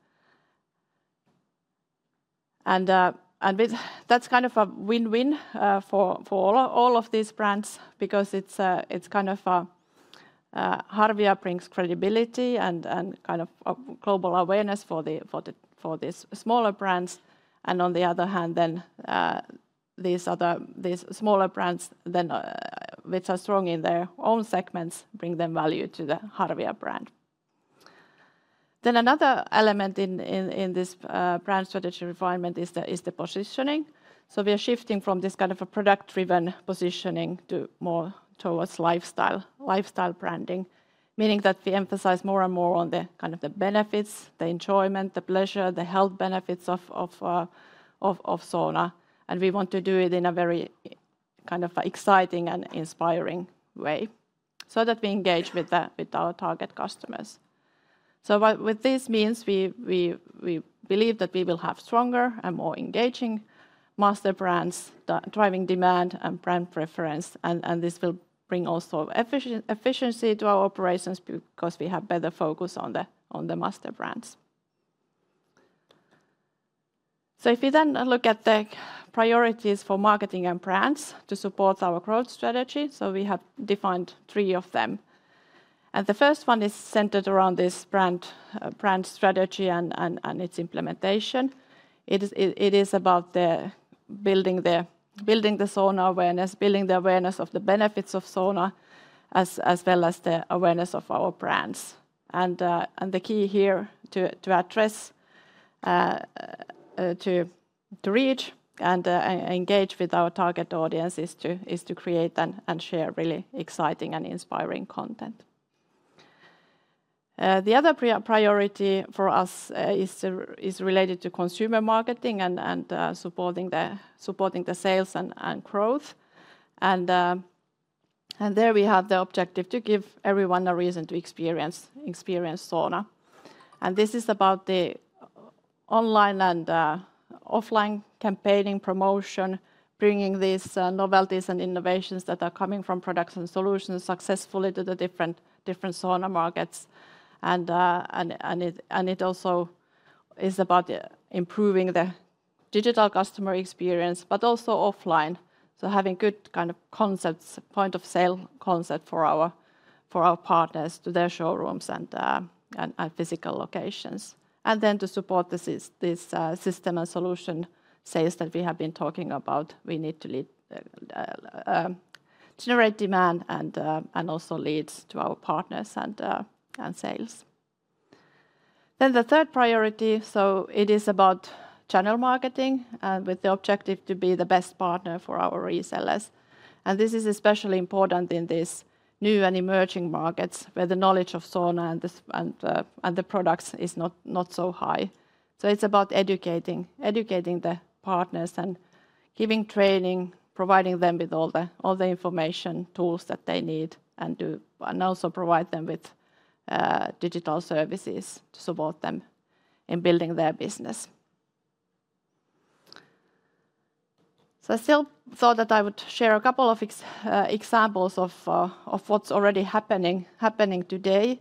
S8: That's kind of a win-win for all of these brands because it's kind of. Harvia brings credibility and kind of global awareness for these smaller brands, and on the other hand, these smaller brands, which are strong in their own segments, bring them value to the Harvia brand. Another element in this brand strategy refinement is the positioning. So we are shifting from this kind of a product-driven positioning to more towards lifestyle branding, meaning that we emphasize more and more on the kind of the benefits, the enjoyment, the pleasure, the health benefits of sauna, and we want to do it in a very kind of exciting and inspiring way so that we engage with our target customers. So what this means, we believe that we will have stronger and more engaging master brands, driving demand and brand preference, and this will bring also efficiency to our operations because we have better focus on the master brands. So if you then look at the priorities for marketing and brands to support our growth strategy, so we have defined three of them. And the first one is centered around this brand strategy and its implementation. It is about building the sauna awareness, building the awareness of the benefits of sauna, as well as the awareness of our brands. The key here to address to reach and engage with our target audience is to create and share really exciting and inspiring content. The other priority for us is related to consumer marketing and supporting the sales and growth. There we have the objective to give everyone a reason to experience sauna. This is about the online and offline campaigning promotion, bringing these novelties and innovations that are coming from products and solutions successfully to the different sauna markets. It also is about improving the digital customer experience, but also offline. So having good kind of concepts, point-of-sale concept for our partners to their showrooms and physical locations. To support this system and solution sales that we have been talking about, we need to generate demand and also leads to our partners and sales. The third priority is about channel marketing with the objective to be the best partner for our resellers. This is especially important in these new and emerging markets, where the knowledge of sauna and the spa and the products is not so high. So it's about educating the partners and giving training, providing them with all the information, tools that they need, and also provide them with digital services to support them in building their business. So I still thought that I would share a couple of examples of what's already happening today,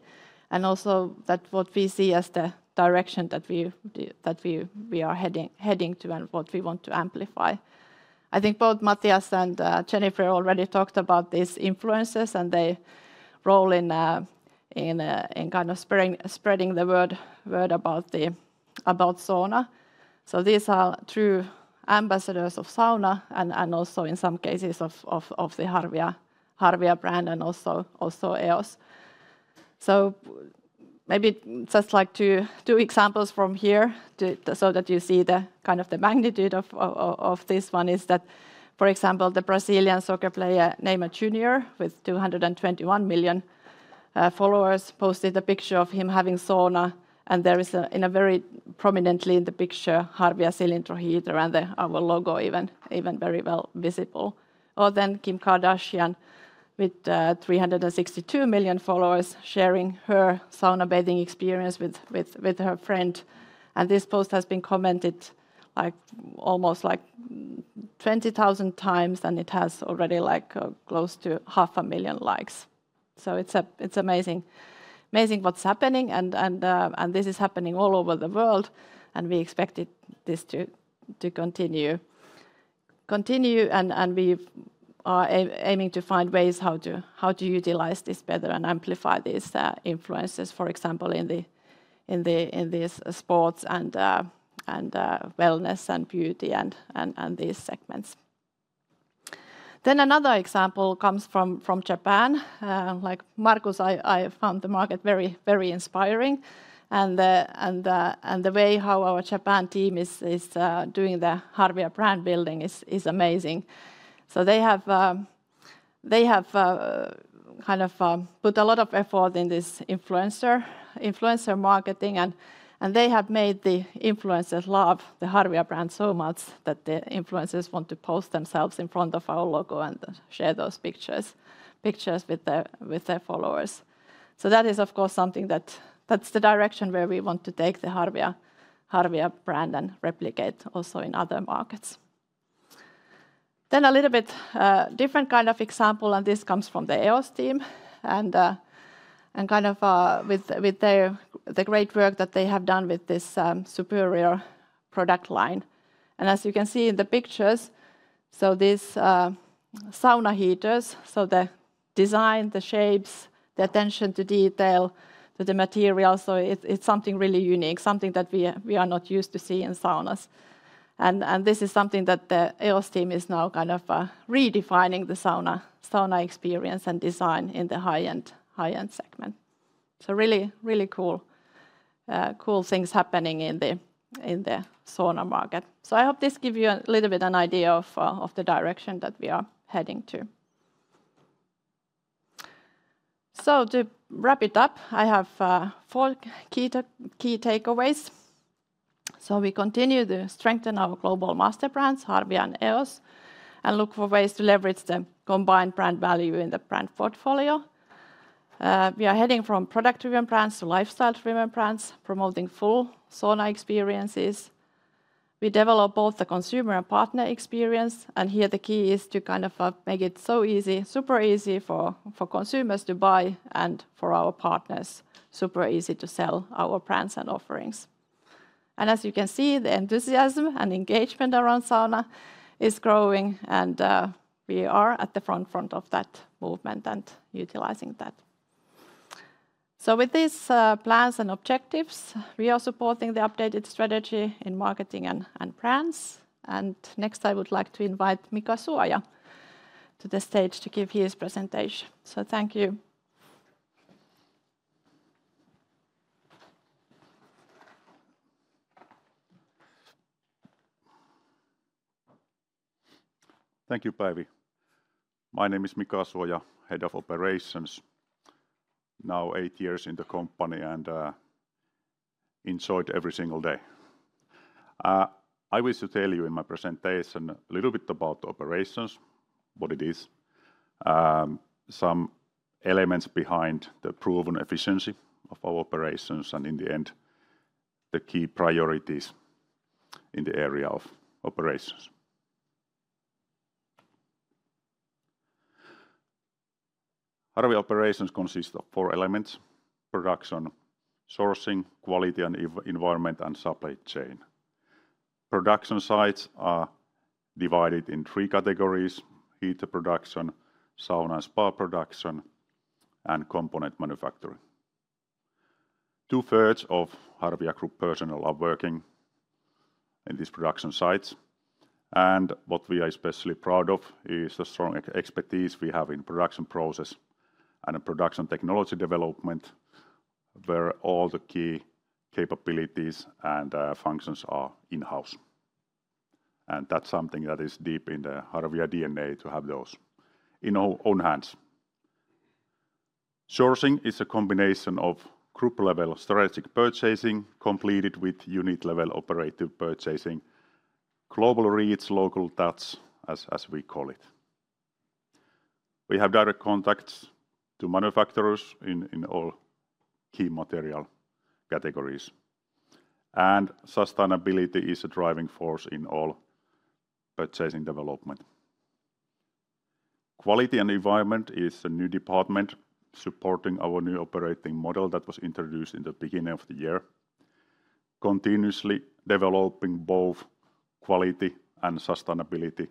S8: and also what we see as the direction that we are heading to, and what we want to amplify. I think both Matias and Jennifer already talked about these influencers and their role in kind of spreading the word about sauna. So these are true ambassadors of sauna and also in some cases, of the Harvia brand and also EOS. So maybe just like two examples from here, so that you see the kind of the magnitude of this one is that, for example, the Brazilian soccer player, Neymar Jr., with 221 million followers, posted a picture of him having sauna, and there is a, in a very prominently in the picture, Harvia Cilindro heater, and the our logo even, even very well visible. Or then Kim Kardashian with 362 million followers sharing her sauna bathing experience with her friend. And this post has been commented, like, almost like 20,000 times, and it has already, like, close to half a million likes. So it's amazing, amazing what's happening, and this is happening all over the world, and we expected this to continue, continue, and we are aiming to find ways how to utilize this better and amplify these influencers, for example, in this sports and wellness and beauty and these segments. Then another example comes from Japan. Like Markus, I found the market very, very inspiring, and the way how our Japan team is doing the Harvia brand building is amazing. So they have kind of put a lot of effort in this influencer marketing, and they have made the influencers love the Harvia brand so much that the influencers want to post themselves in front of our logo and share those pictures with their followers. So that is, of course, something that... that's the direction where we want to take the Harvia brand and replicate also in other markets. Then a little bit different kind of example, and this comes from the EOS team, and kind of with their great work that they have done with this superior product line. As you can see in the pictures, so this, sauna heaters, so the design, the shapes, the attention to detail, to the material, so it's, it's something really unique, something that we are, we are not used to see in saunas. And, and this is something that the EOS team is now kind of, redefining the sauna, sauna experience and design in the high-end, high-end segment. So really, really cool, cool things happening in the, in the sauna market. So I hope this give you a little bit an idea of, of the direction that we are heading to. So to wrap it up, I have, four key takeaways. So we continue to strengthen our global master brands, Harvia and EOS, and look for ways to leverage the combined brand value in the brand portfolio. We are heading from product-driven brands to lifestyle-driven brands, promoting full sauna experiences. We develop both the consumer and partner experience, and here the key is to kind of, make it so easy, super easy for, for consumers to buy and for our partners, super easy to sell our brands and offerings. And as you can see, the enthusiasm and engagement around sauna is growing, and, we are at the front, front of that movement and utilizing that. So with these, plans and objectives, we are supporting the updated strategy in marketing and, and brands. And next, I would like to invite Mika Suoja to the stage to give his presentation. So thank you.
S9: Thank you, Päivi. My name is Mika Suoja, Head of Operations, now eight years in the company, and enjoyed every single day. I wish to tell you in my presentation a little bit about operations, what it is, some elements behind the proven efficiency of our operations, and in the end, the key priorities in the area of operations. Harvia operations consist of four elements: production, sourcing, quality, and environment, and supply chain. Production sites are divided in three categories: heater production, sauna and spa production, and component manufacturing. 2/3s of Harvia Group personnel are working in these production sites, and what we are especially proud of is the strong expertise we have in production process and production technology development, where all the key capabilities and functions are in-house. That's something that is deep in the Harvia DNA to have those in our own hands. Sourcing is a combination of group level strategic purchasing, completed with unit level operative purchasing. "Global reach, local touch," as we call it. We have direct contacts to manufacturers in all key material categories, and sustainability is a driving force in all purchasing development. Quality and environment is a new department supporting our new operating model that was introduced in the beginning of the year, continuously developing both quality and sustainability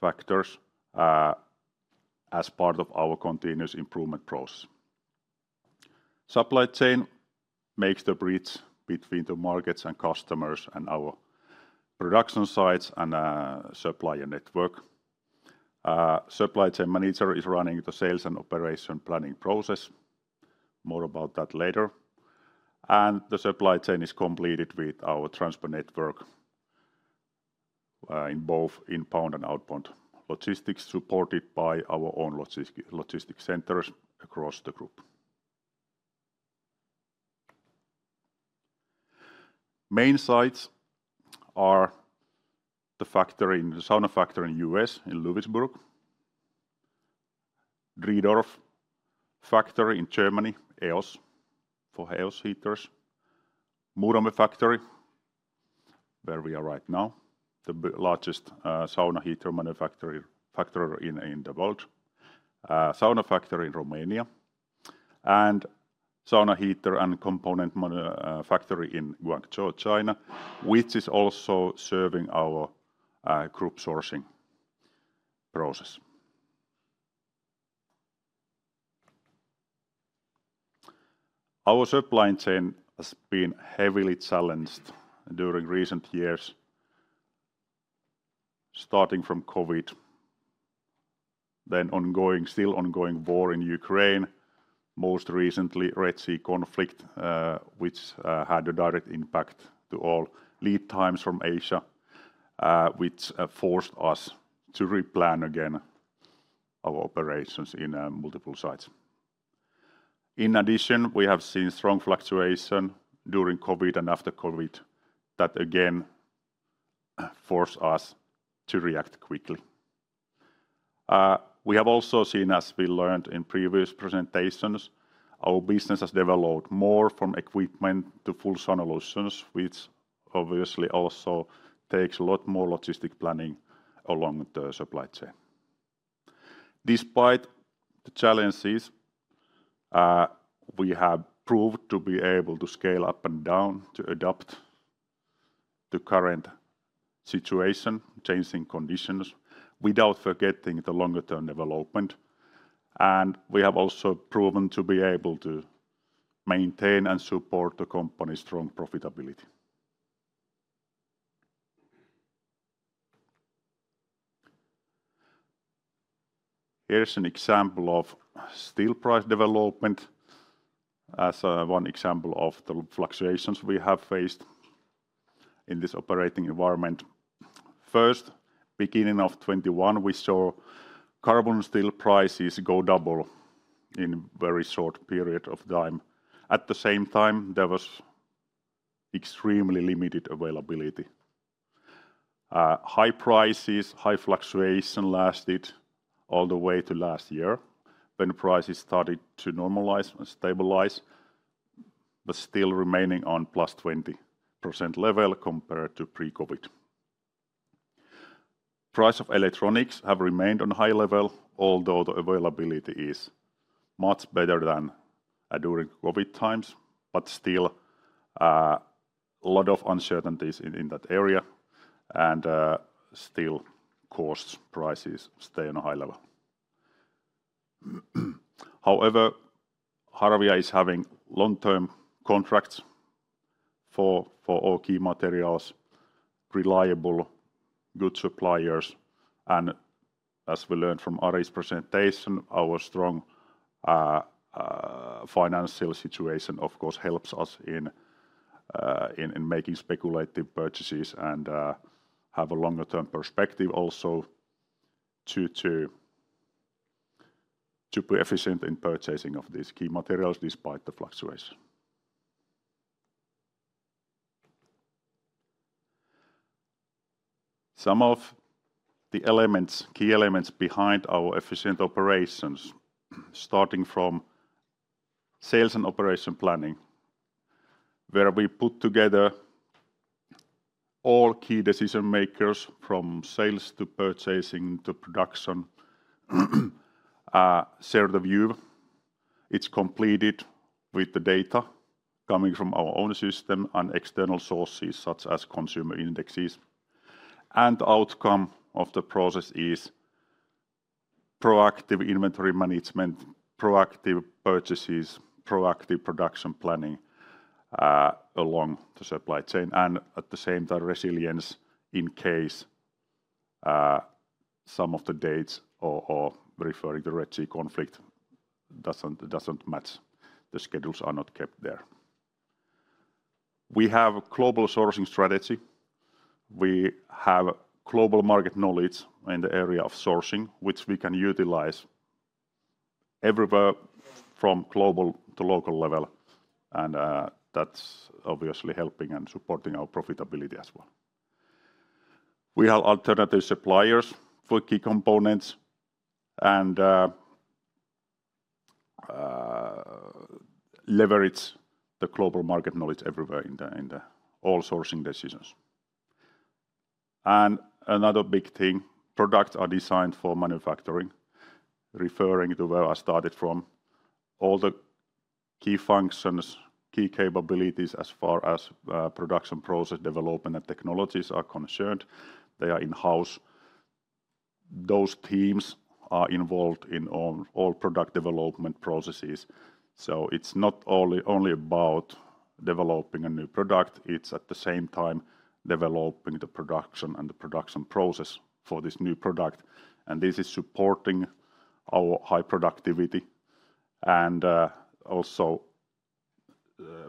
S9: factors as part of our continuous improvement process. Supply chain makes the bridge between the markets and customers, and our production sites and supplier network. Supply chain manager is running the sales and operation planning process. More about that later. The supply chain is completed with our transport network in both inbound and outbound logistics, supported by our own logistics centers across the group. Main sites are the sauna factory in the U.S., in Lewisburg; Driedorf factory in Germany, EOS, for EOS heaters; Muurame factory, where we are right now, the largest sauna heater manufacturing factory in the world; sauna factory in Romania; and sauna heater and component manufacturing factory in Guangzhou, China, which is also serving our group sourcing process. Our supply chain has been heavily challenged during recent years, starting from COVID, then ongoing war in Ukraine, most recently, Red Sea conflict, which had a direct impact to all lead times from Asia, which forced us to replan again our operations in multiple sites. In addition, we have seen strong fluctuation during COVID and after COVID that again, force us to react quickly. We have also seen, as we learned in previous presentations, our business has developed more from equipment to full sauna solutions, which obviously also takes a lot more logistic planning along the supply chain. Despite the challenges, we have proved to be able to scale up and down to adapt the current situation, changing conditions, without forgetting the longer term development. And we have also proven to be able to maintain and support the company's strong profitability. Here is an example of steel price development as, one example of the fluctuations we have faced in this operating environment. First, beginning of 2021, we saw carbon steel prices go double in very short period of time. At the same time, there was extremely limited availability. High prices, high fluctuation lasted all the way to last year, when prices started to normalize and stabilize, but still remaining on +20% level compared to pre-COVID. Price of electronics have remained on high level, although the availability is much better than during COVID times, but still a lot of uncertainties in that area, and still cost prices stay on a high level. However, Harvia is having long-term contracts for all key materials, reliable, good suppliers. And as we learned from Ari's presentation, our strong financial situation, of course, helps us in making speculative purchases and have a longer term perspective also to be efficient in purchasing of these key materials despite the fluctuation. Some of the elements, key elements behind our efficient operations, starting from sales and operation planning, where we put together all key decision makers from sales to purchasing to production, share the view. It's completed with the data coming from our own system and external sources, such as consumer indexes. And outcome of the process is proactive inventory management, proactive purchases, proactive production planning, along the supply chain, and at the same time, resilience in case some of the dates or referring the Red Sea conflict doesn't match, the schedules are not kept there. We have a global sourcing strategy. We have global market knowledge in the area of sourcing, which we can utilize everywhere from global to local level, and, that's obviously helping and supporting our profitability as well. We have alternative suppliers for key components, and Leverage the global market knowledge everywhere in all sourcing decisions. Another big thing, products are designed for manufacturing, referring to where I started from. All the key functions, key capabilities as far as production process development and technologies are concerned, they are in-house. Those teams are involved in all product development processes. So it's not only about developing a new product, it's at the same time developing the production and the production process for this new product, and this is supporting our high productivity, and also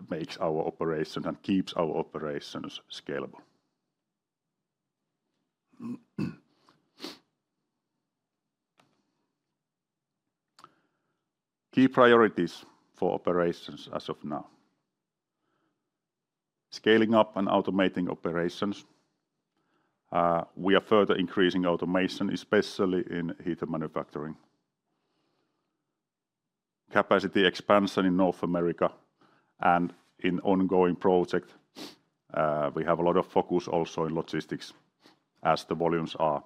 S9: makes our operation and keeps our operations scalable. Key priorities for operations as of now: scaling up and automating operations. We are further increasing automation, especially in heater manufacturing. Capacity expansion in North America and in ongoing project. We have a lot of focus also in logistics, as the volumes are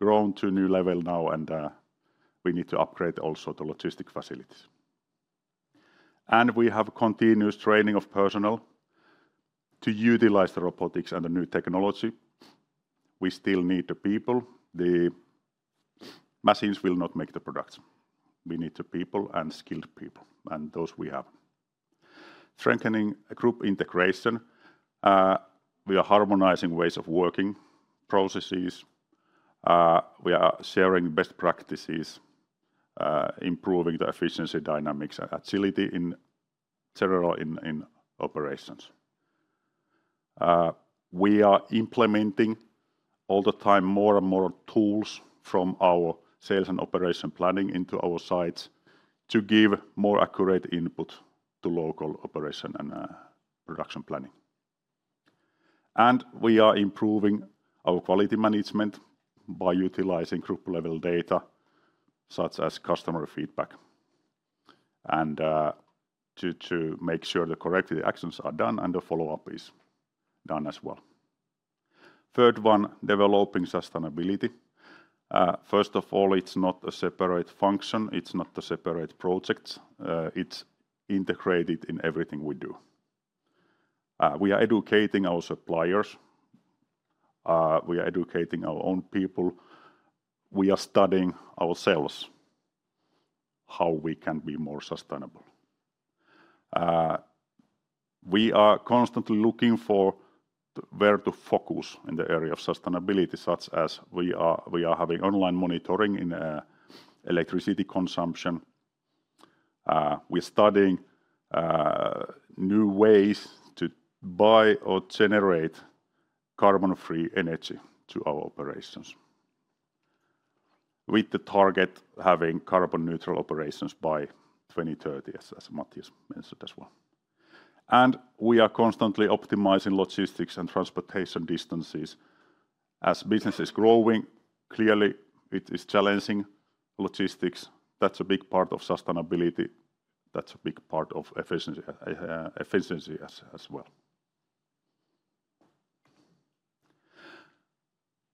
S9: grown to a new level now, and we need to upgrade also the logistics facilities. We have continuous training of personnel to utilize the robotics and the new technology. We still need the people. The machines will not make the products. We need the people, and skilled people, and those we have. Strengthening group integration, we are harmonizing ways of working, processes. We are sharing best practices, improving the efficiency, dynamics, and agility in general in operations. We are implementing all the time more and more tools from our sales and operations planning into our sites to give more accurate input to local operations and production planning. And we are improving our quality management by utilizing group-level data, such as customer feedback, and to make sure the corrective actions are done and the follow-up is done as well. Third one, developing sustainability. First of all, it's not a separate function. It's not a separate project. It's integrated in everything we do. We are educating our suppliers. We are educating our own people. We are studying ourselves how we can be more sustainable. We are constantly looking for where to focus in the area of sustainability, such as we are having online monitoring in electricity consumption. We're studying new ways to buy or generate carbon-free energy to our operations, with the target having carbon-neutral operations by 2030, as Matias has mentioned as well. And we are constantly optimizing logistics and transportation distances. As business is growing, clearly it is challenging logistics. That's a big part of sustainability. That's a big part of efficiency as well.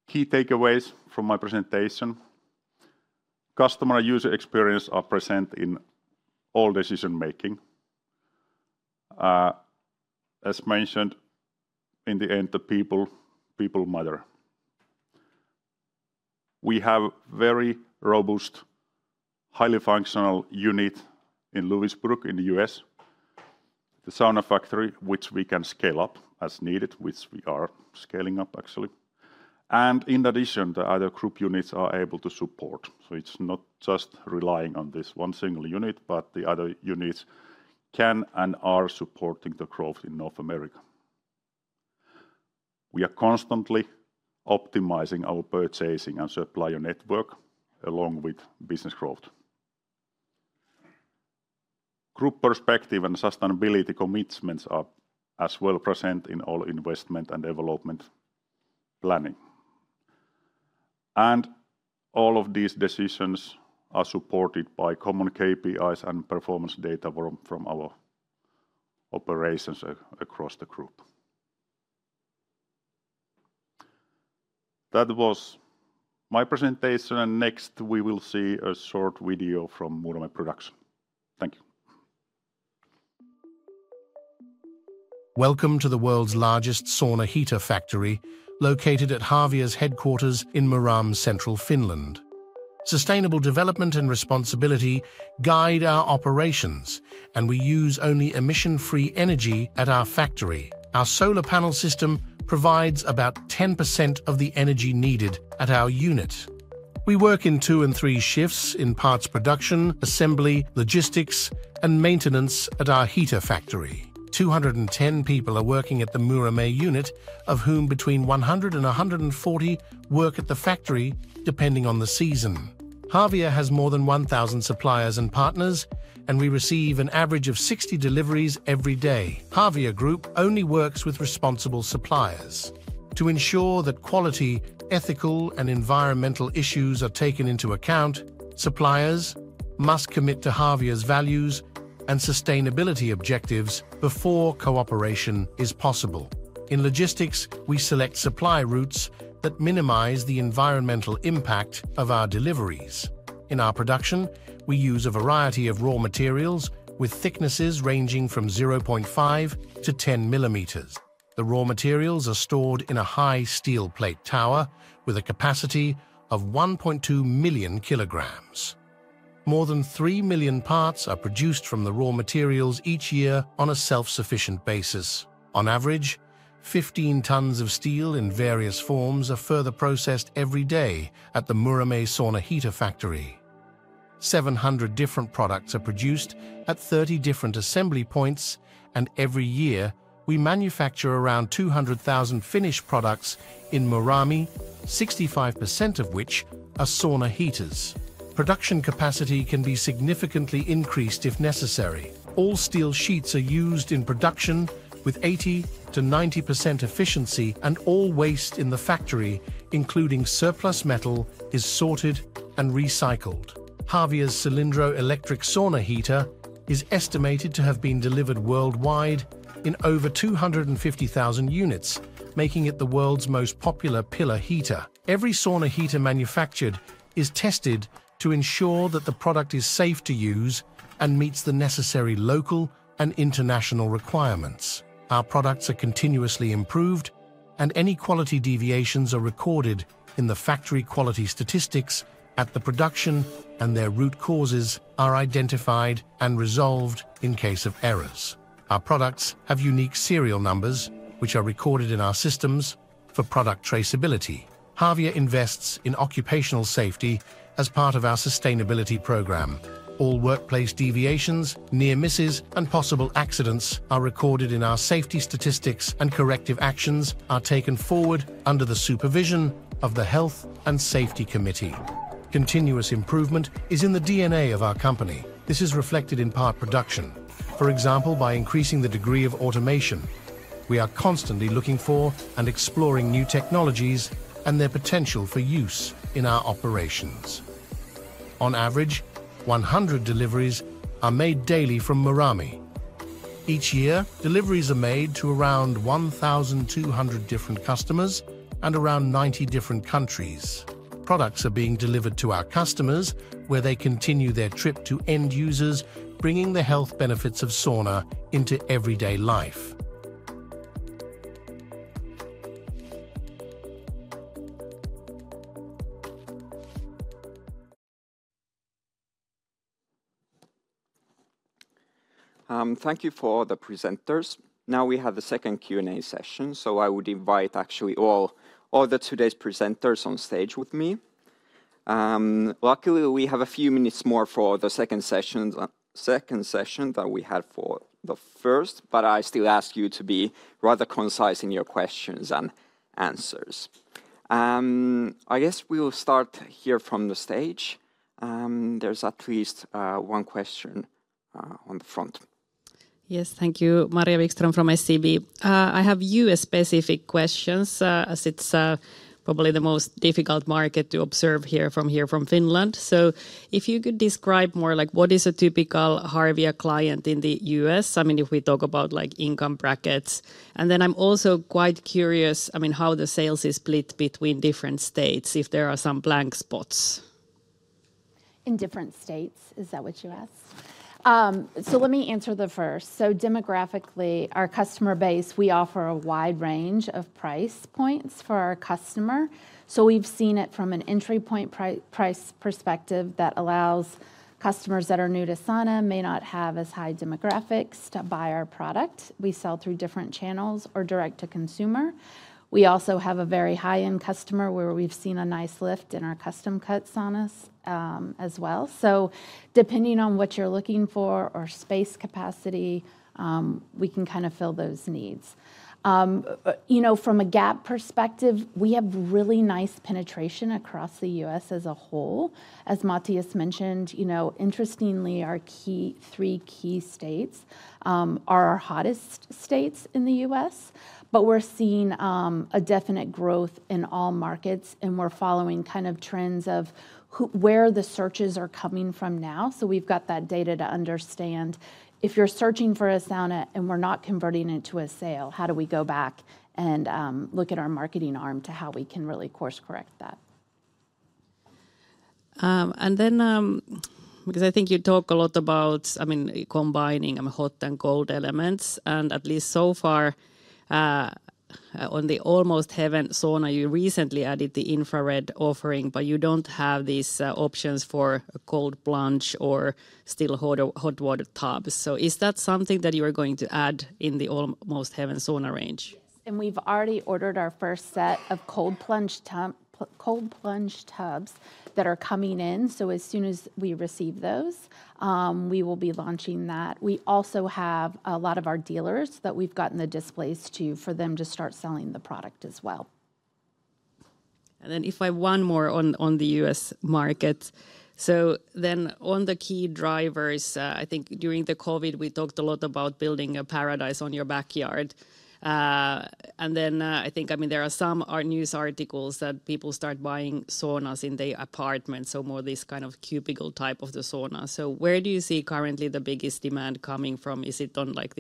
S9: Key takeaways from my presentation: customer user experience are present in all decision making. As mentioned, in the end, the people, people matter. We have very robust, highly functional unit in Lewisburg, in the U.S., the sauna factory, which we can scale up as needed, which we are scaling up actually. And in addition, the other group units are able to support. So it's not just relying on this one single unit, but the other units can and are supporting the growth in North America. We are constantly optimizing our purchasing and supplier network, along with business growth. Group perspective and sustainability commitments are as well present in all investment and development planning. All of these decisions are supported by common KPIs and performance data from our operations across the group. That was my presentation, and next, we will see a short video from Muurame production. Thank you.
S10: Welcome to the world's largest sauna heater factory, located at Harvia's headquarters in Muurame, central Finland. Sustainable development and responsibility guide our operations, and we use only emission-free energy at our factory. Our solar panel system provides about 10% of the energy needed at our unit. We work in two and three shifts in parts production, assembly, logistics, and maintenance at our heater factory. 210 people are working at the Muurame unit, of whom between 100 and 140 work at the factory, depending on the season. Harvia has more than 1,000 suppliers and partners, and we receive an average of 60 deliveries every day. Harvia Group only works with responsible suppliers. To ensure that quality, ethical, and environmental issues are taken into account, suppliers must commit to Harvia's values and sustainability objectives before cooperation is possible. In logistics, we select supply routes that minimize the environmental impact of our deliveries. In our production, we use a variety of raw materials with thicknesses ranging from 0.5 mm to 10 mm. The raw materials are stored in a high steel plate tower with a capacity of 1.2 million kg. More than 3 million parts are produced from the raw materials each year on a self-sufficient basis. On average, 15 tons of steel in various forms are further processed every day at the Muurame sauna heater factory. 700 different products are produced at 30 different assembly points, and every year, we manufacture around 200,000 finished products in Muurame, 65% of which are sauna heaters. Production capacity can be significantly increased if necessary. All steel sheets are used in production with 80%-90% efficiency, and all waste in the factory, including surplus metal, is sorted and recycled. Harvia's Cilindro electric sauna heater is estimated to have been delivered worldwide in over 250,000 units, making it the world's most popular pillar heater. Every sauna heater manufactured is tested to ensure that the product is safe to use and meets the necessary local and international requirements. Our products are continuously improved, and any quality deviations are recorded in the factory quality statistics at the production, and their root causes are identified and resolved in case of errors. Our products have unique serial numbers, which are recorded in our systems for product traceability. Harvia invests in occupational safety as part of our sustainability program. All workplace deviations, near misses, and possible accidents are recorded in our safety statistics, and corrective actions are taken forward under the supervision of the Health and Safety Committee. Continuous improvement is in the DNA of our company. This is reflected in part production. For example, by increasing the degree of automation, we are constantly looking for and exploring new technologies and their potential for use in our operations. On average, 100 deliveries are made daily from Muurame. Each year, deliveries are made to around 1,200 different customers and around 90 different countries. Products are being delivered to our customers, where they continue their trip to end users, bringing the health benefits of sauna into everyday life.
S1: Thank you for the presenters. Now, we have the second Q&A session, so I would invite actually all, all the today's presenters on stage with me. Luckily, we have a few minutes more for the second session, second session than we had for the first, but I still ask you to be rather concise in your questions and answers. I guess we will start here from the stage. There's at least one question on the front.
S11: Yes, thank you. Maria Wikström from SEB. I have U.S.-specific questions, as it's probably the most difficult market to observe from here from Finland. So if you could describe more like what is a typical Harvia client in the U.S.? I mean, if we talk about, like, income brackets. And then I'm also quite curious, I mean, how the sales is split between different states, if there are some blank spots.
S6: In different states, is that what you asked? So let me answer the first. So demographically, our customer base, we offer a wide range of price points for our customer. So we've seen it from an entry point price perspective that allows customers that are new to sauna, may not have as high demographics, to buy our product. We sell through different channels or direct to consumer. We also have a very high-end customer, where we've seen a nice lift in our custom cut saunas, as well. So depending on what you're looking for or space capacity, we can kind of fill those needs. You know, from a gap perspective, we have really nice penetration across the U.S. as a whole. As Matias mentioned, you know, interestingly, our key... Three key states are our hottest states in the U.S., but we're seeing a definite growth in all markets, and we're following kind of trends of where the searches are coming from now. So we've got that data to understand if you're searching for a sauna, and we're not converting it to a sale, how do we go back and look at our marketing arm to how we can really course-correct that?
S11: And then, because I think you talk a lot about, I mean, combining hot and cold elements, and at least so far, on the Almost Heaven Saunas, you recently added the infrared offering, but you don't have these options for a cold plunge or still hot, hot water tubs. So is that something that you are going to add in the Almost Heaven Saunas range?
S6: Yes, and we've already ordered our first set of cold plunge tub, cold plunge tubs that are coming in, so as soon as we receive those, we will be launching that. We also have a lot of our dealers that we've gotten the displays to, for them to start selling the product as well.
S11: Then if I ask one more on the U.S. market. So on the key drivers, I think during the COVID, we talked a lot about building a paradise on your backyard. And then, I think, I mean, there are some news articles that people start buying saunas in the apartments, so more this kind of cubicle type of the sauna. So where do you see currently the biggest demand coming from? Is it, like,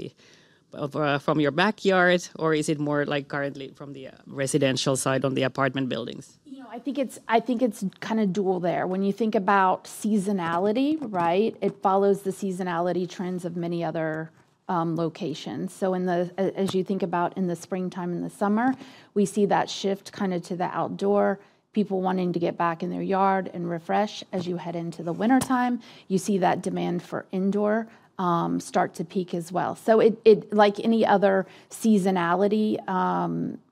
S11: from your backyard, or is it more, like, currently from the residential side on the apartment buildings?
S6: You know, I think it's, I think it's kind of dual there. When you think about seasonality, right, it follows the seasonality trends of many other locations. So as you think about in the springtime and the summer, we see that shift kind of to the outdoor, people wanting to get back in their yard and refresh. As you head into the wintertime, you see that demand for indoor start to peak as well. So it, it, like any other seasonality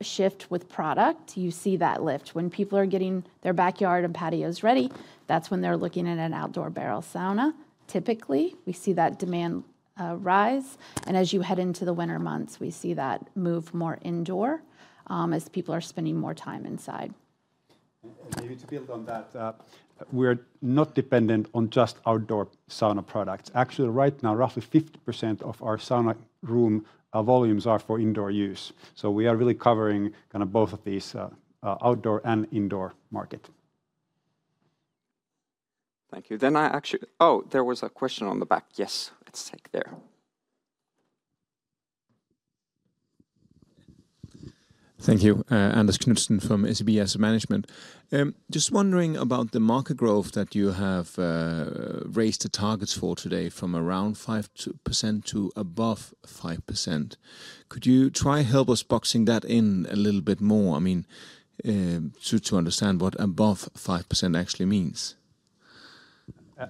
S6: shift with product, you see that lift. When people are getting their backyard and patios ready, that's when they're looking at an outdoor barrel sauna. Typically, we see that demand rise, and as you head into the winter months, we see that move more indoor as people are spending more time inside.
S2: Maybe to build on that, we're not dependent on just outdoor sauna products. Actually, right now, roughly 50% of our sauna room volumes are for indoor use. We are really covering kind of both of these, outdoor and indoor market.
S1: Thank you. I actually... Oh, there was a question on the back. Yes, let's take there.
S12: Thank you. Andreas Knudsen from SEB. Just wondering about the market growth that you have raised the targets for today from around 5% to above 5%. Could you try to help us box that in a little bit more? I mean, so to understand what above 5% actually means.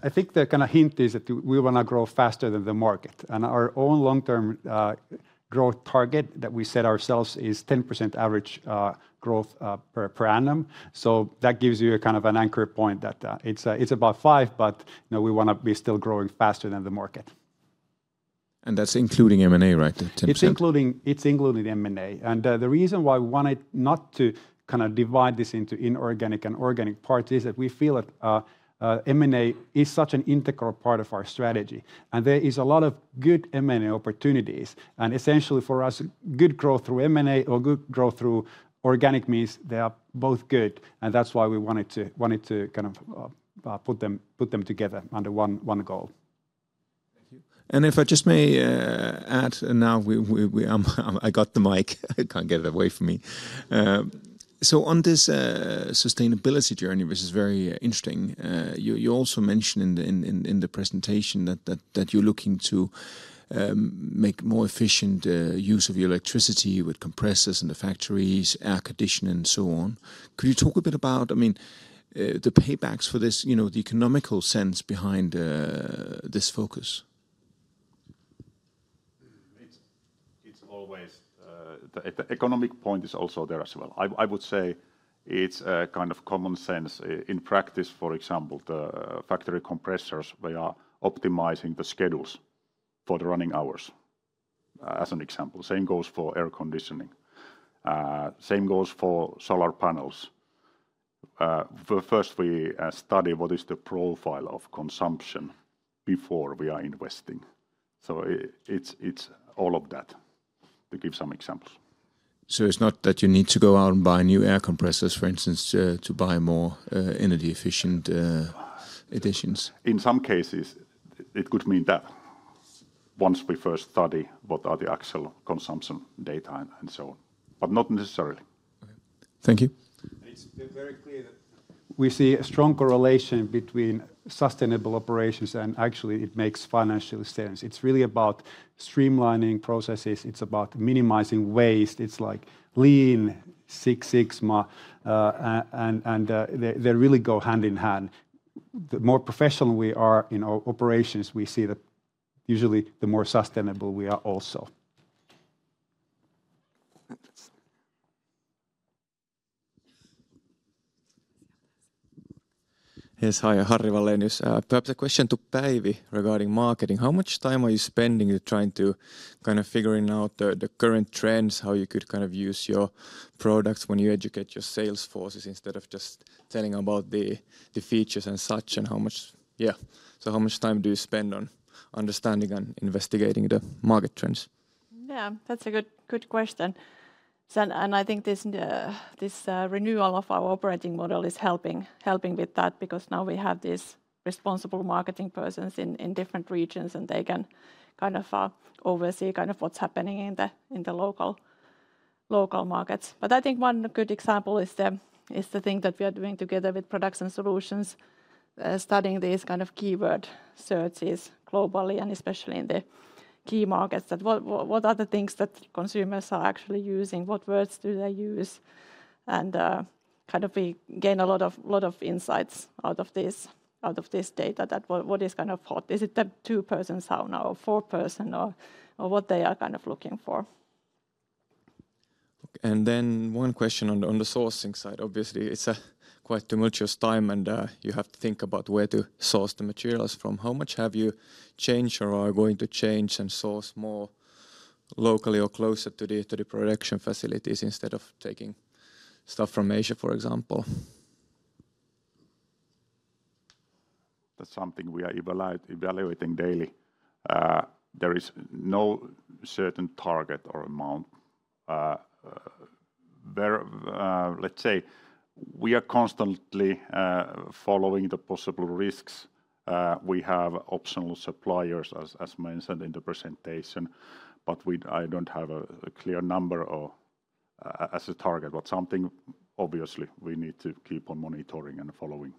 S2: I think the kind of hint is that we want to grow faster than the market, and our own long-term growth target that we set ourselves is 10% average growth per annum. So that gives you a kind of an anchor point that it's about 5%, but you know, we want to be still growing faster than the market.
S12: That's including M&A, right, the 10%?
S2: It's including, it's including M&A. And, the reason why we wanted not to kind of divide this into inorganic and organic parts is that we feel that M&A is such an integral part of our strategy, and there is a lot of good M&A opportunities. And essentially, for us, good growth through M&A or good growth through organic means they are both good, and that's why we wanted to kind of put them together under one goal.
S12: Thank you. And if I just may add, I got the mic. I can't get it away from me. So on this sustainability journey, which is very interesting, you also mentioned in the presentation that you're looking to make more efficient use of your electricity with compressors in the factories, air conditioning, and so on. Could you talk a bit about, I mean, the paybacks for this, you know, the economical sense behind this focus?
S9: It's, it's always, the economic point is also there as well. I, I would say it's, kind of common sense. In practice, for example, the factory compressors, we are optimizing the schedules for the running hours, as an example. Same goes for air conditioning. Same goes for solar panels. First, we study what is the profile of consumption before we are investing. So it's, it's all of that, to give some examples.
S12: It's not that you need to go out and buy new air compressors, for instance, to buy more energy-efficient additions?
S9: In some cases, it could mean that once we first study what are the actual consumption data and so on, but not necessarily.
S12: Okay. Thank you.
S2: It's been very clear that we see a strong correlation between sustainable operations, and actually it makes financial sense. It's really about streamlining processes. It's about minimizing waste. It's like Lean Six Sigma, they really go hand in hand. The more professional we are in our operations, we see that usually the more sustainable we are also.
S1: Yes.
S13: Yes. Hi, Harri Wallenius. Perhaps a question to Päivi regarding marketing. How much time are you spending in trying to kind of figuring out the current trends, how you could kind of use your products when you educate your sales forces, instead of just telling about the features and such, and how much... yeah, so how much time do you spend on understanding and investigating the market trends?
S8: Yeah, that's a good, good question. So, and I think this renewal of our operating model is helping, helping with that because now we have these responsible marketing persons in different regions, and they can kind of oversee kind of what's happening in the local markets. But I think one good example is the thing that we are doing together with products and solutions, studying these kind of keyword searches globally, and especially in the key markets, that what are the things that consumers are actually using? What words do they use? And kind of we gain a lot of insights out of this data, that what is kind of hot. Is it the two-person sauna or four-person or what they are kind of looking for.
S13: Then one question on the sourcing side. Obviously, it's a quite tumultuous time, and you have to think about where to source the materials from. How much have you changed or are going to change and source more locally or closer to the production facilities instead of taking stuff from Asia, for example?
S9: That's something we are evaluating daily. There is no certain target or amount. Let's say, we are constantly following the possible risks. We have optional suppliers, as mentioned in the presentation, but I don't have a clear number or as a target, but something obviously we need to keep on monitoring and following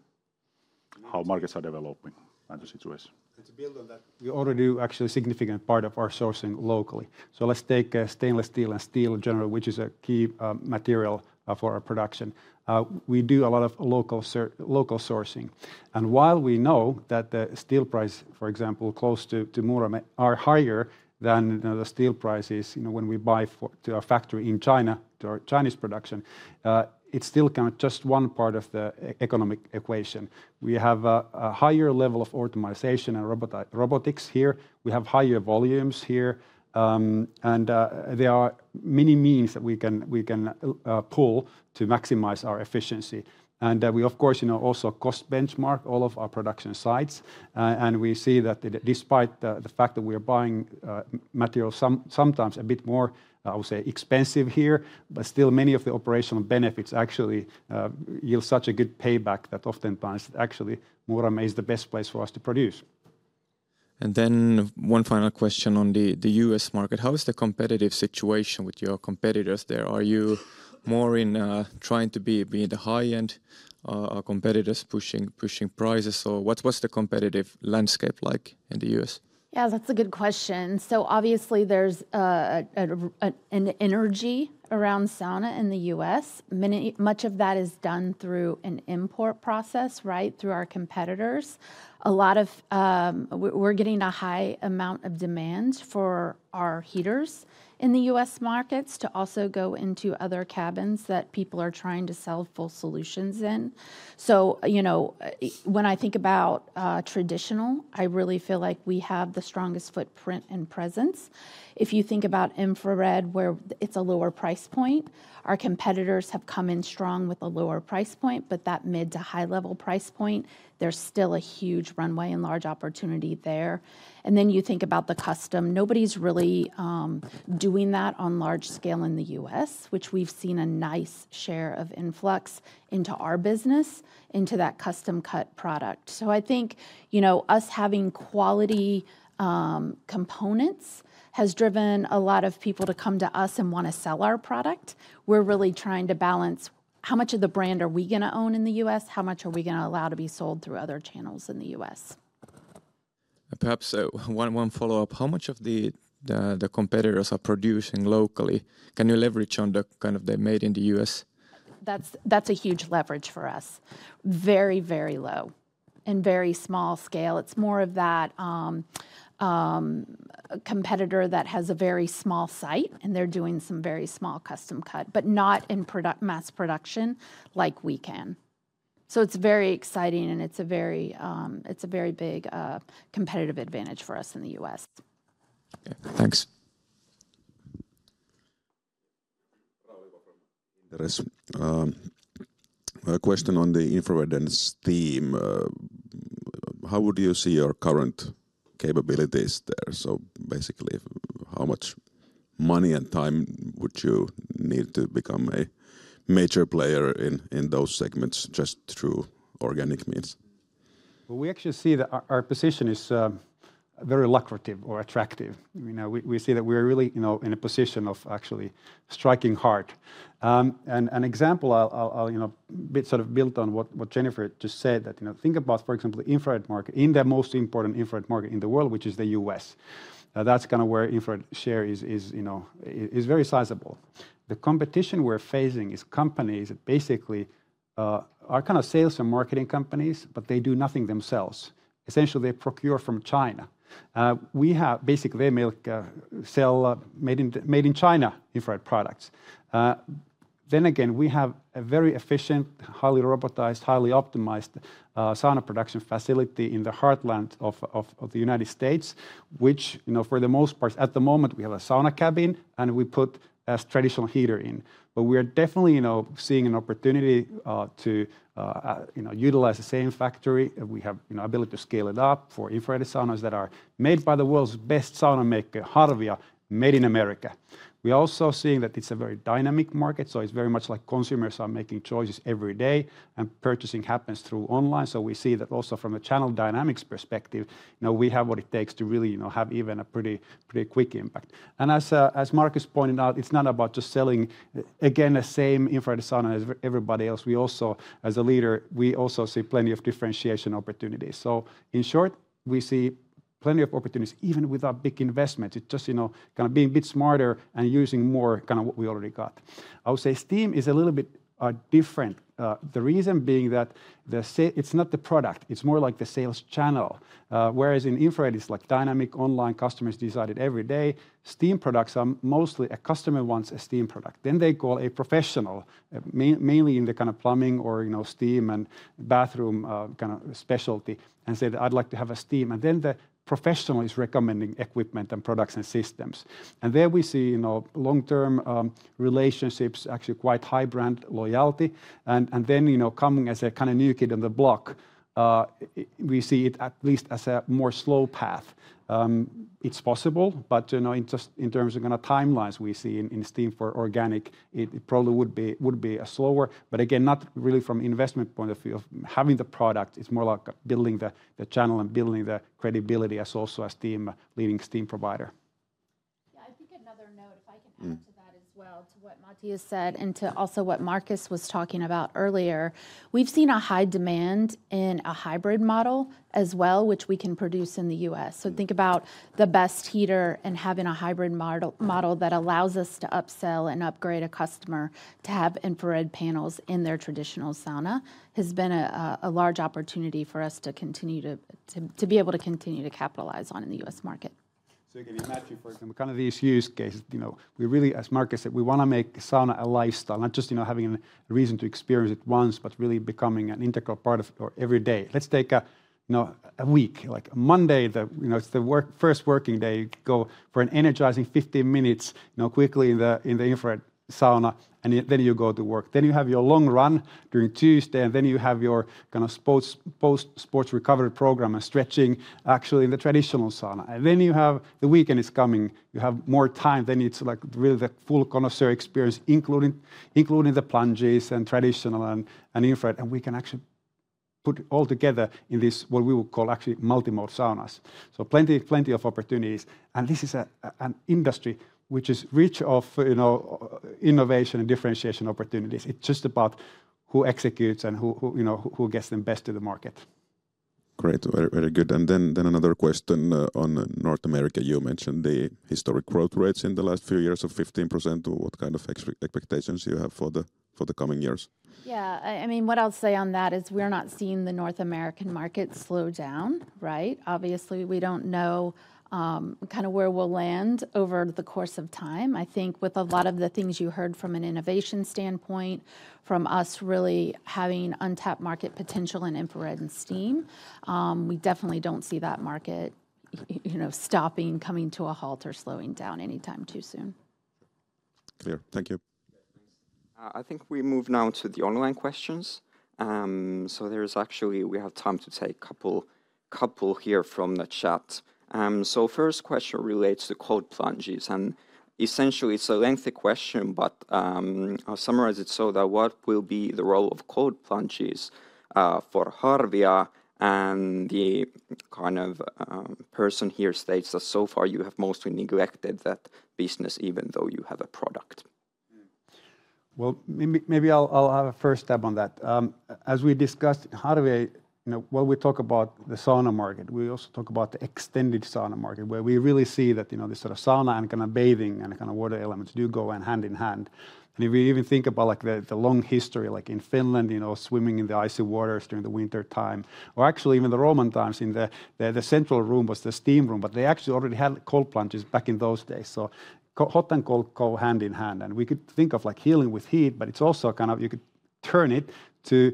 S9: how markets are developing and the situation.
S2: To build on that, we already do actually a significant part of our sourcing locally. So let's take stainless steel and steel in general, which is a key material for our production. We do a lot of local sourcing, and while we know that the steel price, for example, close to Muurame are higher than the steel prices, you know, when we buy to our factory in China, to our Chinese production, it's still kind of just one part of the economic equation. We have a higher level of optimization and robotics here. We have higher volumes here. And there are many means that we can pull to maximize our efficiency. We, of course, you know, also cost benchmark all of our production sites, and we see that despite the fact that we are buying materials sometimes a bit more, I would say, expensive here, but still many of the operational benefits actually yield such a good payback that oftentimes actually Muurame is the best place for us to produce.
S13: Then one final question on the U.S. market. How is the competitive situation with your competitors there? Are you more in trying to be in the high-end? Are competitors pushing prices, or what's the competitive landscape like in the U.S.?
S6: Yeah, that's a good question. So obviously, there's an energy around sauna in the U.S. Much of that is done through an import process, right? Through our competitors. A lot of... we're getting a high amount of demand for our heaters in the U.S. markets to also go into other cabins that people are trying to sell full solutions in. So, you know, when I think about traditional, I really feel like we have the strongest footprint and presence. If you think about infrared, where it's a lower price point, our competitors have come in strong with a lower price point, but that mid- to high-level price point, there's still a huge runway and large opportunity there. And then you think about the custom. Nobody's really doing that on large scale in the U.S., which we've seen a nice share of influx into our business, into that custom-cut product. So I think, you know, us having quality components has driven a lot of people to come to us and want to sell our product. We're really trying to balance how much of the brand are we gonna own in the U.S., how much are we gonna allow to be sold through other channels in the U.S.
S13: Perhaps one follow-up. How much of the competitors are producing locally? Can you leverage on the kind of made in the U.S.?
S6: That's, that's a huge leverage for us. Very, very low and very small scale. It's more of that, competitor that has a very small site, and they're doing some very small custom cut, but not in product-mass production like we can. So it's very exciting, and it's a very, it's a very big, competitive advantage for us in the U.S.
S13: Okay, thanks.
S14: Rauli from Inderes. A question on the infrared and steam. How would you see your current capabilities there? So basically, how much money and time would you need to become a major player in those segments, just through organic means?
S2: Well, we actually see that our, our position is very lucrative or attractive. You know, we, we see that we're really, you know, in a position of actually striking hard. And an example I'll, you know, build, sort of build on what Jennifer just said, that, you know, think about, for example, the infrared market, in the most important infrared market in the world, which is the U.S. That's kind of where infrared share is, you know, very sizable. The competition we're facing is companies that basically are kind of sales and marketing companies, but they do nothing themselves. Essentially, they procure from China. We have... basically, they make, sell, made in, made in China infrared products. Then again, we have a very efficient, highly robotized, highly optimized, sauna production facility in the heartland of the United States, which, you know, for the most part, at the moment, we have a sauna cabin, and we put a traditional heater in. But we are definitely, you know, seeing an opportunity, to, you know, utilize the same factory. We have, you know, ability to scale it up for infrared saunas that are made by the world's best sauna maker, Harvia, made in America. We're also seeing that it's a very dynamic market, so it's very much like consumers are making choices every day, and purchasing happens through online. So we see that also from a channel dynamics perspective, you know, we have what it takes to really, you know, have even a pretty, pretty quick impact. And as, as Markus pointed out, it's not about just selling, again, the same infrared sauna as everybody else. We also, as a leader, we also see plenty of differentiation opportunities. So in short, we see plenty of opportunities even without big investment. It's just, you know, kind of being a bit smarter and using more, kind of, what we already got. I would say steam is a little bit different. The reason being that it's not the product, it's more like the sales channel. Whereas in infrared it's like dynamic, online, customers decide it every day, steam products are mostly a customer wants a steam product, then they call a professional, mainly in the kind of plumbing or, you know, steam and bathroom, kind of, specialty, and say that, "I'd like to have a steam." And then the professional is recommending equipment, and products, and systems. And there we see, you know, long-term relationships, actually quite high brand loyalty. And then, you know, coming as a kind of new kid on the block, we see it at least as a more slow path. It's possible, but, you know, in just in terms of kind of timelines we see in steam for organic, it probably would be a slower. But again, not really from investment point of view, of having the product. It's more like building the channel and building the credibility as also a steam-leading steam provider.
S6: Yeah, I think another note, if I can add-
S14: Mm...
S6: to that as well, to what Matias said, and to also what Markus was talking about earlier. We've seen a high demand in a hybrid model as well, which we can produce in the U.S.
S14: Mm.
S6: So, think about the best heater and having a hybrid model that allows us to upsell and upgrade a customer to have infrared panels in their traditional sauna, has been a large opportunity for us to continue to be able to continue to capitalize on in the U.S. market.
S2: So again, if, for example, kind of these use cases, you know, we really, as Markus said, we want to make sauna a lifestyle, not just, you know, having a reason to experience it once, but really becoming an integral part of your every day. Let's take a, you know, a week. Like Monday, the, you know, it's the work-first working day, you go for an energizing 15 minutes, you know, quickly in the, in the infrared sauna, and then you go to work. Then you have your long run during Tuesday, and then you have your, kind of, sports, post-sports recovery program and stretching, actually in the traditional sauna. And then you have... the weekend is coming, you have more time, then it's, like, really the full connoisseur experience, including, including the plunges, and traditional, and, and infrared. We can actually put it all together in this, what we would call actually multi-mode saunas. So plenty, plenty of opportunities. And this is an industry which is rich of, you know, innovation and differentiation opportunities. It's just about who executes and who, you know, who gets them best to the market.
S14: Great. Very, very good. And then another question on North America. You mentioned the historic growth rates in the last few years of 15%, what kind of expectations do you have for the coming years?
S6: Yeah. I mean, what I'll say on that is we're not seeing the North American market slow down, right? Obviously, we don't know kind of where we'll land over the course of time. I think with a lot of the things you heard from an innovation standpoint, from us really having untapped market potential in infrared and steam, we definitely don't see that market, you know, stopping, coming to a halt, or slowing down anytime too soon.
S14: Clear. Thank you.
S1: Yeah, thanks. I think we move now to the online questions. So there is actually... we have time to take a couple here from the chat. So first question relates to cold plunges, and essentially it's a lengthy question, but, I'll summarize it so that: what will be the role of cold plunges for Harvia? And the kind of person here states that so far you have mostly neglected that business, even though you have a product.
S2: Well, maybe I'll have a first stab on that. As we discussed, Harvia, you know, when we talk about the sauna market, we also talk about the extended sauna market, where we really see that, you know, the sort of sauna, and kind of bathing, and the kind of water elements go hand in hand. And if we even think about, like, the long history, like in Finland, you know, swimming in the icy waters during the wintertime, or actually even the Roman times, in the central room was the steam room, but they actually already had cold plunges back in those days. So hot and cold go hand in hand, and we could think of, like, healing with heat, but it's also kind of... you could turn it to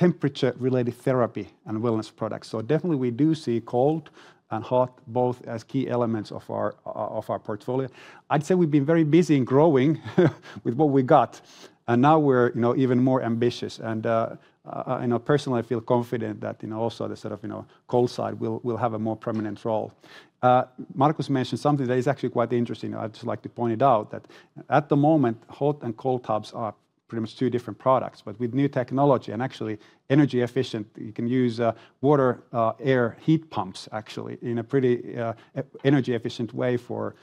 S2: temperature-related therapy and wellness products. So definitely we do see cold and hot both as key elements of our of our portfolio. I'd say we've been very busy in growing with what we got, and now we're, you know, even more ambitious. You know, personally, I feel confident that, you know, also the sort of, you know, cold side will have a more prominent role. Markus mentioned something that is actually quite interesting. I'd just like to point it out, that at the moment, hot and cold tubs are pretty much two different products, but with new technology and actually energy efficient, you can use water air heat pumps actually, in a pretty energy efficient way for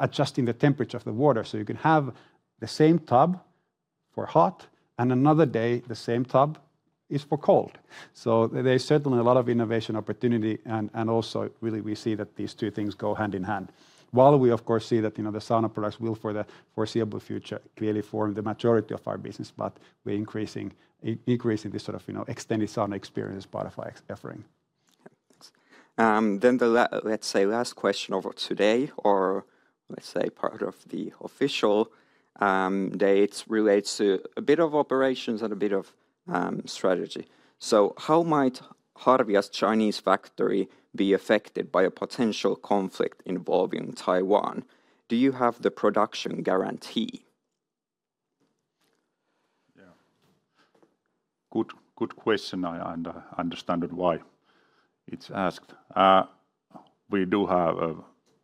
S2: adjusting the temperature of the water. So you can have the same tub for hot, and another day, the same tub is for cold. So there's certainly a lot of innovation opportunity, and also really we see that these two things go hand in hand. While we of course see that, you know, the sauna products will, for the foreseeable future, clearly form the majority of our business, but we're increasing this sort of, you know, extended sauna experience part of our offering.
S1: Yeah, thanks. Then let's say last question of today, or let's say part of the official day, it relates to a bit of operations and a bit of strategy. So how might Harvia's Chinese factory be affected by a potential conflict involving Taiwan? Do you have the production guarantee?
S9: Yeah. Good question, I understand why it's asked. We do have a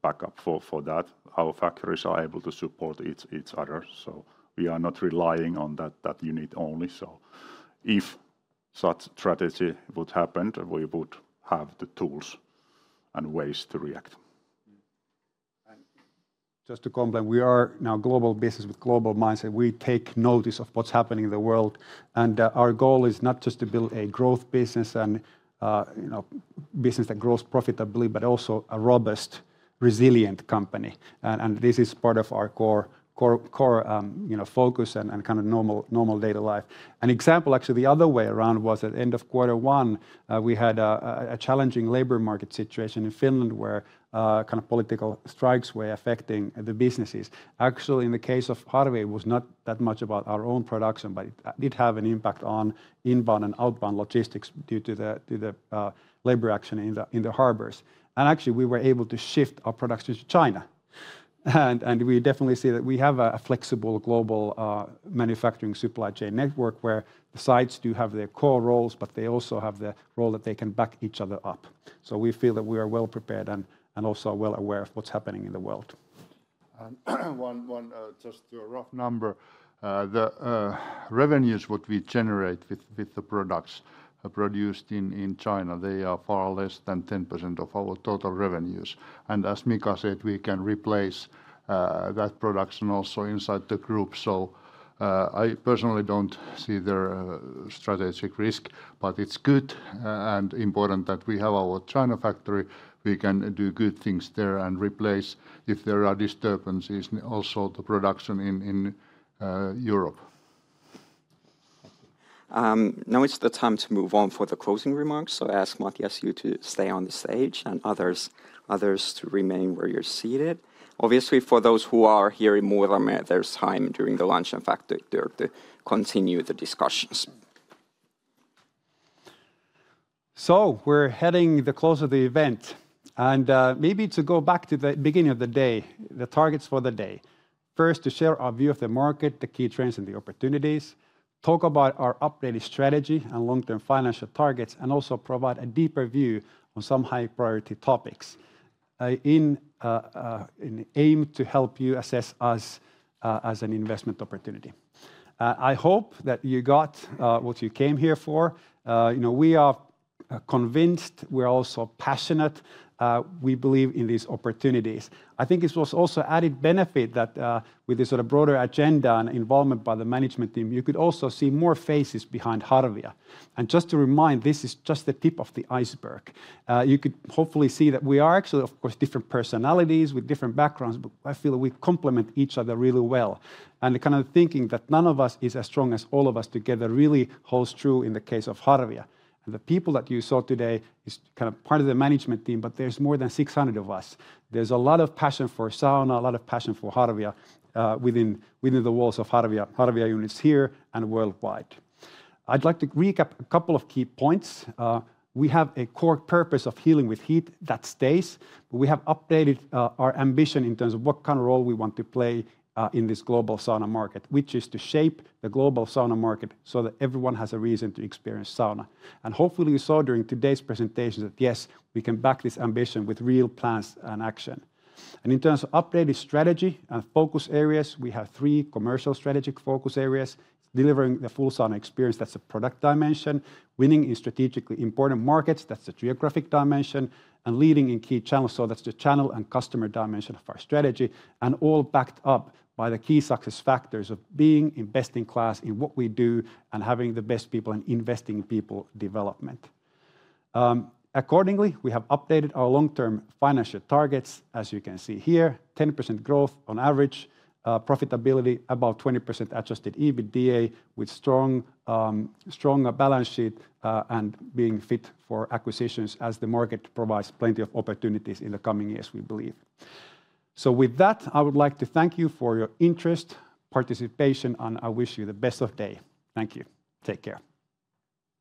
S9: backup for that. Our factories are able to support each other, so we are not relying on that unit only. So if such tragedy would happen, we would have the tools and ways to react.
S2: Just to complement, we are now a global business with a global mindset. We take notice of what's happening in the world, and our goal is not just to build a growth business and you know business that grows profitably, but also a robust, resilient company. And this is part of our core focus and kind of normal day-to-day life. An example, actually, the other way around was at the end of quarter one. We had a challenging labor market situation in Finland, where kind of political strikes were affecting the businesses. Actually, in the case of Harvia, it was not that much about our own production, but it did have an impact on inbound and outbound logistics due to the labor action in the harbors. Actually, we were able to shift our production to China. We definitely see that we have a flexible global manufacturing supply chain network, where the sites do have their core roles, but they also have the role that they can back each other up. So we feel that we are well-prepared and also well aware of what's happening in the world.
S3: Just to a rough number, the revenues what we generate with the products produced in China, they are far less than 10% of our total revenues. And as Mika said, we can replace that production also inside the group. So, I personally don't see the strategic risk, but it's good and important that we have our China factory. We can do good things there and replace, if there are disturbances, also the production in Europe.
S1: Now is the time to move on for the closing remarks, so I ask, Matias, you to stay on the stage and others to remain where you're seated. Obviously, for those who are here in Muurame, there's time during the lunch, in fact, to continue the discussions.
S2: So we're heading the close of the event, and, maybe to go back to the beginning of the day, the targets for the day: first, to share our view of the market, the key trends, and the opportunities; talk about our updated strategy and long-term financial targets; and also provide a deeper view on some high-priority topics, in aim to help you assess us, as an investment opportunity. I hope that you got, what you came here for. You know, we are, convinced, we're also passionate. We believe in these opportunities. I think it was also added benefit that, with this sort of broader agenda and involvement by the management team, you could also see more faces behind Harvia. Just to remind, this is just the tip of the iceberg. You could hopefully see that we are actually, of course, different personalities with different backgrounds, but I feel we complement each other really well. And the kind of thinking that none of us is as strong as all of us together really holds true in the case of Harvia. And the people that you saw today is kind of part of the management team, but there's more than 600 of us. There's a lot of passion for sauna, a lot of passion for Harvia, within the walls of Harvia units here and worldwide. I'd like to recap a couple of key points. We have a core purpose of healing with heat that stays, but we have updated our ambition in terms of what kind of role we want to play in this global sauna market, which is to shape the global sauna market so that everyone has a reason to experience sauna. Hopefully, you saw during today's presentation that, yes, we can back this ambition with real plans and action. In terms of updated strategy and focus areas, we have three commercial strategic focus areas: delivering the full sauna experience, that's the product dimension. Winning in strategically important markets, that's the geographic dimension. Leading in key channels, so that's the channel and customer dimension of our strategy. All backed up by the key success factors of being best in class in what we do and having the best people and investing in people development. Accordingly, we have updated our long-term financial targets. As you can see here, 10% growth on average, profitability about 20% adjusted EBITDA, with strong balance sheet, and being fit for acquisitions as the market provides plenty of opportunities in the coming years, we believe. With that, I would like to thank you for your interest, participation, and I wish you the best of day. Thank you. Take care.